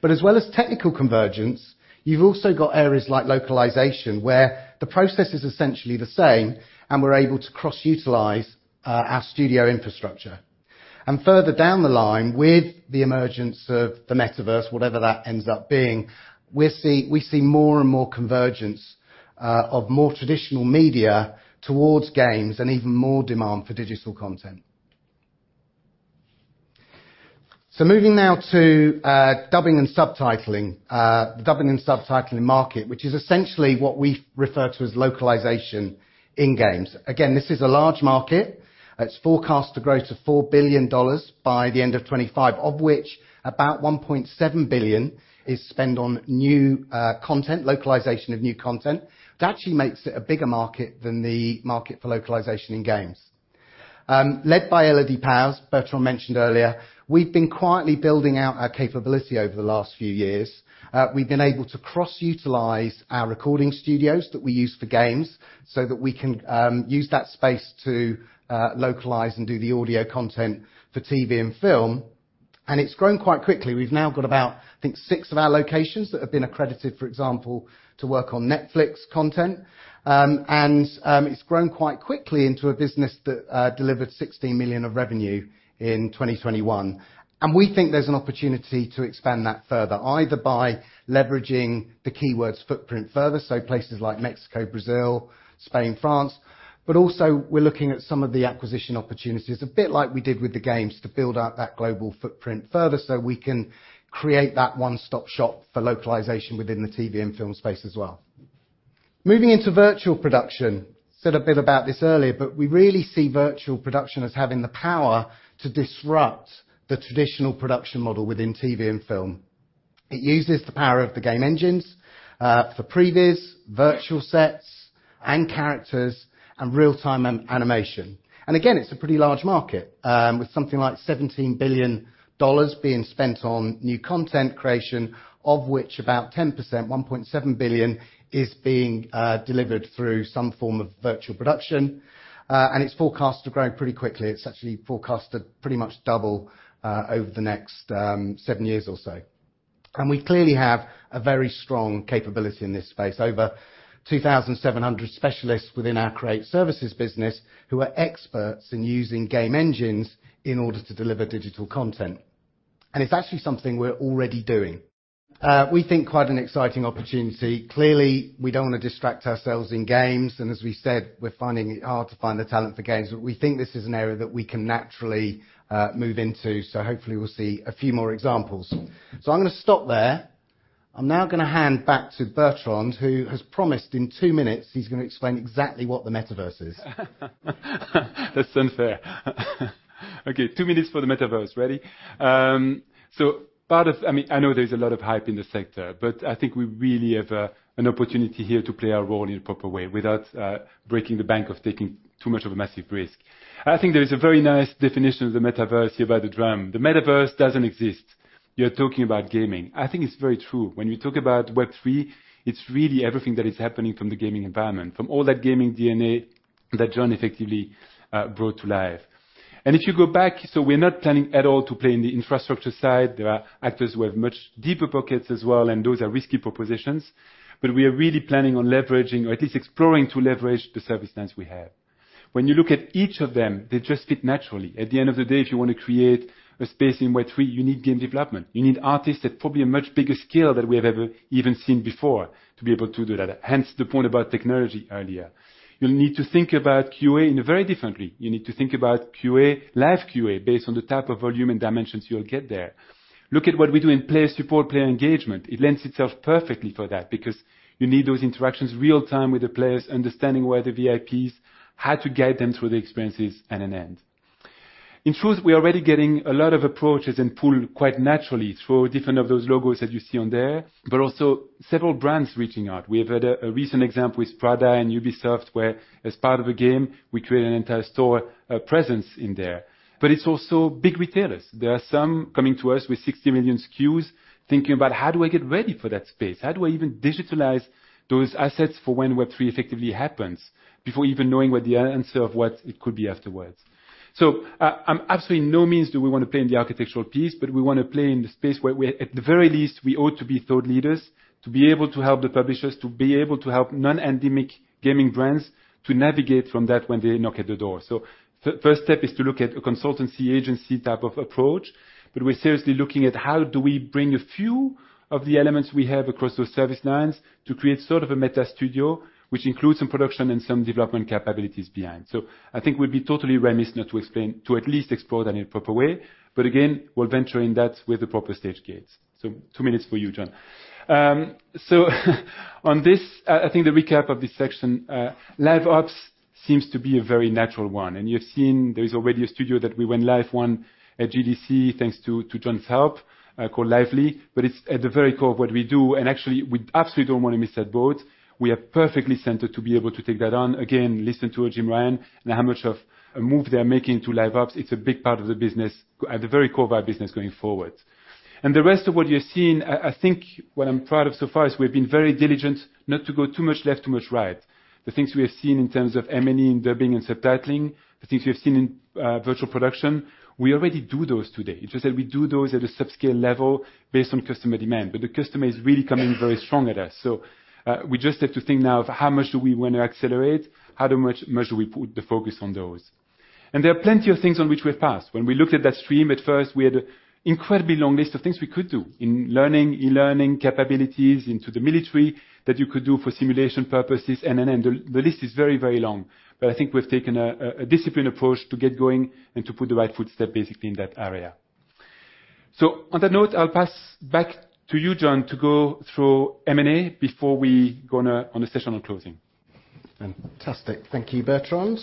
As well as technical convergence, you've also got areas like localization, where the process is essentially the same, and we're able to cross-utilize our studio infrastructure. Further down the line with the emergence of the metaverse, whatever that ends up being, we see more and more convergence of more traditional media towards games and even more demand for digital content. Moving now to dubbing and subtitling. The dubbing and subtitling market, which is essentially what we refer to as localization in games. Again, this is a large market. It's forecast to grow to $4 billion by the end of 2025, of which about $1.7 billion is spent on new content, localization of new content. That actually makes it a bigger market than the market for localization in games. Led by Elodie Powers, Bertrand mentioned earlier, we've been quietly building out our capability over the last few years. We've been able to cross-utilize our recording studios that we use for games so that we can use that space to localize and do the audio content for TV and film. It's grown quite quickly. We've now got about, I think, six of our locations that have been accredited, for example, to work on Netflix content. It's grown quite quickly into a business that delivered 16 million of revenue in 2021. We think there's an opportunity to expand that further, either by leveraging the Keywords footprint further, so places like Mexico, Brazil, Spain, France, but also we're looking at some of the acquisition opportunities, a bit like we did with the games, to build out that global footprint further so we can create that one-stop shop for localization within the TV and film space as well. Moving into virtual production. Said a bit about this earlier, but we really see virtual production as having the power to disrupt the traditional production model within TV and film. It uses the power of the game engines for previs, virtual sets, and characters, and real-time animation. Again, it's a pretty large market with something like $17 billion being spent on new content creation, of which about 10%, $1.7 billion, is being delivered through some form of virtual production. It's forecast to grow pretty quickly. It's actually forecast to pretty much double over the next seven years or so. We clearly have a very strong capability in this space. Over 2,700 specialists within our Create Services business who are experts in using game engines in order to deliver digital content. It's actually something we're already doing. We think quite an exciting opportunity. Clearly, we don't want to distract ourselves in games, and as we said, we're finding it hard to find the talent for games, but we think this is an area that we can naturally move into. Hopefully, we'll see a few more examples. I'm going to stop there. I'm now going to hand back to Bertrand, who has promised in two minutes, he's going to explain exactly what the metaverse is. That's unfair. Okay, two minutes for the metaverse. Ready? I mean, I know there's a lot of hype in the sector, but I think we really have a, an opportunity here to play our role in a proper way without breaking the bank or taking too much of a massive risk. I think there is a very nice definition of the metaverse by The Drum. "The metaverse doesn't exist. You're talking about gaming." I think it's very true. When you talk about Web3, it's really everything that is happening from the gaming environment, from all that gaming DNA that Jon effectively brought to life. If you go back, we're not planning at all to play in the infrastructure side. There are actors who have much deeper pockets as well, and those are risky propositions. We are really planning on leveraging or at least exploring to leverage the service lines we have. When you look at each of them, they just fit naturally. At the end of the day, if you want to create a space in Web3, you need game development. You need artists at probably a much bigger scale than we have ever even seen before to be able to do that. Hence, the point about technology earlier. You'll need to think about QA in a very differently. You need to think about QA, live QA based on the type of volume and dimensions you'll get there. Look at what we do in player support, player engagement. It lends itself perfectly for that because you need those interactions real-time with the players, understanding where the VIP is, how to guide them through the experiences and an end. In truth, we are already getting a lot of approaches and pull quite naturally through different of those logos that you see on there, but also several brands reaching out. We have had a recent example with Prada and Ubisoft, where, as part of a game, we create an entire store presence in there. It's also big retailers. There are some coming to us with 60 million SKUs thinking about how do I get ready for that space? How do I even digitize those assets for when Web3 effectively happens before even knowing what the answer of what it could be afterwards. Absolutely no means do we want to play in the architectural piece, but we want to play in the space where we, at the very least, we ought to be thought leaders to be able to help the publishers, to be able to help non-endemic gaming brands to navigate from that when they knock at the door. First step is to look at a consultancy agency type of approach, but we're seriously looking at how do we bring a few of the elements we have across those service lines to create sort of a meta studio, which includes some production and some development capabilities behind. I think we'd be totally remiss not to explain, to at least explore that in a proper way. But again, we'll venture in that with the proper stage gates. Two minutes for you, Jon. On this, I think the recap of this section, LiveOps seems to be a very natural one. You've seen there is already a studio that we went live, one at GDC, thanks to Jon's help, called Lively, but it's at the very core of what we do, and actually, we absolutely don't want to miss that boat. We are perfectly centered to be able to take that on. Again, listen to Jim, Ryan, and how much of a move they're making to LiveOps. It's a big part of the business, at the very core of our business going forward. The rest of what you're seeing, I think what I'm proud of so far is we've been very diligent not to go too much left, too much right. The things we have seen in terms of M&A and dubbing and subtitling, the things we have seen in virtual production, we already do those today. It's just that we do those at a sub-scale level based on customer demand, but the customer is really coming very strong at us. We just have to think now of how much do we want to accelerate, how much do we put the focus on those. There are plenty of things on which we have passed. When we looked at that stream at first, we had an incredibly long list of things we could do in learning, e-learning capabilities into the military that you could do for simulation purposes, and then the list is very, very long. I think we've taken a disciplined approach to get going and to put the right first step basically in that area. On that note, I'll pass back to you, Jon, to go through M&A before we go on a session on closing. Fantastic. Thank you, Bertrand.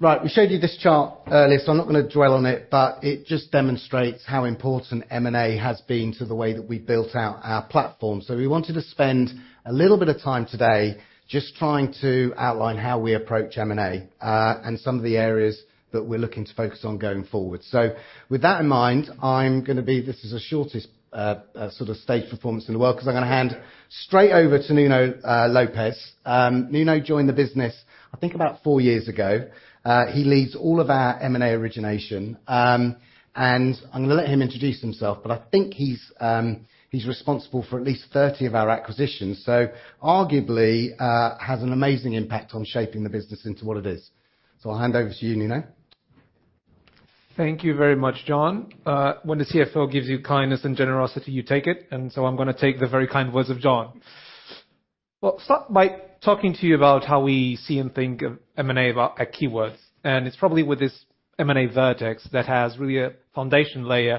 Right, we showed you this chart earlier, so I'm not going to dwell on it, but it just demonstrates how important M&A has been to the way that we built out our platform. We wanted to spend a little bit of time today just trying to outline how we approach M&A, and some of the areas that we're looking to focus on going forward. With that in mind, this is the shortest sort of stage performance in the world, because I'm going to hand straight over to Nuno Lopes. Nuno joined the business I think about four years ago. He leads all of our M&A origination. I'm going to let him introduce himself, but I think he's responsible for at least 30 of our acquisitions. Arguably, has an amazing impact on shaping the business into what it is. I'll hand over to you, Nuno. Thank you very much, Jon. When the CFO gives you kindness and generosity, you take it, and so I'm going to take the very kind words of Jon. We'll start by talking to you about how we see and think of M&A at Keywords, and it's probably with this M&A vertex that has really a foundation layer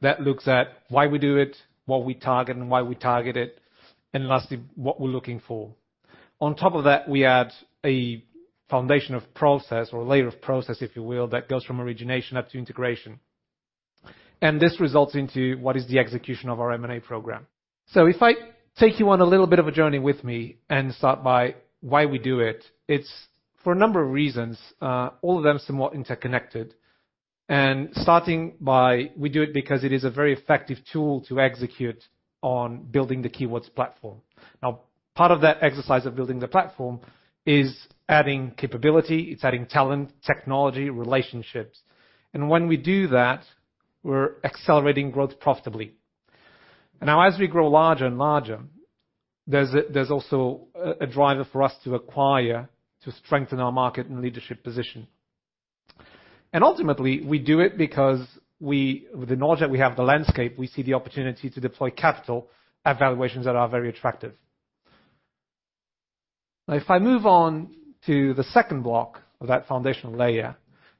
that looks at why we do it, what we target and why we target it, and lastly, what we're looking for. On top of that, we add a foundation of process or layer of process, if you will, that goes from origination up to integration. This results into what is the execution of our M&A program. If I take you on a little bit of a journey with me and start by why we do it's for a number of reasons, all of them somewhat interconnected. Starting by, we do it because it is a very effective tool to execute on building the Keywords platform. Now, part of that exercise of building the platform is adding capability, it's adding talent, technology, relationships. When we do that, we're accelerating growth profitably. Now, as we grow larger and larger, there's also a driver for us to acquire, to strengthen our market and leadership position. Ultimately, we do it because with the knowledge that we have the landscape, we see the opportunity to deploy capital at valuations that are very attractive. Now, if I move on to the second block of that foundational layer,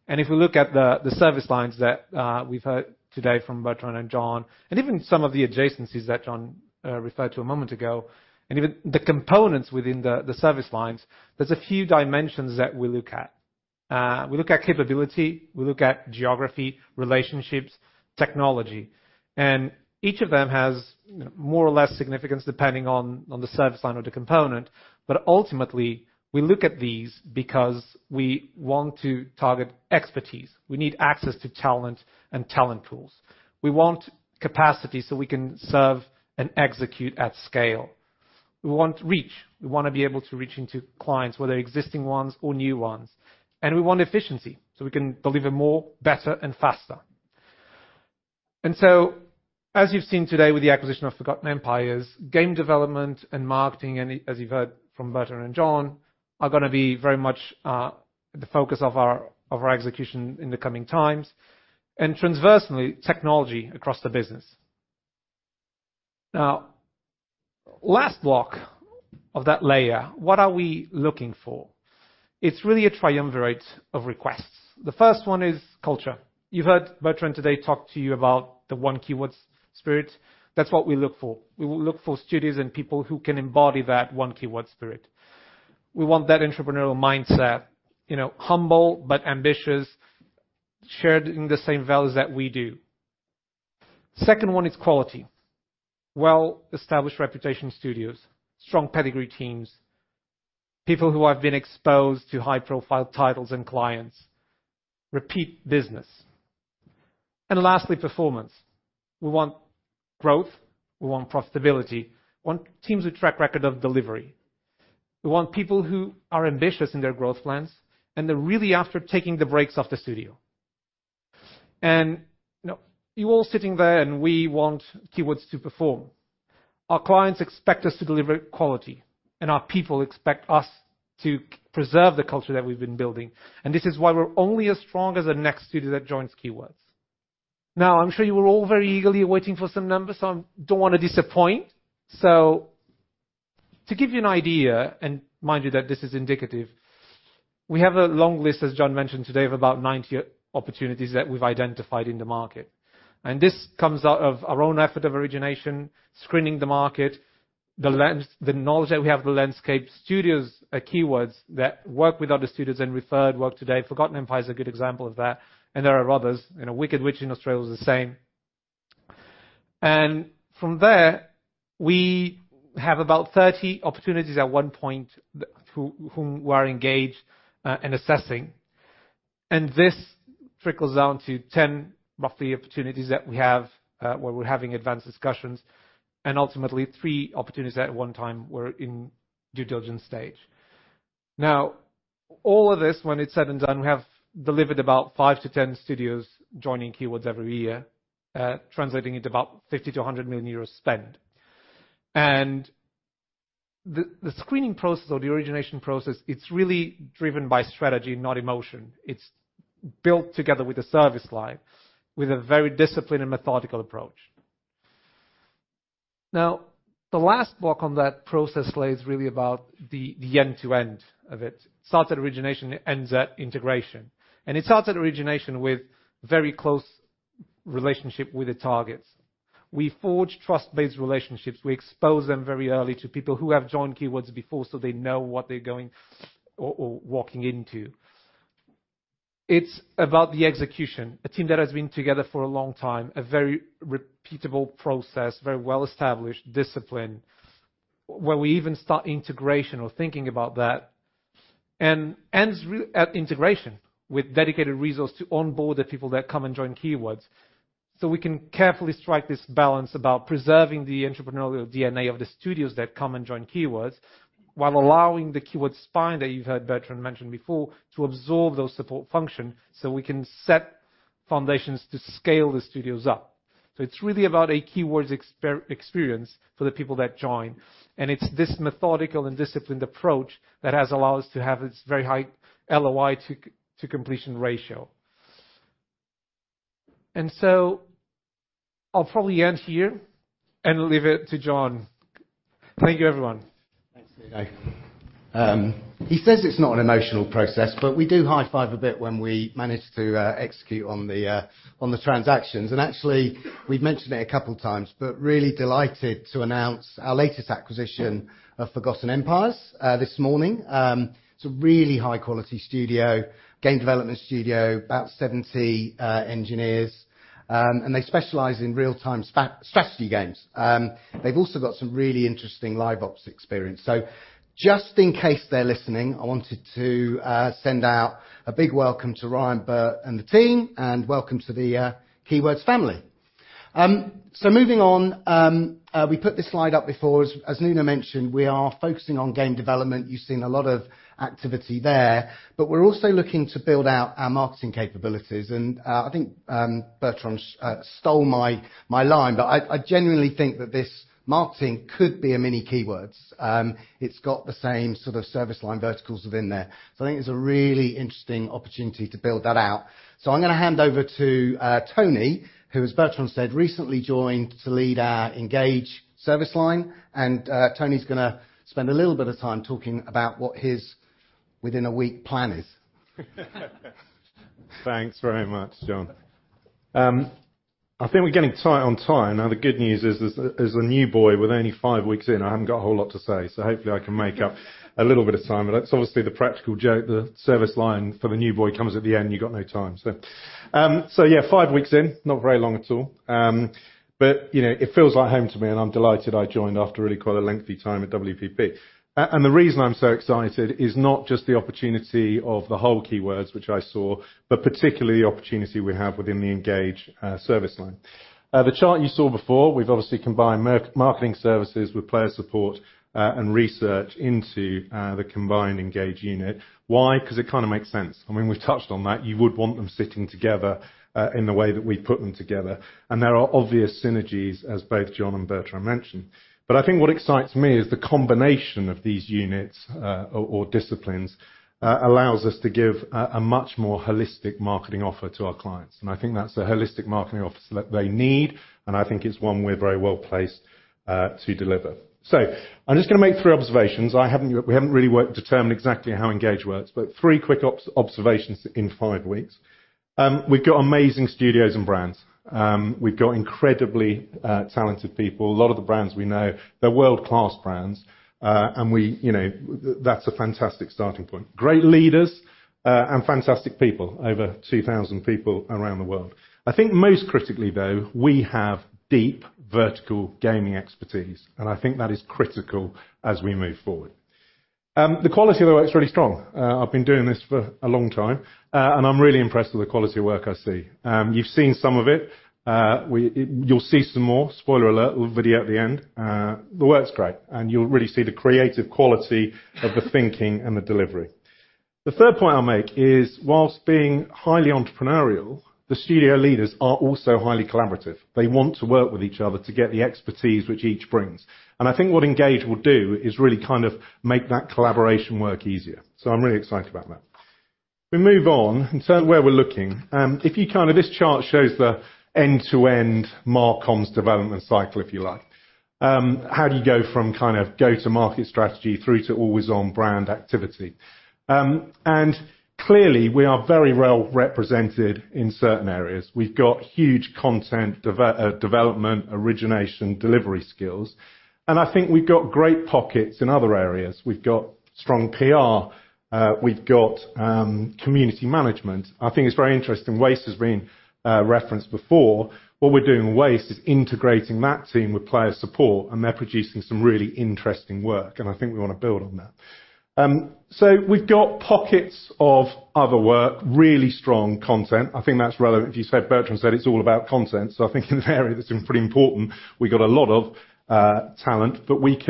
and if we look at the service lines that we've heard today from Bertrand and Jon, and even some of the adjacencies that Jon referred to a moment ago, and even the components within the service lines, there's a few dimensions that we look at. We look at capability, we look at geography, relationships, technology. Each of them has more or less significance depending on the service line or the component. Ultimately, we look at these because we want to target expertise. We need access to talent and talent pools. We want capacity so we can serve and execute at scale. We want reach. We want to be able to reach into clients, whether existing ones or new ones. We want efficiency, so we can deliver more, better, and faster. As you've seen today with the acquisition of Forgotten Empires, game development and marketing, and as you've heard from Bertrand and Jon, are going to be very much the focus of our execution in the coming times, and transversely, technology across the business. Now, last block of that layer, what are we looking for? It's really a triumvirate of requests. The first one is culture. You've heard Bertrand today talk to you about the one Keywords spirit. That's what we look for. We will look for studios and people who can embody that one Keywords spirit. We want that entrepreneurial mindset, you know, humble but ambitious, shared in the same values that we do. Second one is quality. Well-established reputation studios, strong pedigree teams, people who have been exposed to high-profile titles and clients, repeat business. Lastly, performance. We want growth, we want profitability, want teams with track record of delivery. We want people who are ambitious in their growth plans, and they're really after taking the brakes off the studio. You know, you're all sitting there and we want Keywords to perform. Our clients expect us to deliver quality, and our people expect us to preserve the culture that we've been building. This is why we're only as strong as the next studio that joins Keywords. Now, I'm sure you were all very eagerly waiting for some numbers, so I don't want to disappoint. To give you an idea, and mind you that this is indicative, we have a long list, as Jon mentioned today, of about 90 opportunities that we've identified in the market. This comes out of our own effort of origination, screening the market, the knowledge that we have of the landscape. Studios at Keywords that work with other studios and referred work today. Forgotten Empires is a good example of that, and there are others. You know, Wicked Witch in Australia is the same. From there, we have about 30 opportunities that we're engaged in assessing. This trickles down to 10, roughly, opportunities that we have where we're having advanced discussions, and ultimately three opportunities at one time were in due diligence stage. Now, all of this when it's said and done, we have delivered about five to 10 studios joining Keywords every year, translating into about $50 million-$100 million spend. The screening process or the origination process, it's really driven by strategy, not emotion. It's built together with a service line, with a very disciplined and methodical approach. Now, the last block on that process layer is really about the end to end of it. It starts at origination, it ends at integration. It starts at origination with very close relationship with the targets. We forge trust-based relationships. We expose them very early to people who have joined Keywords before, so they know what they're going or walking into. It's about the execution. A team that has been together for a long time, a very repeatable process, very well established discipline, where we even start integration or thinking about that and ends at integration with dedicated resource to onboard the people that come and join Keywords. We can carefully strike this balance about preserving the entrepreneurial DNA of the studios that come and join Keywords, while allowing the Keywords spine that you've heard Bertrand mention before, to absorb those support function, so we can set foundations to scale the studios up. It's really about a Keywords experience for the people that join. It's this methodical and disciplined approach that has allowed us to have its very high LOI to completion ratio. I'll probably end here and leave it to Jon. Thank you everyone. Thanks, Nuno. He says it's not an emotional process, but we do high five a bit when we manage to execute on the transactions. Actually, we've mentioned it a couple times, but really delighted to announce our latest acquisition of Forgotten Empires this morning. It's a really high-quality studio, game development studio, about 70 engineers. They specialize in real-time strategy games. They've also got some really interesting LiveOps experience. Just in case they're listening, I wanted to send out a big welcome to Ryan Burt and the team, and welcome to the Keywords family. Moving on, we put this slide up before. As Nuno mentioned, we are focusing on game development. You've seen a lot of activity there, but we're also looking to build out our marketing capabilities. I think Bertrand stole my line, but I genuinely think that this marketing could be a mini Keywords. It's got the same sort of service line verticals within there. I think it's a really interesting opportunity to build that out. I'm going to hand over to Tony, who, as Bertrand said, recently joined to lead our Engage service line. Tony's going to spend a little bit of time talking about what his within a week plan is. Thanks very much, Jon. I think we're getting tight on time. Now, the good news is, as a new boy with only five weeks in, I haven't got a whole lot to say, so hopefully I can make up a little bit of time. That's obviously the practical joke, the service line for the new boy comes at the end, you got no time. Yeah, five weeks in, not very long at all. You know, it feels like home to me and I'm delighted I joined after really quite a lengthy time at WPP. The reason I'm so excited is not just the opportunity of the whole Keywords, which I saw, but particularly the opportunity we have within the Engage service line. The chart you saw before, we've obviously combined marketing services with player support, and research into the combined Engage unit. Why? Because it kinda makes sense. I mean, we've touched on that. You would want them sitting together in the way that we've put them together. There are obvious synergies as both Jon and Bertrand mentioned. I think what excites me is the combination of these units, or disciplines, allows us to give a much more holistic marketing offer to our clients. I think that's a holistic marketing offer that they need, and I think it's one we're very well placed to deliver. I'm just going to make three observations. We haven't really worked to determine exactly how Engage works, but three quick observations in five weeks. We've got amazing studios and brands. We've got incredibly talented people. A lot of the brands we know, they're world-class brands, and we, you know, that's a fantastic starting point. Great leaders and fantastic people. Over 2,000 people around the world. I think most critically, though, we have deep vertical gaming expertise, and I think that is critical as we move forward. The quality of the work is really strong. I've been doing this for a long time, and I'm really impressed with the quality of work I see. You've seen some of it. We, you'll see some more. Spoiler alert, little video at the end. The work's great and you'll really see the creative quality of the thinking and the delivery. The third point I'll make is, whilst being highly entrepreneurial, the studio leaders are also highly collaborative. They want to work with each other to get the expertise which each brings. I think what Engage will do is really kind of make that collaboration work easier. I'm really excited about that. We move on. Where we're looking, if you kind of this chart shows the end-to-end marcoms development cycle, if you like. How do you go from kind of go-to-market strategy through to always on brand activity? Clearly, we are very well represented in certain areas. We've got huge content development, origination, delivery skills, and I think we've got great pockets in other areas. We've got strong PR. We've got community management. I think it's very interesting. Waste has been referenced before. What we're doing with Waste is integrating that team with player support, and they're producing some really interesting work, and I think we want to build on that. We've got pockets of other work, really strong content. I think that's relevant. Bertrand said it's all about content. I think in that area it's been pretty important. We've got a lot of talent, but we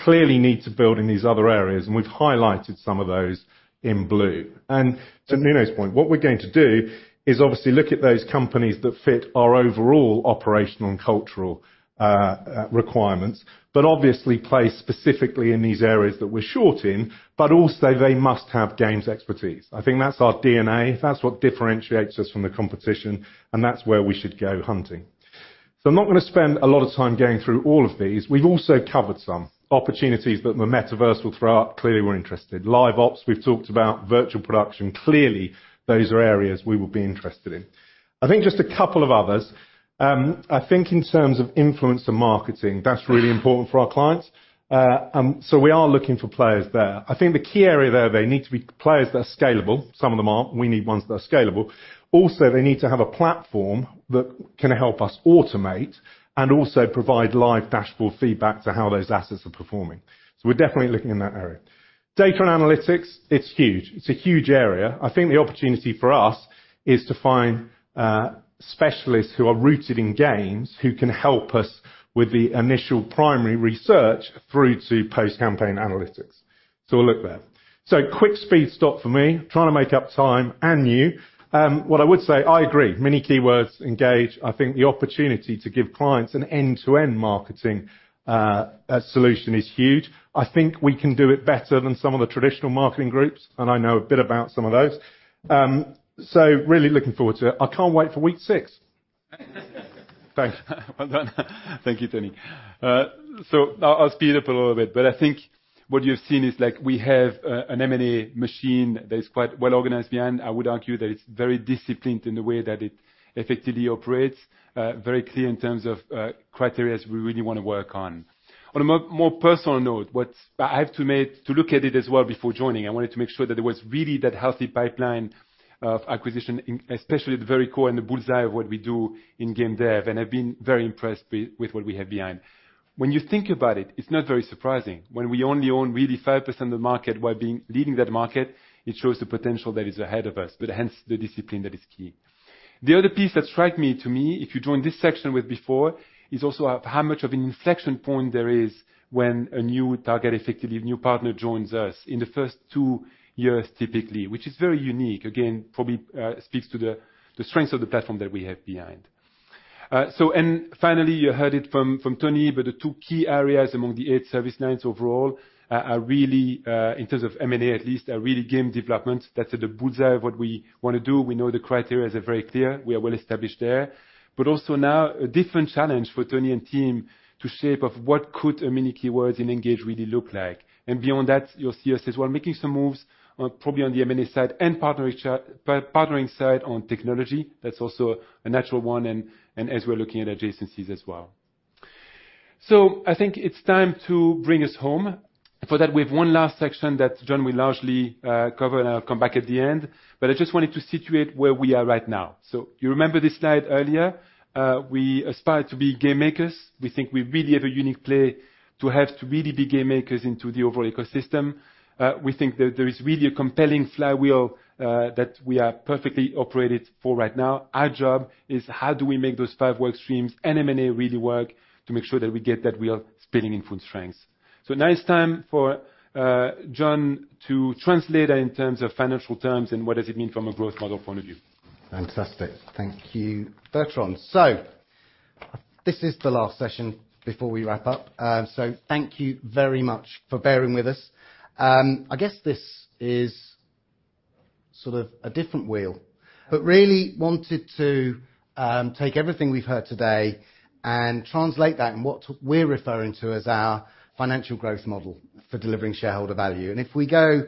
clearly need to build in these other areas, and we've highlighted some of those in blue. To Nuno's point, what we're going to do is obviously look at those companies that fit our overall operational and cultural requirements, but obviously play specifically in these areas that we're short in, but also they must have games expertise. I think that's our DNA. That's what differentiates us from the competition, and that's where we should go hunting. I'm not going to spend a lot of time going through all of these. We've also covered some opportunities, but the Metaverse we'll throw up. Clearly, we're interested. LiveOps, we've talked about virtual production. Clearly, those are areas we will be interested in. I think just a couple of others. I think in terms of influencer marketing, that's really important for our clients. We are looking for players there. I think the key area there, they need to be players that are scalable. Some of them aren't. We need ones that are scalable. Also, they need to have a platform that can help us automate and also provide live dashboard feedback to how those assets are performing. We're definitely looking in that area. Data and analytics, it's huge. It's a huge area. I think the opportunity for us is to find specialists who are rooted in games who can help us with the initial primary research through to post-campaign analytics. We'll look there. Quick speed stop for me, trying to make up time and you. What I would say, I agree. Many Keywords engage. I think the opportunity to give clients an end-to-end marketing solution is huge. I think we can do it better than some of the traditional marketing groups, and I know a bit about some of those. Really looking forward to it. I can't wait for week six. Thanks. Well done. Thank you, Tony. I'll speed up a little bit, but I think what you've seen is like we have an M&A machine that is quite well organized behind. I would argue that it's very disciplined in the way that it effectively operates, very clear in terms of criteria we really want to work on. On a more personal note, to look at it as well before joining, I wanted to make sure that there was really that healthy pipeline of acquisition especially at the very core and the bull's-eye of what we do in game dev, and I've been very impressed with what we have behind. When you think about it's not very surprising. When we only own really 5% of the market while being leading that market, it shows the potential that is ahead of us, but hence, the discipline that is key. The other piece that strikes me to me, if you join this section with before, is also of how much of an inflection point there is when a new target, effectively, a new partner joins us in the first two years, typically, which is very unique. Again, probably, speaks to the strengths of the platform that we have behind. So and finally, you heard it from Tony, but the two key areas among the eight service lines overall are really, in terms of M&A at least, really game development. That's at the bull's-eye of what we want to do. We know the criteria are very clear. We are well-established there. Also now a different challenge for Tony and team to shape what could a mini Keywords in Engage really look like. Beyond that, you'll see us as well making some moves probably on the M&A side and partnering side on technology. That's also a natural one and as we're looking at adjacencies as well. I think it's time to bring us home. For that, we have one last section that Jon will largely cover, and I'll come back at the end. I just wanted to situate where we are right now. You remember this slide earlier. We aspire to be game makers. We think we really have a unique play to have to really be game makers into the overall ecosystem. We think that there is really a compelling flywheel that we are perfectly operated for right now. Our job is how do we make those five work streams and M&A really work to make sure that we get that wheel spinning in full strengths. Now it's time for Jon to translate in terms of financial terms and what does it mean from a growth model point of view. Fantastic. Thank you, Bertrand. This is the last session before we wrap up. Thank you very much for bearing with us. I guess this is sort of a different wheel, but really wanted to take everything we've heard today and translate that in what we're referring to as our financial growth model for delivering shareholder value. If we go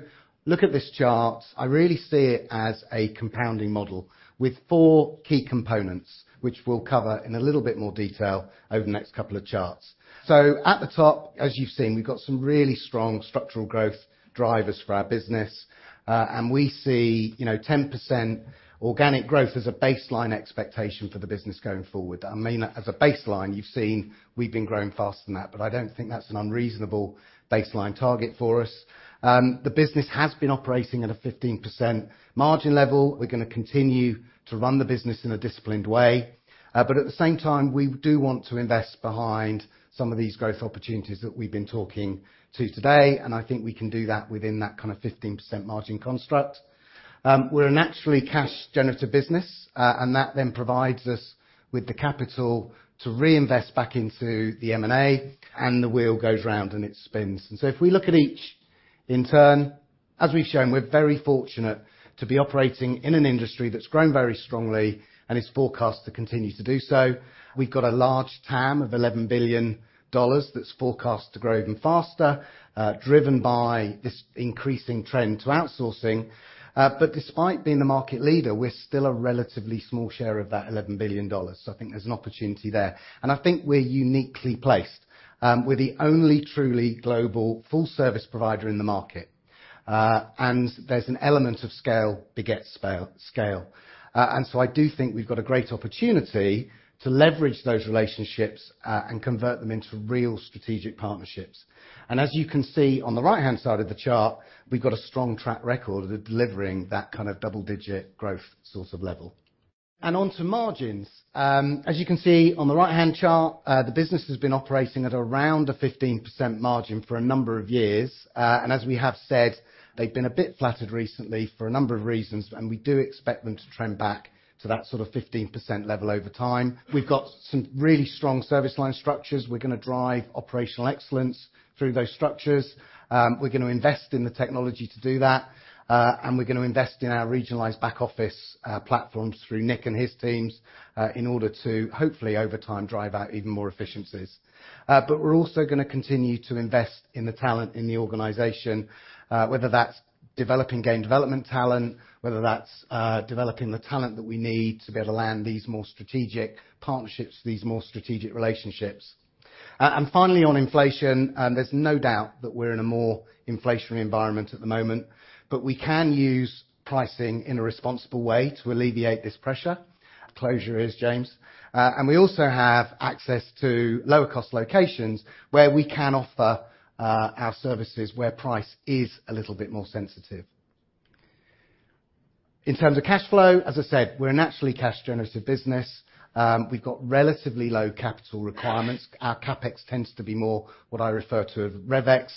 look at this chart, I really see it as a compounding model with four key components, which we'll cover in a little bit more detail over the next couple of charts. At the top, as you've seen, we've got some really strong structural growth drivers for our business. We see, you know, 10% organic growth as a baseline expectation for the business going forward. I mean, as a baseline, you've seen we've been growing faster than that, but I don't think that's an unreasonable baseline target for us. The business has been operating at a 15% margin level. We're going to continue to run the business in a disciplined way, but at the same time, we do want to invest behind some of these growth opportunities that we've been talking to today, and I think we can do that within that kind of 15% margin construct. We're a naturally cash generative business, and that then provides us with the capital to reinvest back into the M&A, and the wheel goes round, and it spins. If we look at each in turn, as we've shown, we're very fortunate to be operating in an industry that's grown very strongly and is forecast to continue to do so. We've got a large TAM of $11 billion that's forecast to grow even faster, driven by this increasing trend to outsourcing. Despite being a market leader, we're still a relatively small share of that $11 billion. I think there's an opportunity there. I think we're uniquely placed. We're the only truly global full service provider in the market. There's an element of scale begets scale. I do think we've got a great opportunity to leverage those relationships, and convert them into real strategic partnerships. As you can see on the right-hand side of the chart, we've got a strong track record of delivering that kind of double-digit growth sort of level. Onto margins. As you can see on the right-hand chart, the business has been operating at around a 15% margin for a number of years. As we have said, they've been a bit flattered recently for a number of reasons, and we do expect them to trend back to that sort of 15% level over time. We've got some really strong service line structures. We're going to drive operational excellence through those structures. We're going to invest in the technology to do that, and we're going to invest in our regionalized back office platforms through Nick and his teams in order to hopefully over time drive out even more efficiencies. We're also going to continue to invest in the talent in the organization, whether that's developing game development talent, whether that's developing the talent that we need to be able to land these more strategic partnerships, these more strategic relationships. Finally, on inflation, there's no doubt that we're in a more inflationary environment at the moment, but we can use pricing in a responsible way to alleviate this pressure. Caller is James. We also have access to lower cost locations where we can offer our services where price is a little bit more sensitive. In terms of cash flow, as I said, we're a naturally cash generative business. We've got relatively low capital requirements. Our CapEx tends to be more what I refer to as RevEx,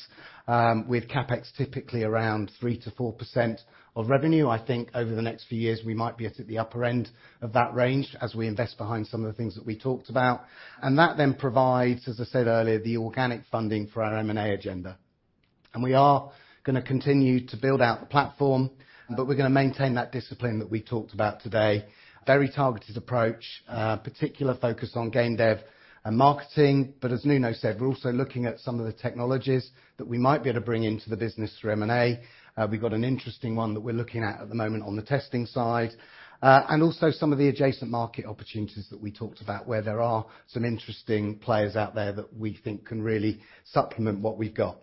with CapEx typically around 3%-4% of revenue. I think over the next few years, we might be at the upper end of that range as we invest behind some of the things that we talked about. That then provides, as I said earlier, the organic funding for our M&A agenda. We are going to continue to build out the platform, but we're going to maintain that discipline that we talked about today. Very targeted approach, particular focus on game dev and marketing. As Nuno said, we're also looking at some of the technologies that we might be able to bring into the business through M&A. We've got an interesting one that we're looking at at the moment on the testing side. Also some of the adjacent market opportunities that we talked about where there are some interesting players out there that we think can really supplement what we've got.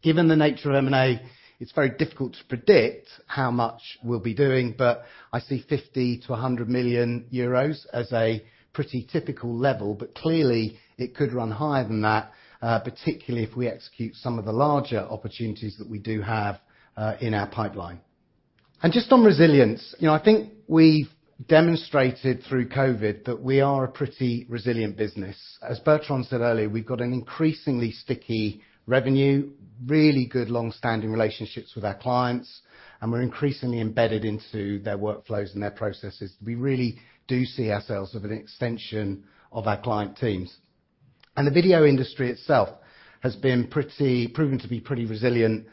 Given the nature of M&A, it's very difficult to predict how much we'll be doing, but I see 50 million-100 million euros as a pretty typical level. Clearly, it could run higher than that, particularly if we execute some of the larger opportunities that we do have in our pipeline. Just on resilience, you know, I think we've demonstrated through COVID that we are a pretty resilient business. As Bertrand said earlier, we've got an increasingly sticky revenue, really good long-standing relationships with our clients, and we're increasingly embedded into their workflows and their processes. We really do see ourselves as an extension of our client teams. The video industry itself has been pretty proven to be pretty resilient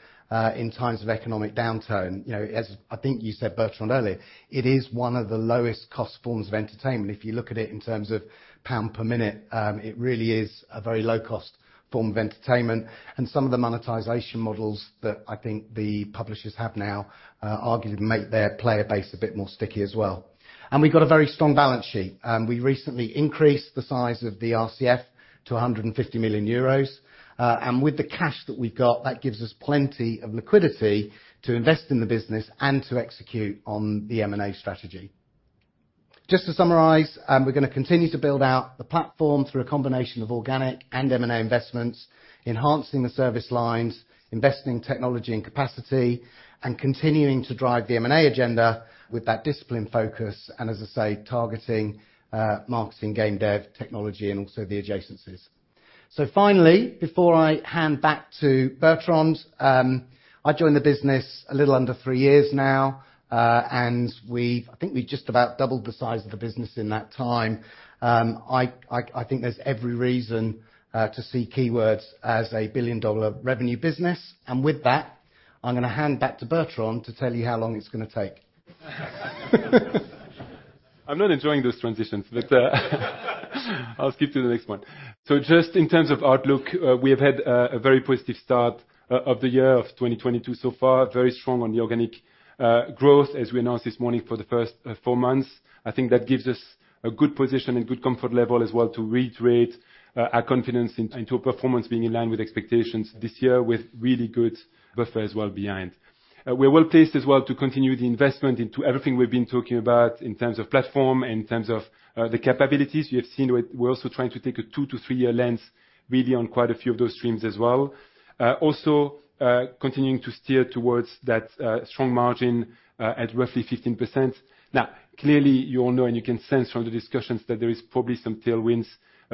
in times of economic downturn. You know, as I think you said, Bertrand, earlier, it is one of the lowest cost forms of entertainment. If you look at it in terms of pound per minute, it really is a very low cost form of entertainment. Some of the monetization models that I think the publishers have now, arguably make their player base a bit more sticky as well. We've got a very strong balance sheet. We recently increased the size of the RCF to 150 million euros. With the cash that we've got, that gives us plenty of liquidity to invest in the business and to execute on the M&A strategy. Just to summarize, we're going to continue to build out the platform through a combination of organic and M&A investments, enhancing the service lines, investing in technology and capacity, and continuing to drive the M&A agenda with that discipline focus, and as I say, targeting marketing, game dev, technology, and also the adjacencies. Finally, before I hand back to Bertrand, I joined the business a little under three years now, and I think we just about doubled the size of the business in that time. I think there's every reason to see Keywords as $1 billion revenue business. With that, I'm going to hand back to Bertrand to tell you how long it's going to take. I'm not enjoying this transition, but I'll skip to the next one. Just in terms of outlook, we have had a very positive start of the year of 2022 so far, very strong on the organic growth as we announced this morning for the first four months. I think that gives us a good position and good comfort level as well to reiterate our confidence into a performance being in line with expectations this year with really good buffer as well behind. We're well-placed as well to continue the investment into everything we've been talking about in terms of platform, in terms of the capabilities. You have seen we're also trying to take a two to three-year lens really on quite a few of those streams as well. Also, continuing to steer towards that strong margin at roughly 15%. Now, clearly, you all know and you can sense from the discussions that there is probably some tailwinds,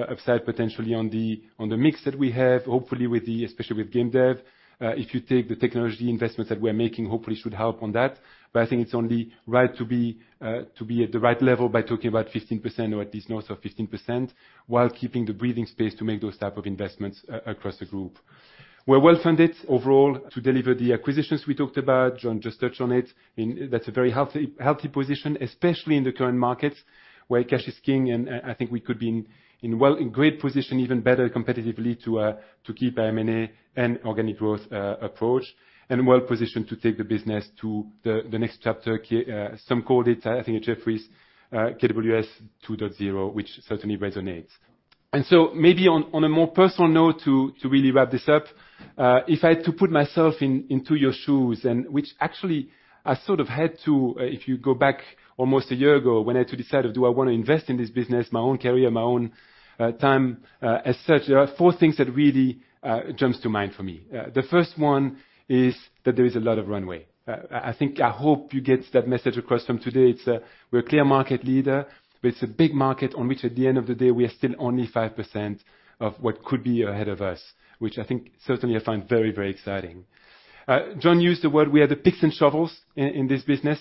upside potentially on the mix that we have, hopefully with the, especially with game dev. If you take the technology investments that we're making, hopefully it should help on that. But I think it's only right to be at the right level by talking about 15% or at least north of 15% while keeping the breathing space to make those type of investments across the group. We're well-funded overall to deliver the acquisitions we talked about. Jon just touched on it. That's a very healthy position, especially in the current markets where cash is king, and I think we could be in great position, even better competitively to keep M&A and organic growth approach, and well-positioned to take the business to the next chapter. Some called it, I think at Jefferies, KWS 2.0, which certainly resonates. Maybe on a more personal note to really wrap this up, if I had to put myself into your shoes and which actually I sort of had to, if you go back almost a year ago when I had to decide if I want to invest in this business, my own career, my own time as such, there are four things that really jumps to mind for me. The first one is that there is a lot of runway. I think I hope you get that message across from today. It's we're a clear market leader, but it's a big market on which at the end of the day, we are still only 5% of what could be ahead of us, which I think certainly I find very, very exciting. Jon used the word we are the picks and shovels in this business.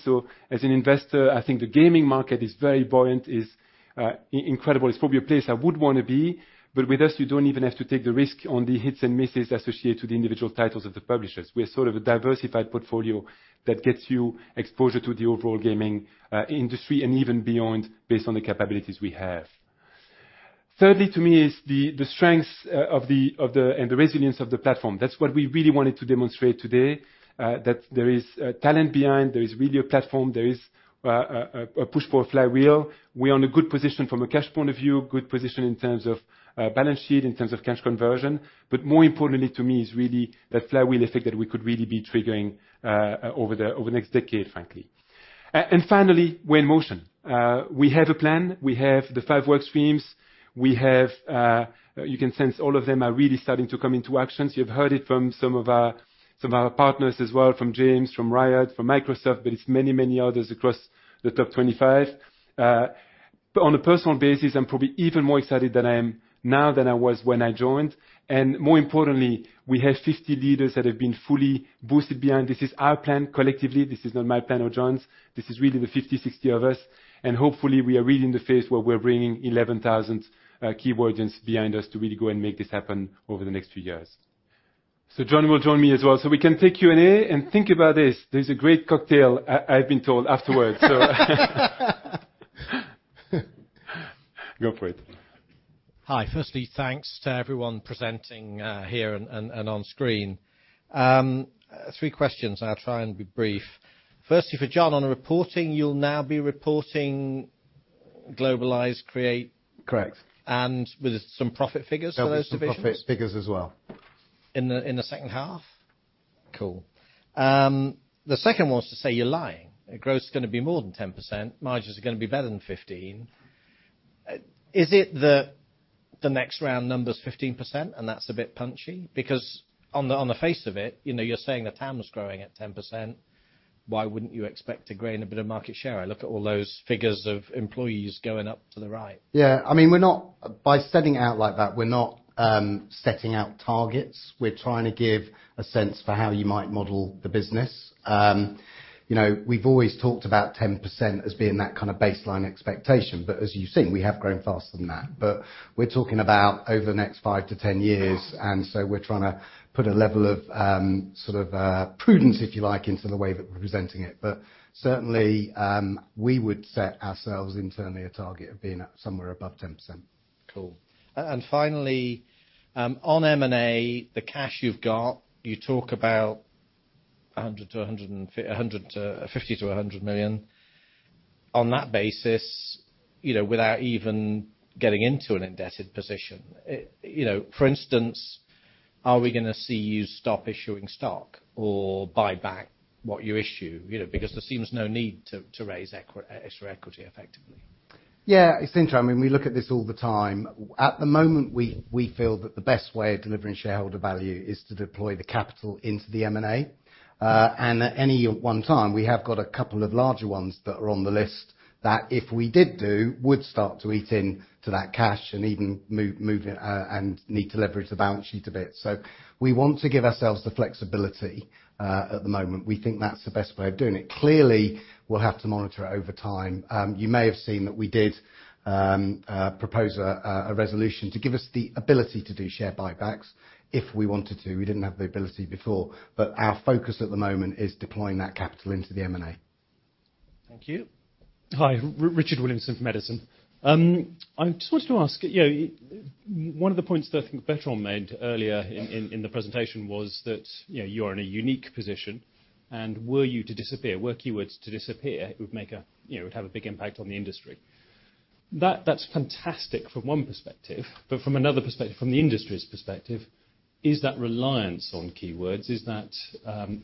As an investor, I think the gaming market is very buoyant, incredible. It's probably a place I would want to be, but with us, you don't even have to take the risk on the hits and misses associated to the individual titles of the publishers. We are sort of a diversified portfolio that gets you exposure to the overall gaming industry and even beyond based on the capabilities we have. Thirdly to me is the strengths of the and the resilience of the platform. That's what we really wanted to demonstrate today, that there is talent behind, there is really a platform, there is a push for a flywheel. We're in a good position from a cash point of view, good position in terms of balance sheet, in terms of cash conversion, but more importantly to me is really that flywheel effect that we could really be triggering over the next decade, frankly. Finally, we're in motion. We have a plan. We have the five work streams. You can sense all of them are really starting to come into actions. You've heard it from some of our partners as well, from James, from Riot, from Microsoft, but it's many, many others across the top 25. On a personal basis, I'm probably even more excited than I am now than I was when I joined, and more importantly, we have 50 leaders that have been fully boosted behind. This is our plan collectively. This is not my plan or Jon's. This is really the 50-60 of us, and hopefully, we are really in the phase where we're bringing 11,000 Keywordians behind us to really go and make this happen over the next few years. Jon will join me as well. We can take Q&A and think about this. There's a great cocktail, I've been told, afterwards. Go for it. Hi. Firstly, thanks to everyone presenting here and on screen. Three questions, and I'll try and be brief. Firstly, for Jon, on the reporting, you'll now be reporting Globalize, Create- Correct. With some profit figures for those divisions? There'll be some profit figures as well. In the second half? Cool. The second one's to say you're lying. Growth's going to be more than 10%. Margins are going to be better than 15%. Is the next round number's 15% and that's a bit punchy? Because on the face of it, you know, you're saying the TAM's growing at 10%. Why wouldn't you expect to gain a bit of market share? I look at all those figures of employees going up to the right. Yeah. I mean, by setting out like that, we're not setting out targets. We're trying to give a sense for how you might model the business. You know, we've always talked about 10% as being that kind of baseline expectation, but as you've seen, we have grown faster than that. We're talking about over the next five to 10 years, we're trying to put a level of, sort of, prudence, if you like, into the way that we're presenting it. Certainly, we would set ourselves internally a target of being at somewhere above 10%. Cool. Finally, on M&A, the cash you've got, you talk about 50 million-100 million. On that basis, you know, without even getting into an indebted position, it, you know, for instance, are we going to see you stop issuing stock or buy back what you issue? You know, because there seems no need to raise extra equity effectively. Yeah. It's interesting. I mean, we look at this all the time. At the moment, we feel that the best way of delivering shareholder value is to deploy the capital into the M&A. At any one time, we have got a couple of larger ones that are on the list that if we did do, would start to eat into that cash and even move and need to leverage the balance sheet a bit. We want to give ourselves the flexibility at the moment. We think that's the best way of doing it. Clearly, we'll have to monitor it over time. You may have seen that we did propose a resolution to give us the ability to do share buybacks if we wanted to. We didn't have the ability before, but our focus at the moment is deploying that capital into the M&A. Thank you. Hi. Richard Williamson from Edison. I just wanted to ask, you know, one of the points that I think Bertrand made earlier in the presentation was that, you know, you're in a unique position, and were you to disappear, were Keywords to disappear, it would make a, you know, it would have a big impact on the industry. That's fantastic from one perspective, but from another perspective, from the industry's perspective, is that reliance on Keywords, is that,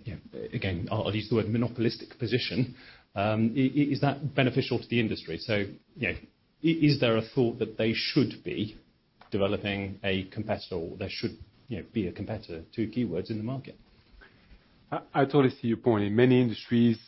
you know, again, I'll use the word monopolistic position, is that beneficial to the industry? You know, is there a thought that they should be developing a competitor or there should, you know, be a competitor to Keywords in the market? I totally see your point. In many industries,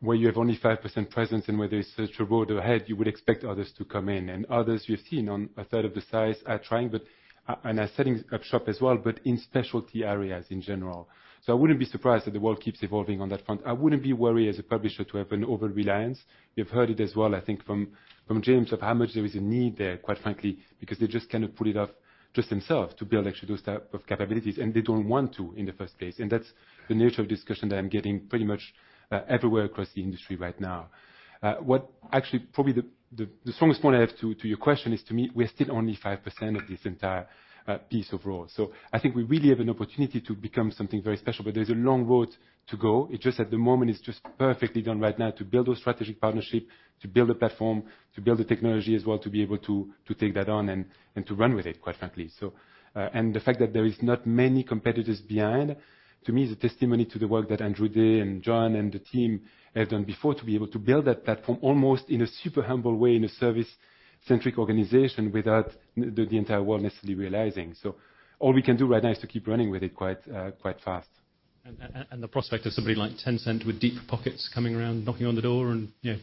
where you have only 5% presence and where there is such a road ahead, you would expect others to come in. Others you've seen on a third of the size are trying but are setting up shop as well, but in specialty areas in general. I wouldn't be surprised that the world keeps evolving on that front. I wouldn't be worried as a publisher to have an over-reliance. You've heard it as well, I think, from James of how much there is a need there, quite frankly, because they just cannot pull it off just themselves to build actually those type of capabilities, and they don't want to in the first place. That's the nature of discussion that I'm getting pretty much everywhere across the industry right now. What actually probably the strongest point I have to your question is to me, we're still only 5% of this entire piece of the pie. I think we really have an opportunity to become something very special, but there's a long road to go. At the moment, it's just perfectly timed right now to build those strategic partnerships, to build a platform, to build the technology as well, to be able to take that on and to run with it, quite frankly. The fact that there is not many competitors behind, to me, is a testimony to the work that Andrew Day and Jon and the team have done before to be able to build that platform almost in a super humble way, in a service-centric organization without the entire world necessarily realizing. All we can do right now is to keep running with it quite fast. The prospect of somebody like Tencent with deep pockets coming around, knocking on the door and, you know,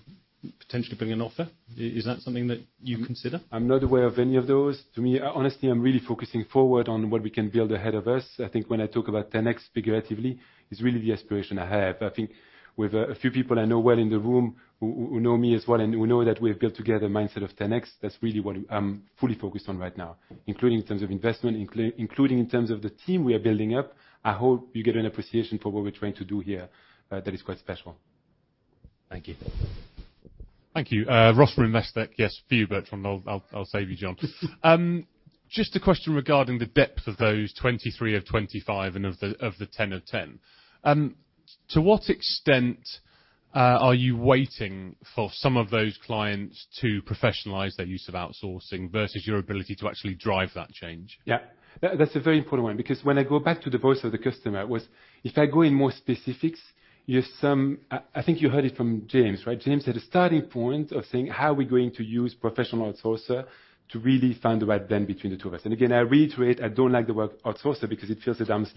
potentially bringing an offer, is that something that you consider? I'm not aware of any of those. To me, honestly, I'm really focusing forward on what we can build ahead of us. I think when I talk about 10x figuratively, it's really the aspiration I have. I think with a few people I know well in the room who know me as well, and who know that we have built together a mindset of 10x. That's really what I'm fully focused on right now, including in terms of investment, including in terms of the team we are building up. I hope you get an appreciation for what we're trying to do here, that is quite special. Thank you. Thank you. Thank you. [Ross from WestDeck]. Yes, for you, Bertrand. I'll save you, Jon. Just a question regarding the depth of those 23 of 25 and of the 10 of 10. To what extent are you waiting for some of those clients to professionalize their use of outsourcing versus your ability to actually drive that change? That's a very important one because when I go back to the voice of the customer was, if I go in more specifics, I think you heard it from James, right? James had a starting point of saying, "How are we going to use professional outsourcer to really find the right blend between the two of us?" I reiterate, I don't like the word outsourcer because it feels at arm's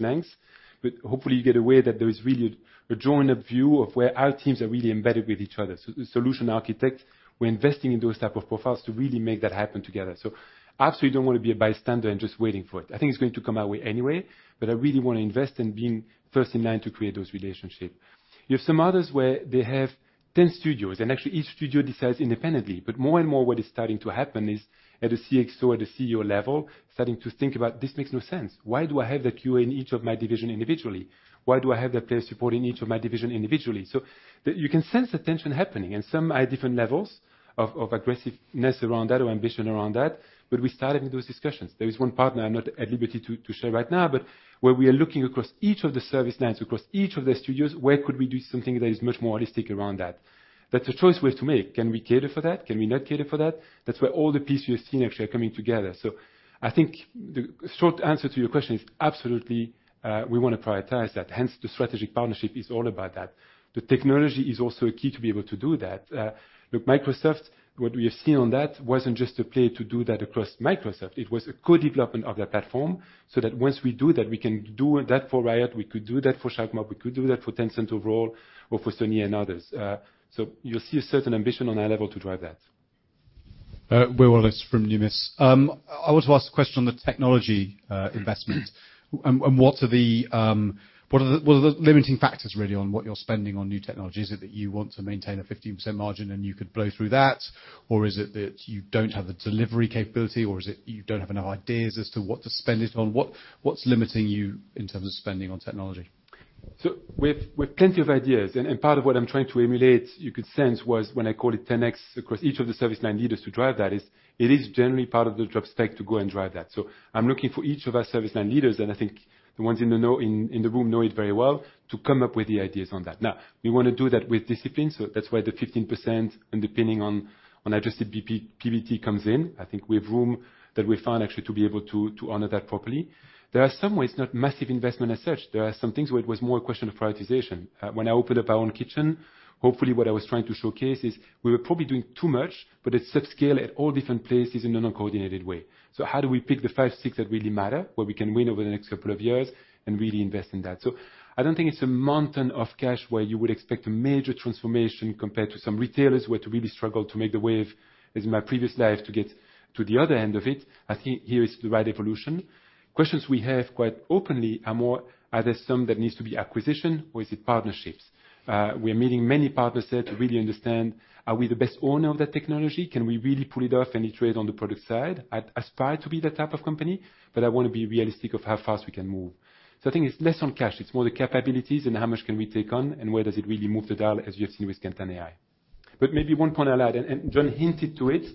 length. Hopefully, you get aware that there is really a joined up view of where our teams are really embedded with each other. The solution architect, we're investing in those type of profiles to really make that happen together. Absolutely don't want to be a bystander and just waiting for it. I think it's going to come our way anyway, but I really want to invest in being first in line to create those relationship. You have some others where they have 10 studios, and actually each studio decides independently. More and more what is starting to happen is at a CXO or the CEO level, starting to think about, "This makes no sense. Why do I have the QA in each of my division individually? Why do I have the player support in each of my division individually?" You can sense the tension happening and some at different levels of aggressiveness around that or ambition around that. We started those discussions. There is one partner I'm not at liberty to share right now, but where we are looking across each of the service lines, across each of their studios, where could we do something that is much more holistic around that? That's a choice we have to make. Can we cater for that? Can we not cater for that? That's where all the pieces you have seen actually are coming together. I think the short answer to your question is absolutely, we want to prioritize that. Hence, the strategic partnership is all about that. The technology is also a key to be able to do that. Look, Microsoft, what we have seen on that wasn't just a play to do that across Microsoft. It was a co-development of their platform, so that once we do that, we can do that for Riot, we could do that for Sharkmob, we could do that for Tencent overall or for Sony and others. You'll see a certain ambition on our level to drive that. Wallace from Numis. I want to ask a question on the technology investment. What are the limiting factors really on what you're spending on new technology? Is it that you want to maintain a 15% margin and you could blow through that? Is it that you don't have the delivery capability, or is it you don't have enough ideas as to what to spend it on? What's limiting you in terms of spending on technology? We've plenty of ideas, and part of what I'm trying to emulate, you could sense, was when I call it 10x across each of the service line leaders to drive that. It is generally part of the job spec to go and drive that. I'm looking for each of our service line leaders, and I think the ones in the know in the room know it very well to come up with the ideas on that. Now, we want to do that with discipline, so that's where the 15% and depending on adjusted BP-PBT comes in. I think we have room that we found actually to be able to honor that properly. There are some ways, not massive investment as such. There are some things where it was more a question of prioritization. When I opened up our own kitchen, hopefully what I was trying to showcase is we were probably doing too much, but it's subscale at all different places in an uncoordinated way. How do we pick the five, six that really matter, where we can win over the next couple of years and really invest in that? I don't think it's a mountain of cash where you would expect a major transformation compared to some retailers who had to really struggle to make the wave, as in my previous life, to get to the other end of it. I think here is the right evolution. Questions we have quite openly are more, are there some that needs to be acquisition or is it partnerships? We are meeting many partners there to really understand are we the best owner of that technology? Can we really pull it off and iterate on the product side? I aspire to be that type of company, but I want to be realistic of how fast we can move. I think it's less on cash, it's more the capabilities and how much can we take on and where does it really move the dial, as you have seen with KantanAI. Maybe one point I'll add, and Jon hinted to it,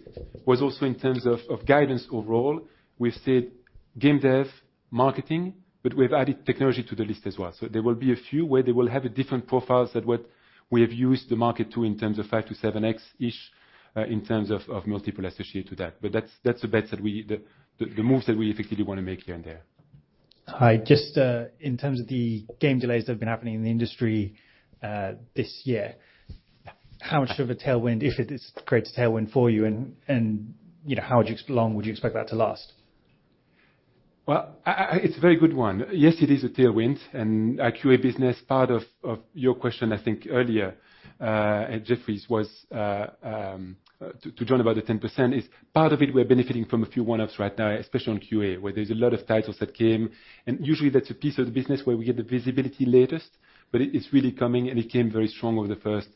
was also in terms of guidance overall. We've said game dev, marketing, but we've added technology to the list as well. There will be a few where they will have a different profiles than what the market is used to in terms of 5x-7x-ish in terms of multiple associated to that. That's the moves that we effectively want to make here and there. Hi. Just in terms of the game delays that have been happening in the industry this year, how much of a tailwind, if it is, creates a tailwind for you and you know, how long would you expect that to last? It's a very good one. Yes, it is a tailwind, and our QA business, part of your question, I think earlier at Jefferies was the one about the 10% is part of it we're benefiting from a few one-offs right now, especially on QA, where there's a lot of titles that came. Usually, that's a piece of the business where we get the visibility latest, but it's really coming, and it came very strong over the first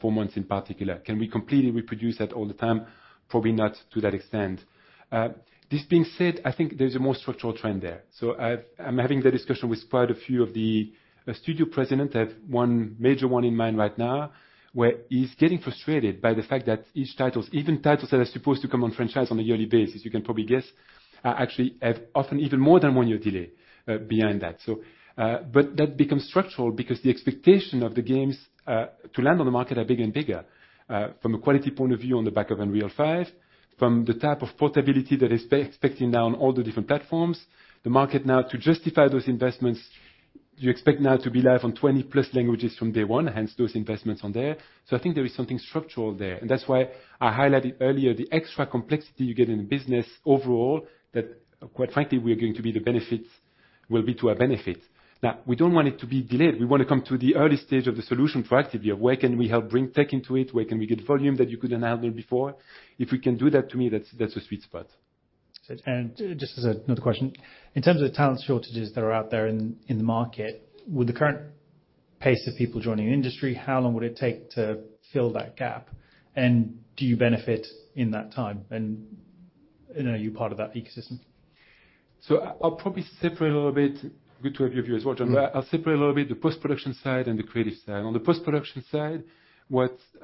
four months in particular. Can we completely reproduce that all the time? Probably not to that extent. This being said, I think there's a more structural trend there. I'm having the discussion with quite a few of the studio presidents. I have one major one in mind right now, where he's getting frustrated by the fact that each titles, even titles that are supposed to come on franchise on a yearly basis, you can probably guess, actually have often even more than one year delay behind that. That becomes structural because the expectation of the games to land on the market are bigger and bigger. From a quality point of view on the back of Unreal 5, from the type of portability that is expected now on all the different platforms. The market now, to justify those investments, you expect now to be live on 20+ languages from day one, hence those investments on there. I think there is something structural there, and that's why I highlighted earlier the extra complexity you get in the business overall that quite frankly, will be to our benefit. Now we don't want it to be delayed. We want to come to the early stage of the solution proactively of where can we help bring tech into it? Where can we get volume that you couldn't handle before? If we can do that, to me, that's a sweet spot. Just as another question. In terms of talent shortages that are out there in the market, with the current pace of people joining the industry, how long would it take to fill that gap? Do you benefit in that time? You know, are you part of that ecosystem? I'll probably separate a little bit. Good to have you here as well, Jon. I'll separate a little bit the post-production side and the creative side. On the post-production side,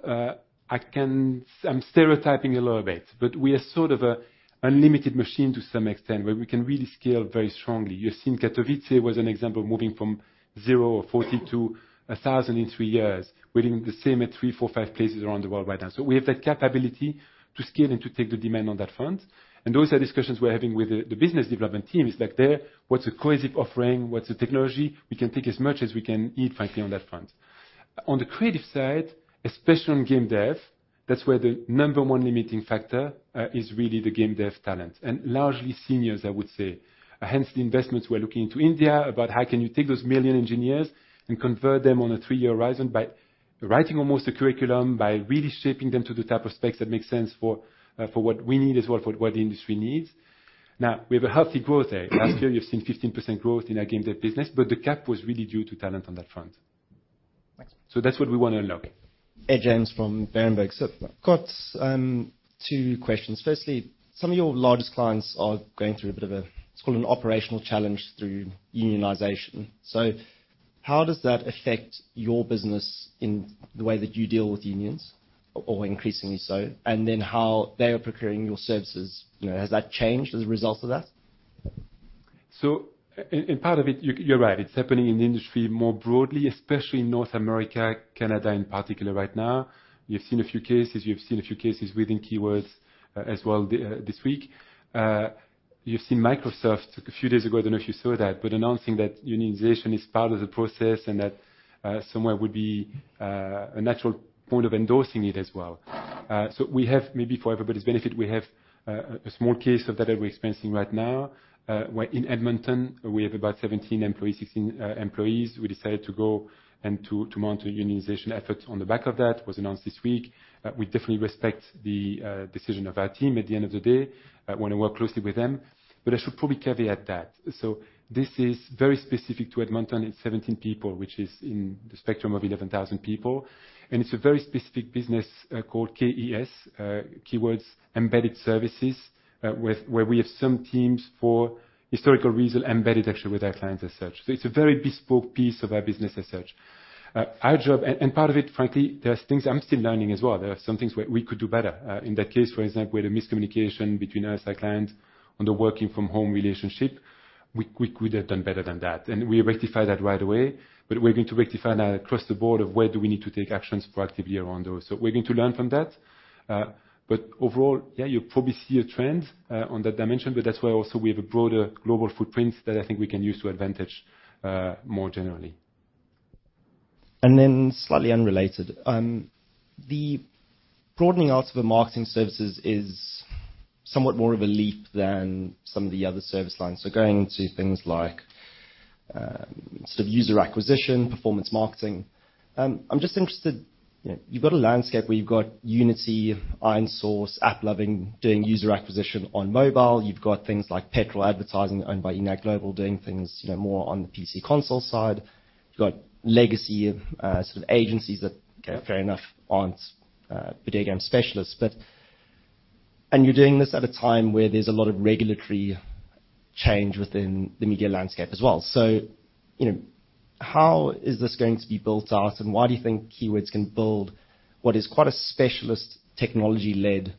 I'm stereotyping a little bit, but we are sort of an unlimited machine to some extent, where we can really scale very strongly. You've seen Katowice was an example, moving from 0 or 40 to 1,000 in three years. We're doing the same at three, four, five places around the world right now. We have that capability to scale and to take the demand on that front. Those are discussions we're having with the business development team. It's like there, what's the cohesive offering? What's the technology? We can take as much as we can eat, frankly, on that front. On the creative side, especially on game dev, that's where the number one limiting factor is really the game dev talent, and largely seniors, I would say. Hence, the investments we're looking into India about how can you take those million engineers and convert them on a three-year horizon by writing almost a curriculum, by really shaping them to the type of specs that make sense for what we need as well, for what the industry needs. Now, we have a healthy growth there. Last year, you've seen 15% growth in our game dev business, but the cap was really due to talent on that front. That's what we want to unlock. Ed James from Berenberg. Got two questions. Firstly, some of your largest clients are going through a bit of a, let's call it an operational challenge through unionization. How does that affect your business in the way that you deal with unions or increasingly so, and then how they are procuring your services? You know, has that changed as a result of that? In part of it, you're right. It's happening in the industry more broadly, especially in North America, Canada in particular right now. You've seen a few cases. You've seen a few cases within Keywords as well this week. You've seen Microsoft a few days ago, I don't know if you saw that, but announcing that unionization is part of the process and that Sony would be a natural point of endorsing it as well. We have maybe for everybody's benefit, we have a small case of that we're experiencing right now, where in Edmonton, we have about 17 employees, 16 employees who decided to go and to mount a unionization effort on the back of that which was announced this week. We definitely respect the decision of our team. At the end of the day, want to work closely with them, but I should probably caveat that. This is very specific to Edmonton. It's 17 people, which is in the spectrum of 11,000 people. It's a very specific business, called KES, Keywords Embedded Services, where we have some teams for historical reason embedded actually with our clients as such. It's a very bespoke piece of our business as such. Our job and part of it, frankly, there's things I'm still learning as well. There are some things where we could do better. In that case, for example, we had a miscommunication between us, our clients on the working from home relationship. We could have done better than that. We rectify that right away, but we're going to rectify now across the board of where do we need to take actions proactively around those. We're going to learn from that. Overall, yeah, you probably see a trend on that dimension, but that's why also we have a broader global footprint that I think we can use to advantage more generally. Slightly unrelated. The broadening out of the marketing services is somewhat more of a leap than some of the other service lines. Going into things like sort of user acquisition, performance marketing. I'm just interested, you know, you've got a landscape where you've got Unity, ironSource, AppLovin doing user acquisition on mobile. You've got things like PETROL Advertising owned by Enad Global 7, doing things, you know, more on the PC console side. You've got legacy sort of agencies that, okay, fair enough, aren't video game specialists, but you're doing this at a time where there's a lot of regulatory change within the media landscape as well. You know, how is this going to be built out and why do you think Keywords can build what is quite a specialist technology-led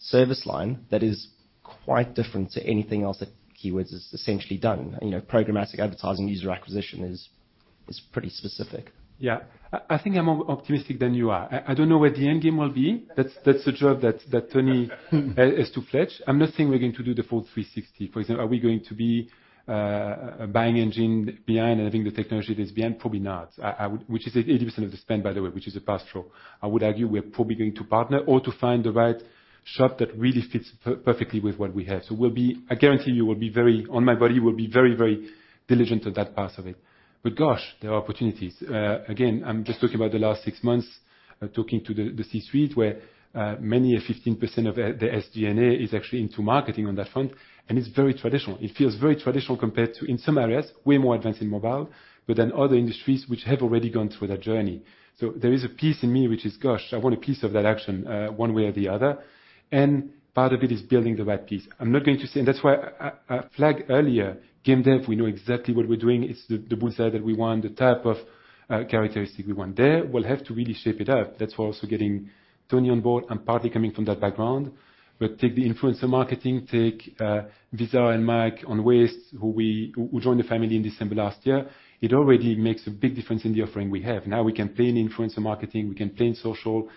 service line that is quite different to anything else that Keywords has essentially done? You know, programmatic advertising, user acquisition is pretty specific. Yeah. I think I'm more optimistic than you are. I don't know what the end game will be. That's a job that Tony is to plan. I'm not saying we're going to do the full 360. For example, are we going to be buying, engine building, and having the technology that's behind it? Probably not. Which is 80% of the spend, by the way, which is a hard and fast rule. I would argue we are probably going to partner or to find the right shop that really fits perfectly with what we have. I guarantee you, on my word, we'll be very, very diligent on that part of it. But gosh, there are opportunities. Again, I'm just talking about the last six months, talking to the C-suite, where many 15% of their SG&A is actually into marketing on that front, and it's very traditional. It feels very traditional compared to in some areas way more advanced in mobile, but then other industries which have already gone through that journey. There is a piece in me which is, gosh, I want a piece of that action, one way or the other. Part of it is building the right piece. That's why I flagged earlier, game dev, we know exactly what we're doing. It's the bullseye that we want, the type of characteristic we want. There, we'll have to really shape it up. That's why also getting Tony on board and partly coming from that background. Take the influencer marketing, take Visar and Mike at Waste, who joined the family in December last year. It already makes a big difference in the offering we have. Now we can play in influencer marketing, we can play in social,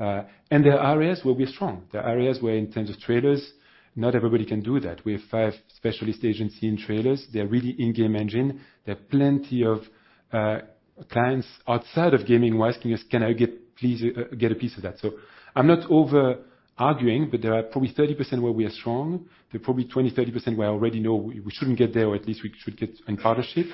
and there are areas where we're strong. There are areas where in terms of trailers, not everybody can do that. We have five specialist agency in trailers. They're really in-game engine. There are plenty of clients outside of gaming who are asking us, "Can I get please a piece of that?" I'm not over-arguing, but there are probably 30% where we are strong. There are probably 20%-30% where I already know we shouldn't get there, or at least we should get in partnership,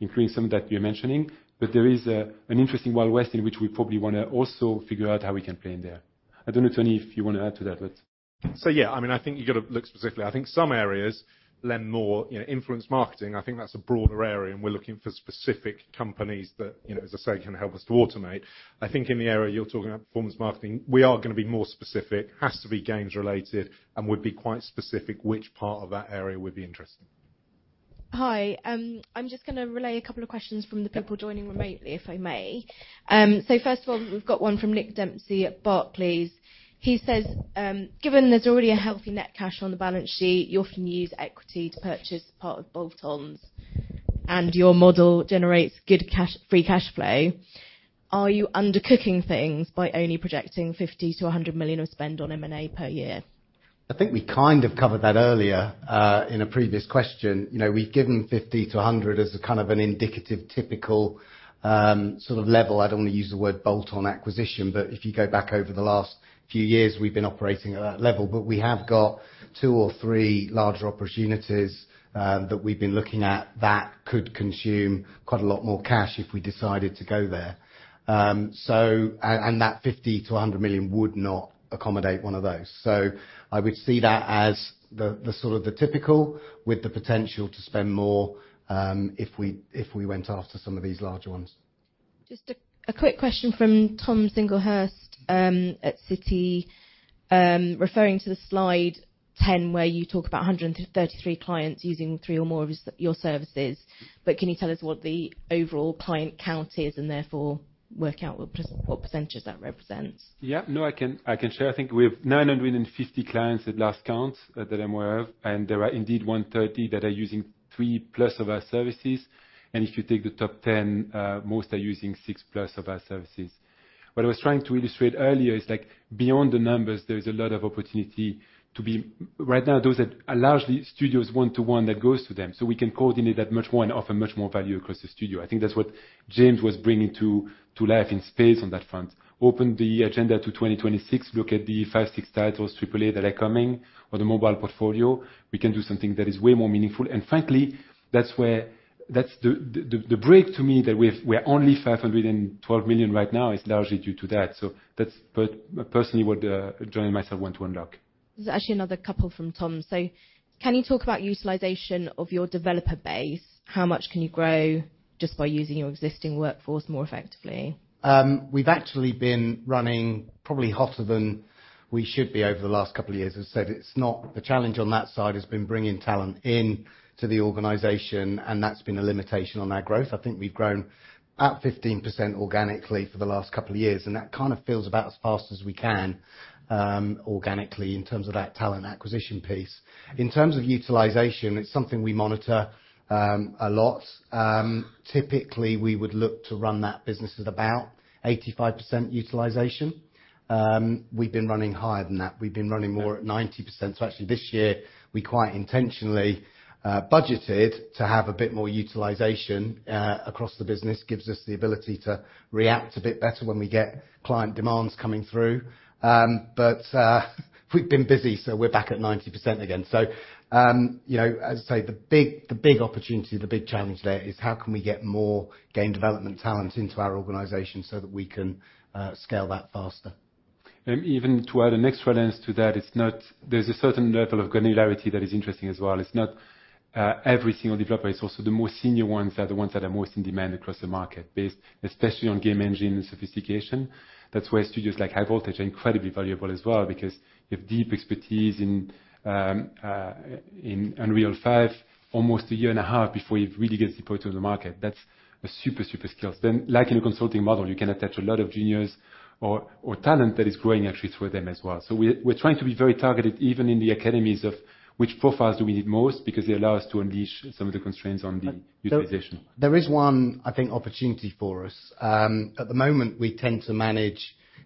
including some that you're mentioning. There is an interesting Wild West in which we probably want to also figure out how we can play in there. I don't know, Tony, if you want to add to that. Yeah, I mean, I think you gotta look specifically. I think some areas lend more, you know, influencer marketing. I think that's a broader area, and we're looking for specific companies that, you know, as I say, can help us to automate. I think in the area you're talking about, performance marketing, we are going to be more specific. Has to be games related, and we'd be quite specific which part of that area would be interesting. Hi. I'm just going to relay a couple of questions from the people joining remotely, if I may. First of all, we've got one from Nick Dempsey at Barclays. He says, "Given there's already a healthy net cash on the balance sheet, you often use equity to purchase part of bolt-ons, and your model generates good cash free cash flow. Are you undercooking things by only projecting 50 million-100 million of spend on M&A per year? I think we kind of covered that earlier in a previous question. You know, we've given 50 million-100 million as a kind of an indicative, typical sort of level. I don't want to use the word bolt-on acquisition, but if you go back over the last few years, we've been operating at that level. We have got two or three larger opportunities that we've been looking at that could consume quite a lot more cash if we decided to go there. And that 50 million-100 million would not accommodate one of those. I would see that as the sort of typical with the potential to spend more if we went after some of these larger ones. Just a quick question from Thomas Singlehurst at Citi. Referring to slide 10, where you talk about 133 clients using three or more of your services, but can you tell us what the overall client count is, and therefore work out what percentage that represents? Yeah. No, I can share. I think we have 950 clients at last count at [LMIF], and there are indeed 130 that are using three plus of our services. If you take the top 10, most are using six plus of our services. What I was trying to illustrate earlier is, like, beyond the numbers, there is a lot of opportunity. Right now, those are largely studios one-to-one that goes to them. We can coordinate that much more and offer much more value across the studio. I think that's what James was bringing to life in spades on that front. Open the agenda to 2026, look at the five, six titles, AAA, that are coming or the mobile portfolio. We can do something that is way more meaningful. Frankly, that's the break to me that we're only 512 million right now is largely due to that. That's personally what Tony and myself want to unlock. There's actually another couple from Tom. Can you talk about utilization of your developer base? How much can you grow just by using your existing workforce more effectively? We've actually been running probably hotter than we should be over the last couple of years. As I said, the challenge on that side has been bringing talent in to the organization, and that's been a limitation on our growth. I think we've grown about 15% organically for the last couple of years, and that kind of feels about as fast as we can organically in terms of that talent acquisition piece. In terms of utilization, it's something we monitor a lot. Typically, we would look to run that business at about 85% utilization. We've been running higher than that. We've been running more at 90%. Actually this year we quite intentionally budgeted to have a bit more utilization across the business. Gives us the ability to react a bit better when we get client demands coming through. We've been busy, so we're back at 90% again. You know, as I say, the big opportunity, the big challenge there is how can we get more game development talent into our organization so that we can scale that faster? Even to add an extra lens to that, it's not. There's a certain level of granularity that is interesting as well. It's not every single developer. It's also the more senior ones are the ones that are most in demand across the market based especially on game engine sophistication. That's why studios like High Voltage are incredibly valuable as well, because you have deep expertise in Unreal 5 almost a year and a half before it really gets deployed to the market. That's a super skill. Then, like in a consulting model, you can attach a lot of juniors or talent that is growing actually through them as well. We're trying to be very targeted even in the academies of which profiles do we need most because they allow us to unleash some of the constraints on the utilization. There is one, I think, opportunity for us. At the moment, we tend to manage,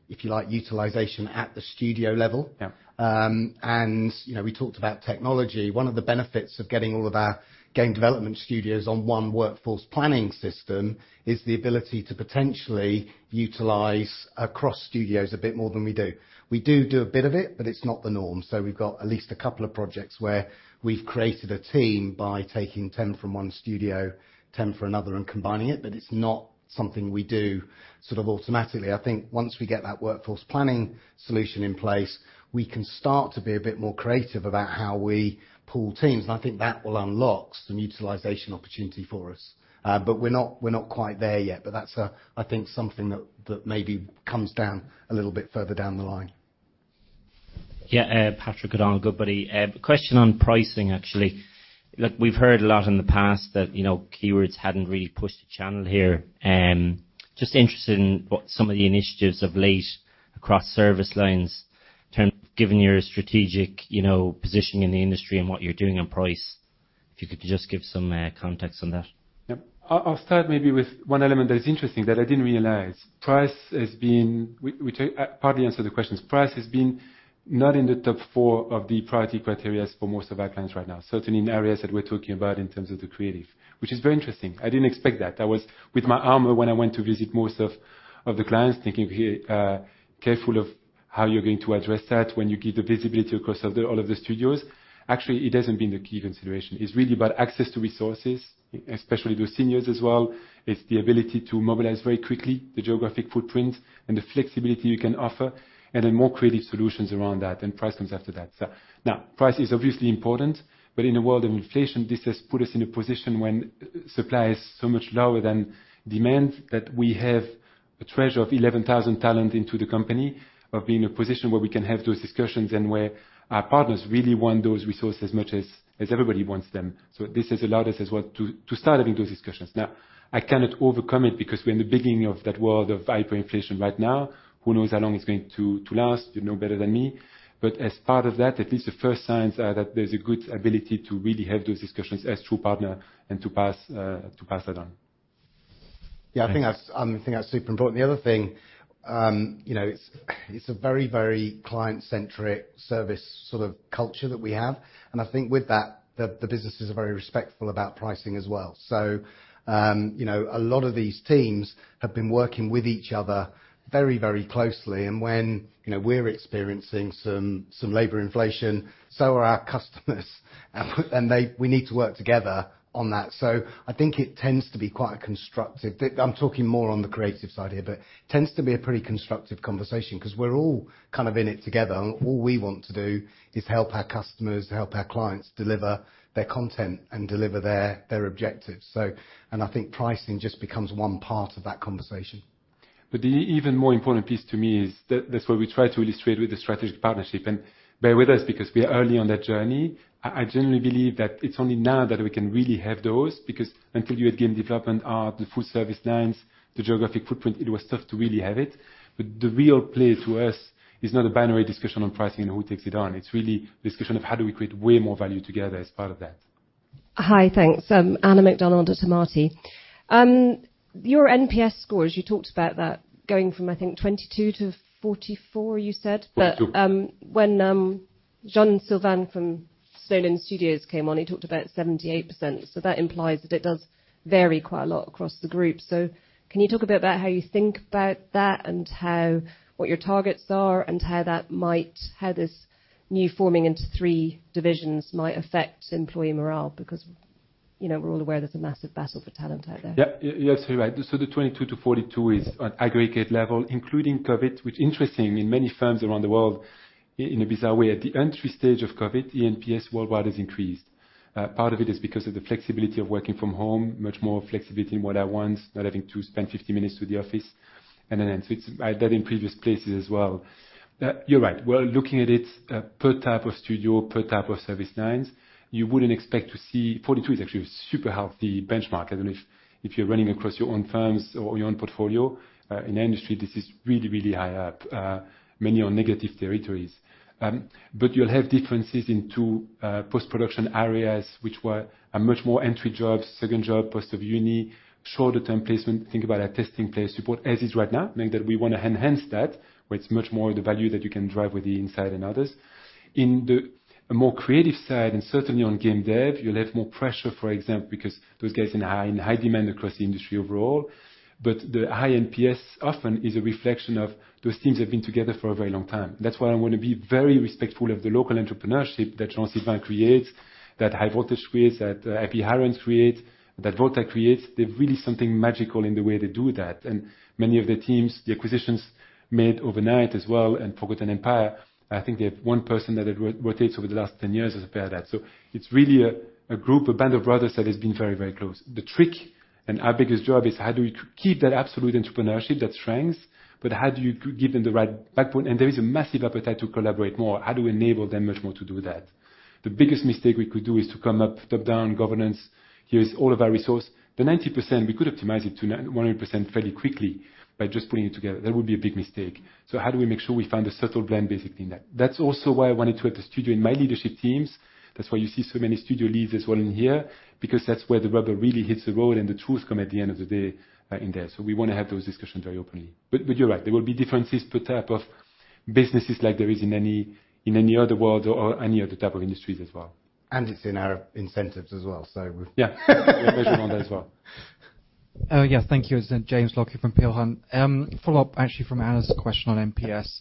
if you like, utilization at the studio level. You know, we talked about technology. One of the benefits of getting all of our game development studios on one workforce planning system is the ability to potentially utilize across studios a bit more than we do. We do a bit of it, but it's not the norm. We've got at least a couple of projects where we've created a team by taking 10 from one studio, 10 from another and combining it, but it's not something we do sort of automatically. I think once we get that workforce planning solution in place, we can start to be a bit more creative about how we pull teams, and I think that will unlock some utilization opportunity for us. But we're not quite there yet, but that's, I think, something that maybe comes down a little bit further down the line. Patrick, good buddy. Question on pricing, actually. Look, we've heard a lot in the past that, you know, Keywords hadn't really pushed the channel here. Just interested in what some of the initiatives of late across service lines there, given your strategic, you know, positioning in the industry and what you're doing on pricing. If you could just give some context on that. I'll start maybe with one element that is interesting that I didn't realize. Price has been part of the answer to the question is price has been not in the top four of the priority criteria for most of our clients right now, certainly in areas that we're talking about in terms of the creative, which is very interesting. I didn't expect that. That was with my armor when I went to visit most of the clients, thinking here, careful of how you're going to address that when you give the visibility across all of the studios. Actually, it hasn't been the key consideration. It's really about access to resources, especially those seniors as well. It's the ability to mobilize very quickly the geographic footprint and the flexibility you can offer, and then more creative solutions around that, and price comes after that. Now price is obviously important, but in a world of inflation, this has put us in a position when supply is so much lower than demand, that we have a treasure of 11,000 talent in the company, putting us in a position where we can have those discussions and where our partners really want those resources as much as everybody wants them. This has allowed us as well to start having those discussions. Now, I cannot overcome it because we're in the beginning of that world of hyperinflation right now. Who knows how long it's going to last? You know better than me. As part of that, at least the first signs are that there's a good ability to really have those discussions as true partner and to pass that on. Yeah, I think that's super important. The other thing, you know, it's a very, very client-centric service sort of culture that we have, and I think with that, the businesses are very respectful about pricing as well. You know, a lot of these teams have been working with each other very, very closely. When we're experiencing some labor inflation, so are our customers. We need to work together on that. I think it tends to be quite a constructive. I'm talking more on the creative side here, but tends to be a pretty constructive conversation because we're all kind of in it together, and all we want to do is help our customers, help our clients deliver their content and deliver their objectives. I think pricing just becomes one part of that conversation. The even more important piece to me is that that's why we try to illustrate with the strategic partnership and bear with us because we are early on that journey. I generally believe that it's only now that we can really have those, because until you had game development, the full service lines, the geographic footprint, it was tough to really have it. The real play to us is not a binary discussion on pricing and who takes it on. It's really a discussion of how do we create way more value together as part of that. Hi. Thanks. [Anna Macdonald] at. [INAUDIBLE] Your NPS scores, you talked about that going from, I think, 22 to 44, you said? 42. When Jean-Sylvain from Snowed In Studios came on, he talked about 78%. That implies that it does vary quite a lot across the group. Can you talk a bit about how you think about that and how what your targets are and how this new forming into three divisions might affect employee morale? Because, you know, we're all aware there's a massive battle for talent out there. You're absolutely right. The 22-42 is on aggregate level, including COVID, which interestingly in many firms around the world, in a bizarre way, at the entry stage of COVID, ENPS worldwide has increased. Part of it is because of the flexibility of working from home, much more flexibility in what I want, not having to spend 50 minutes to the office, and then. It's. I've done in previous places as well. You're right. We're looking at it per type of studio, per type of service lines. You wouldn't expect to see. 42 is actually a super healthy benchmark. I don't know if you're running across your own firms or your own portfolio. In the industry, this is really, really high up, many in negative territory. You'll have differences in two post-production areas which were much more entry jobs, second job post-uni, shorter-term placement. Think about our testing QA support as is right now, meaning that we want to enhance that, where it's much more the value that you can drive with the insight and others. In the more creative side, and certainly on game dev, you'll have more pressure, for example, because those guys in high demand across the industry overall. The high NPS often is a reflection of those teams have been together for a very long time. That's why I want to be very respectful of the local entrepreneurship that Jean-Sylvain creates, that High Voltage creates, that Happy Hare creates, that VOLTA creates. There's really something magical in the way they do that. Many of the teams, the acquisitions made overnight as well, and Forgotten Empires, I think they had one person that had rotated over the last 10 years as a part of that. It's really a group, a band of brothers that has been very, very close. The trick, and our biggest job, is how do we keep that absolute entrepreneurship, that strength, but how do you give them the right backbone? There is a massive appetite to collaborate more. How do we enable them much more to do that? The biggest mistake we could do is to come up with top-down governance. Here's all of our resources. The 90%, we could optimize it to 100% fairly quickly by just putting it together. That would be a big mistake. How do we make sure we find a subtle blend, basically, in that? That's also why I wanted to have the studio in my leadership teams. That's why you see so many studio leads as well in here, because that's where the rubber really hits the road and the truth come at the end of the day in there. We want to have those discussions very openly. But you're right. There will be differences per type of businesses like there is in any other world or any other type of industries as well. It's in our incentives as well. Yeah. We're measuring on there as well. Yeah. Thank you. It's James Lockyer from Peel Hunt. Follow-up actually from Anna's question on NPS.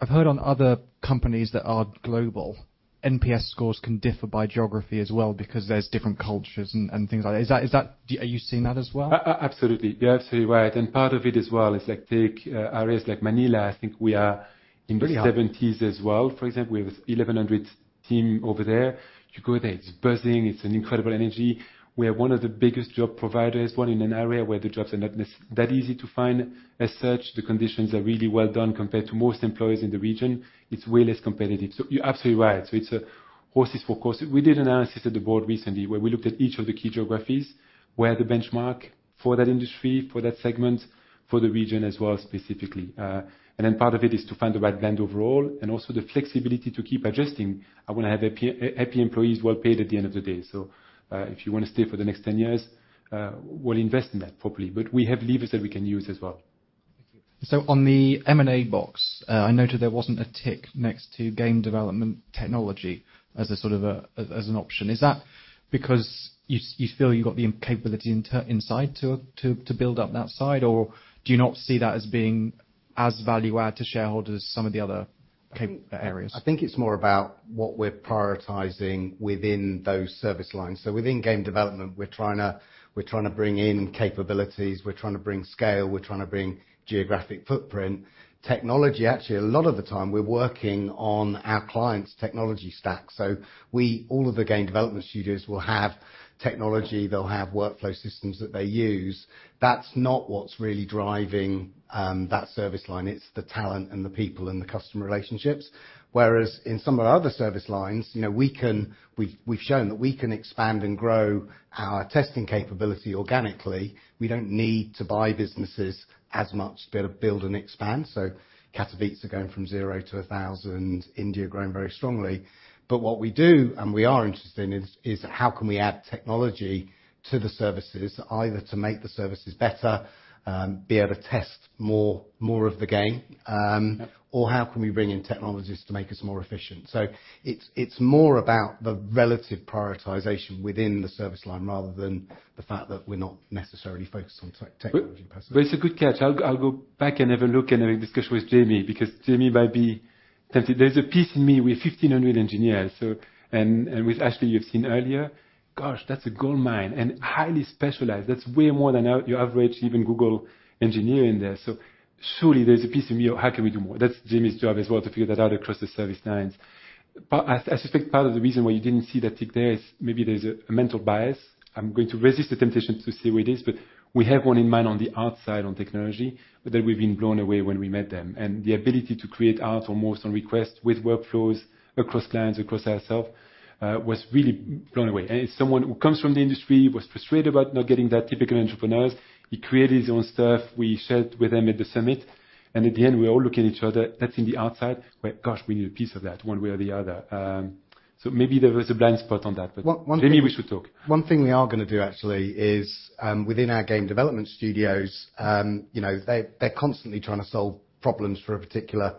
I've heard in other companies that are global, NPS scores can differ by geography as well because there's different cultures and things like that. Is that? Are you seeing that as well? Absolutely. You're absolutely right. Part of it as well is, like, take areas like Manila. I think we are in the 70s as well. For example, we have 1,100 team over there. You go there, it's buzzing, it's an incredible energy. We are one of the biggest job providers, one in an area where the jobs are not that easy to find. As such, the conditions are really well done compared to most employers in the region. It's way less competitive. You're absolutely right. It's horses for courses. We did analysis of the workforce recently where we looked at each of the key geographies, where the benchmark for that industry, for that segment, for the region as well, specifically. Then part of it is to find the right blend overall and also the flexibility to keep adjusting. I want to have happy employees well-paid at the end of the day. If you want to stay for the next 10 years, we'll invest in that properly. We have levers that we can use as well. Thank you. On the M&A box, I noted there wasn't a tick next to game development technology as a sort of a, as an option. Is that because you feel you've got the capability inside to build up that side, or do you not see that as being as value add to shareholders, some of the other areas? I think it's more about what we're prioritizing within those service lines. Within game development, we're trying to bring in capabilities, we're trying to bring scale, we're trying to bring geographic footprint. Technology, actually, a lot of the time we're working on our clients' technology stack. We all of the game development studios will have technology. They'll have workflow systems that they use. That's not what's really driving that service line. It's the talent and the people and the customer relationships. Whereas in some of our other service lines, you know, we've shown that we can expand and grow our testing capability organically. We don't need to buy businesses as much, be able to build and expand. Katowice going from 0 to 1,000, India growing very strongly. What we do, and we are interested in is how can we add technology to the services, either to make the services better, be able to test more of the game, or how can we bring in technologies to make us more efficient? It's more about the relative prioritization within the service line rather than the fact that we're not necessarily focused on technology per se. It's a good catch. I'll go back and have a look and have a discussion with Jamie, because Jamie might be tempted. There's a piece in me, we're 1,500 engineers, so with Ashley, you've seen earlier, gosh, that's a gold mine and highly specialized. That's way more than your average, even Google engineer in there. So surely there's a piece in me, oh, how can we do more? That's Jamie's job as well, to figure that out across the service lines. I suspect part of the reason why you didn't see that tick there is maybe there's a mental bias. I'm going to resist the temptation to see where it is, but we have one in mind on the outside on technology. We've been blown away when we met them. The ability to create art almost on request with workflows across clients, across ourselves was really blown away. It's someone who comes from the industry, was frustrated about not getting that typical entrepreneurs. He created his own stuff. We shared with them at the summit, and at the end, we all look at each other, that's from the outside. We're like, "Gosh, we need a piece of that one way or the other." Maybe there was a blind spot on that. Jamie, we should talk. One thing we are going to do actually is, within our game development studios, you know, they're constantly trying to solve problems for a particular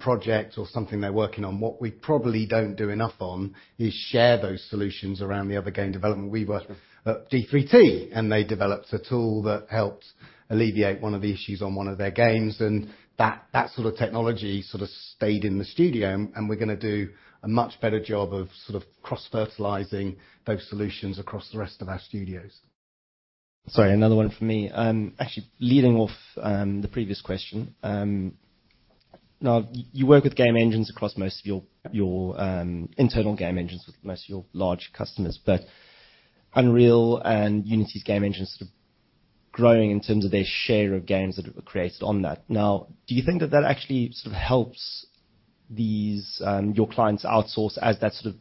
project or something they're working on. What we probably don't do enough on is share those solutions around the other game development. We were at d3t, and they developed a tool that helped alleviate one of the issues on one of their games, and that sort of technology sort of stayed in the studio. We're going to do a much better job of sort of cross-fertilizing those solutions across the rest of our studios. Sorry, another one from me. Actually leading off the previous question. Now, you work with game engines across most of your internal game engines with most of your large customers. But Unreal and Unity's game engines are growing in terms of their share of games that are created on that. Now, do you think that actually sort of helps your clients outsource as that sort of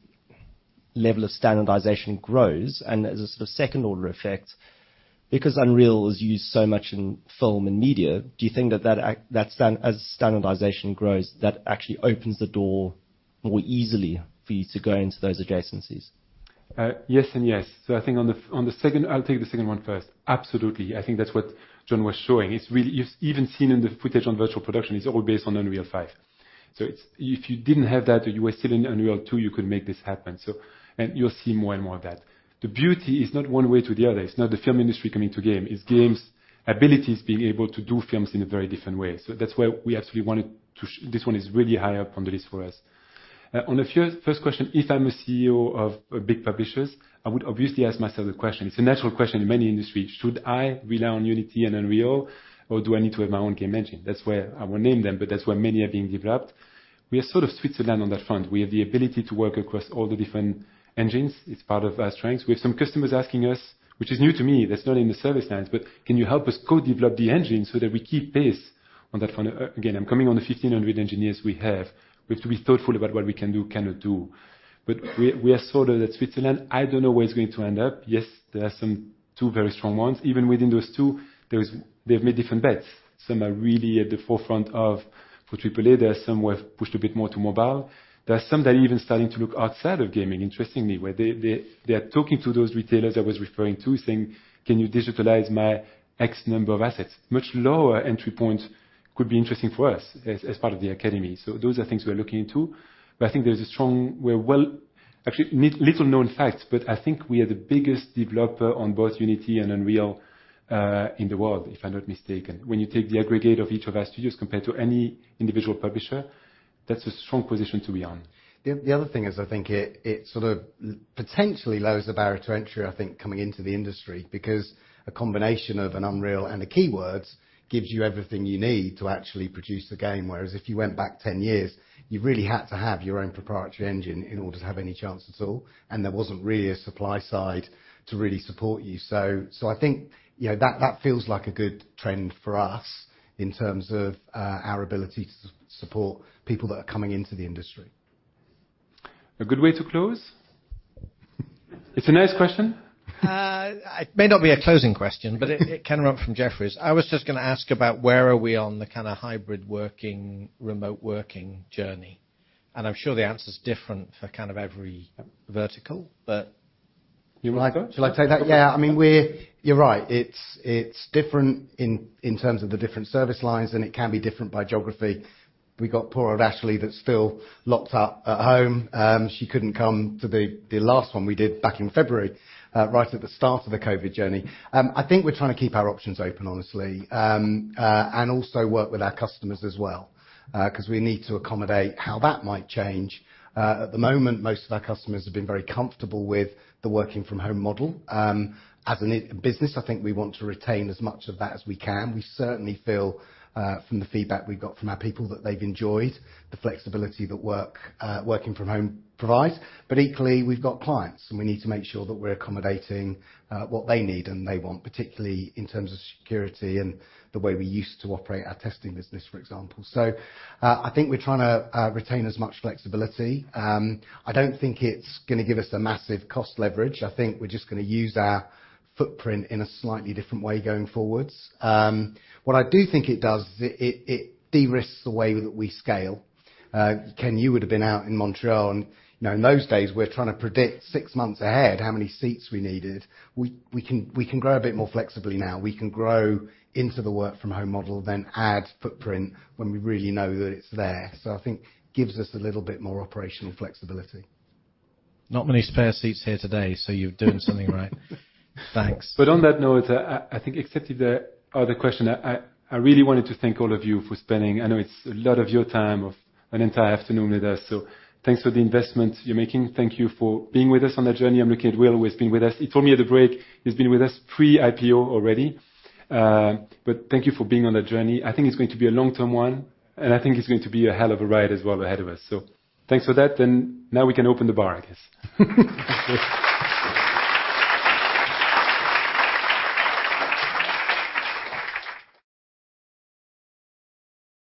level of standardization grows and as a sort of second-order effect? Because Unreal is used so much in film and media, do you think that as standardization grows, that actually opens the door more easily for you to go into those adjacencies? Yes and yes. I think on the second, I'll take the second one first. Absolutely. I think that's what Jon was showing. It's really. You've even seen in the footage on virtual production, it's all based on Unreal 5. If you didn't have that or you were still in Unreal 2, you could make this happen. You'll see more and more of that. The beauty is not one way to the other. It's not the film industry coming to games. It's games' abilities being able to do films in a very different way. That's why we absolutely wanted to. This one is really high up on the list for us. On the first question, if I'm a CEO of a big publisher, I would obviously ask myself the question. It's a natural question in many industries. Should I rely on Unity and Unreal, or do I need to have my own game engine? That's where I won't name them, but that's where many are being developed. We are sort of Switzerland on that front. We have the ability to work across all the different engines. It's part of our strengths. We have some customers asking us, which is new to me, that's not in the service lines, but can you help us co-develop the engine so that we keep pace on that front? Again, I'm coming on the 1,500 engineers we have. We have to be thoughtful about what we can do, cannot do. But we are sort of the Switzerland. I don't know where it's going to end up. Yes, there are some two very strong ones. Even within those two, there's they've made different bets. Some are really at the forefront for AAA. There are some who have pushed a bit more to mobile. There are some that are even starting to look outside of gaming, interestingly, where they are talking to those retailers I was referring to, saying, "Can you digitize my X number of assets?" Much lower entry points could be interesting for us as part of the academy. Those are things we are looking into. I think actually a little-known fact, but I think we are the biggest developer on both Unity and Unreal in the world, if I'm not mistaken. When you take the aggregate of each of our studios compared to any individual publisher, that's a strong position to be on. The other thing is I think it sort of potentially lowers the barrier to entry, I think, coming into the industry because a combination of an Unreal and the Keywords gives you everything you need to actually produce the game. Whereas if you went back 10 years, you really had to have your own proprietary engine in order to have any chance at all, and there wasn't really a supply side to really support you. So I think, you know, that feels like a good trend for us in terms of our ability to support people that are coming into the industry. A good way to close? It's a nice question. It may not be a closing question, but it can run from Jefferies. I was just going to ask about where are we on the kinda hybrid working, remote working journey, and I'm sure the answer's different for kind of every vertical. You want to go? Shall I take that? Yeah, I mean, you're right. It's different in terms of the different service lines, and it can be different by geography. We got poor Ashley that's still locked up at home. She couldn't come to the last one we did back in February, right at the start of the COVID journey. I think we're trying to keep our options open, honestly, and also work with our customers as well, 'cause we need to accommodate how that might change. At the moment, most of our customers have been very comfortable with the working from home model. As a business, I think we want to retain as much of that as we can. We certainly feel from the feedback we've got from our people that they've enjoyed the flexibility that working from home provides. Equally, we've got clients, and we need to make sure that we're accommodating what they need and they want, particularly in terms of security and the way we used to operate our testing business, for example. I think we're trying to retain as much flexibility. I don't think it's going to give us a massive cost leverage. I think we're just going to use our footprint in a slightly different way going forwards. What I do think it does is it de-risks the way that we scale. Ken, you would've been out in Montreal and, you know, in those days, we're trying to predict six months ahead how many seats we needed. We can grow a bit more flexibly now. We can grow into the work from home model, then add footprint when we really know that it's there. I think gives us a little bit more operational flexibility. Not many spare seats here today, so you're doing something right. Thanks. I think, except if there are other questions, I really wanted to thank all of you for spending. I know it's a lot of your time of an entire afternoon with us, so thanks for the investment you're making. Thank you for being with us on the journey. I'm looking at Will who has been with us. He told me at the break, he's been with us pre-IPO already. Thank you for being on the journey. I think it's going to be a long-term one, and I think it's going to be a hell of a ride as well ahead of us. Thanks for that, and now we can open the bar, I guess.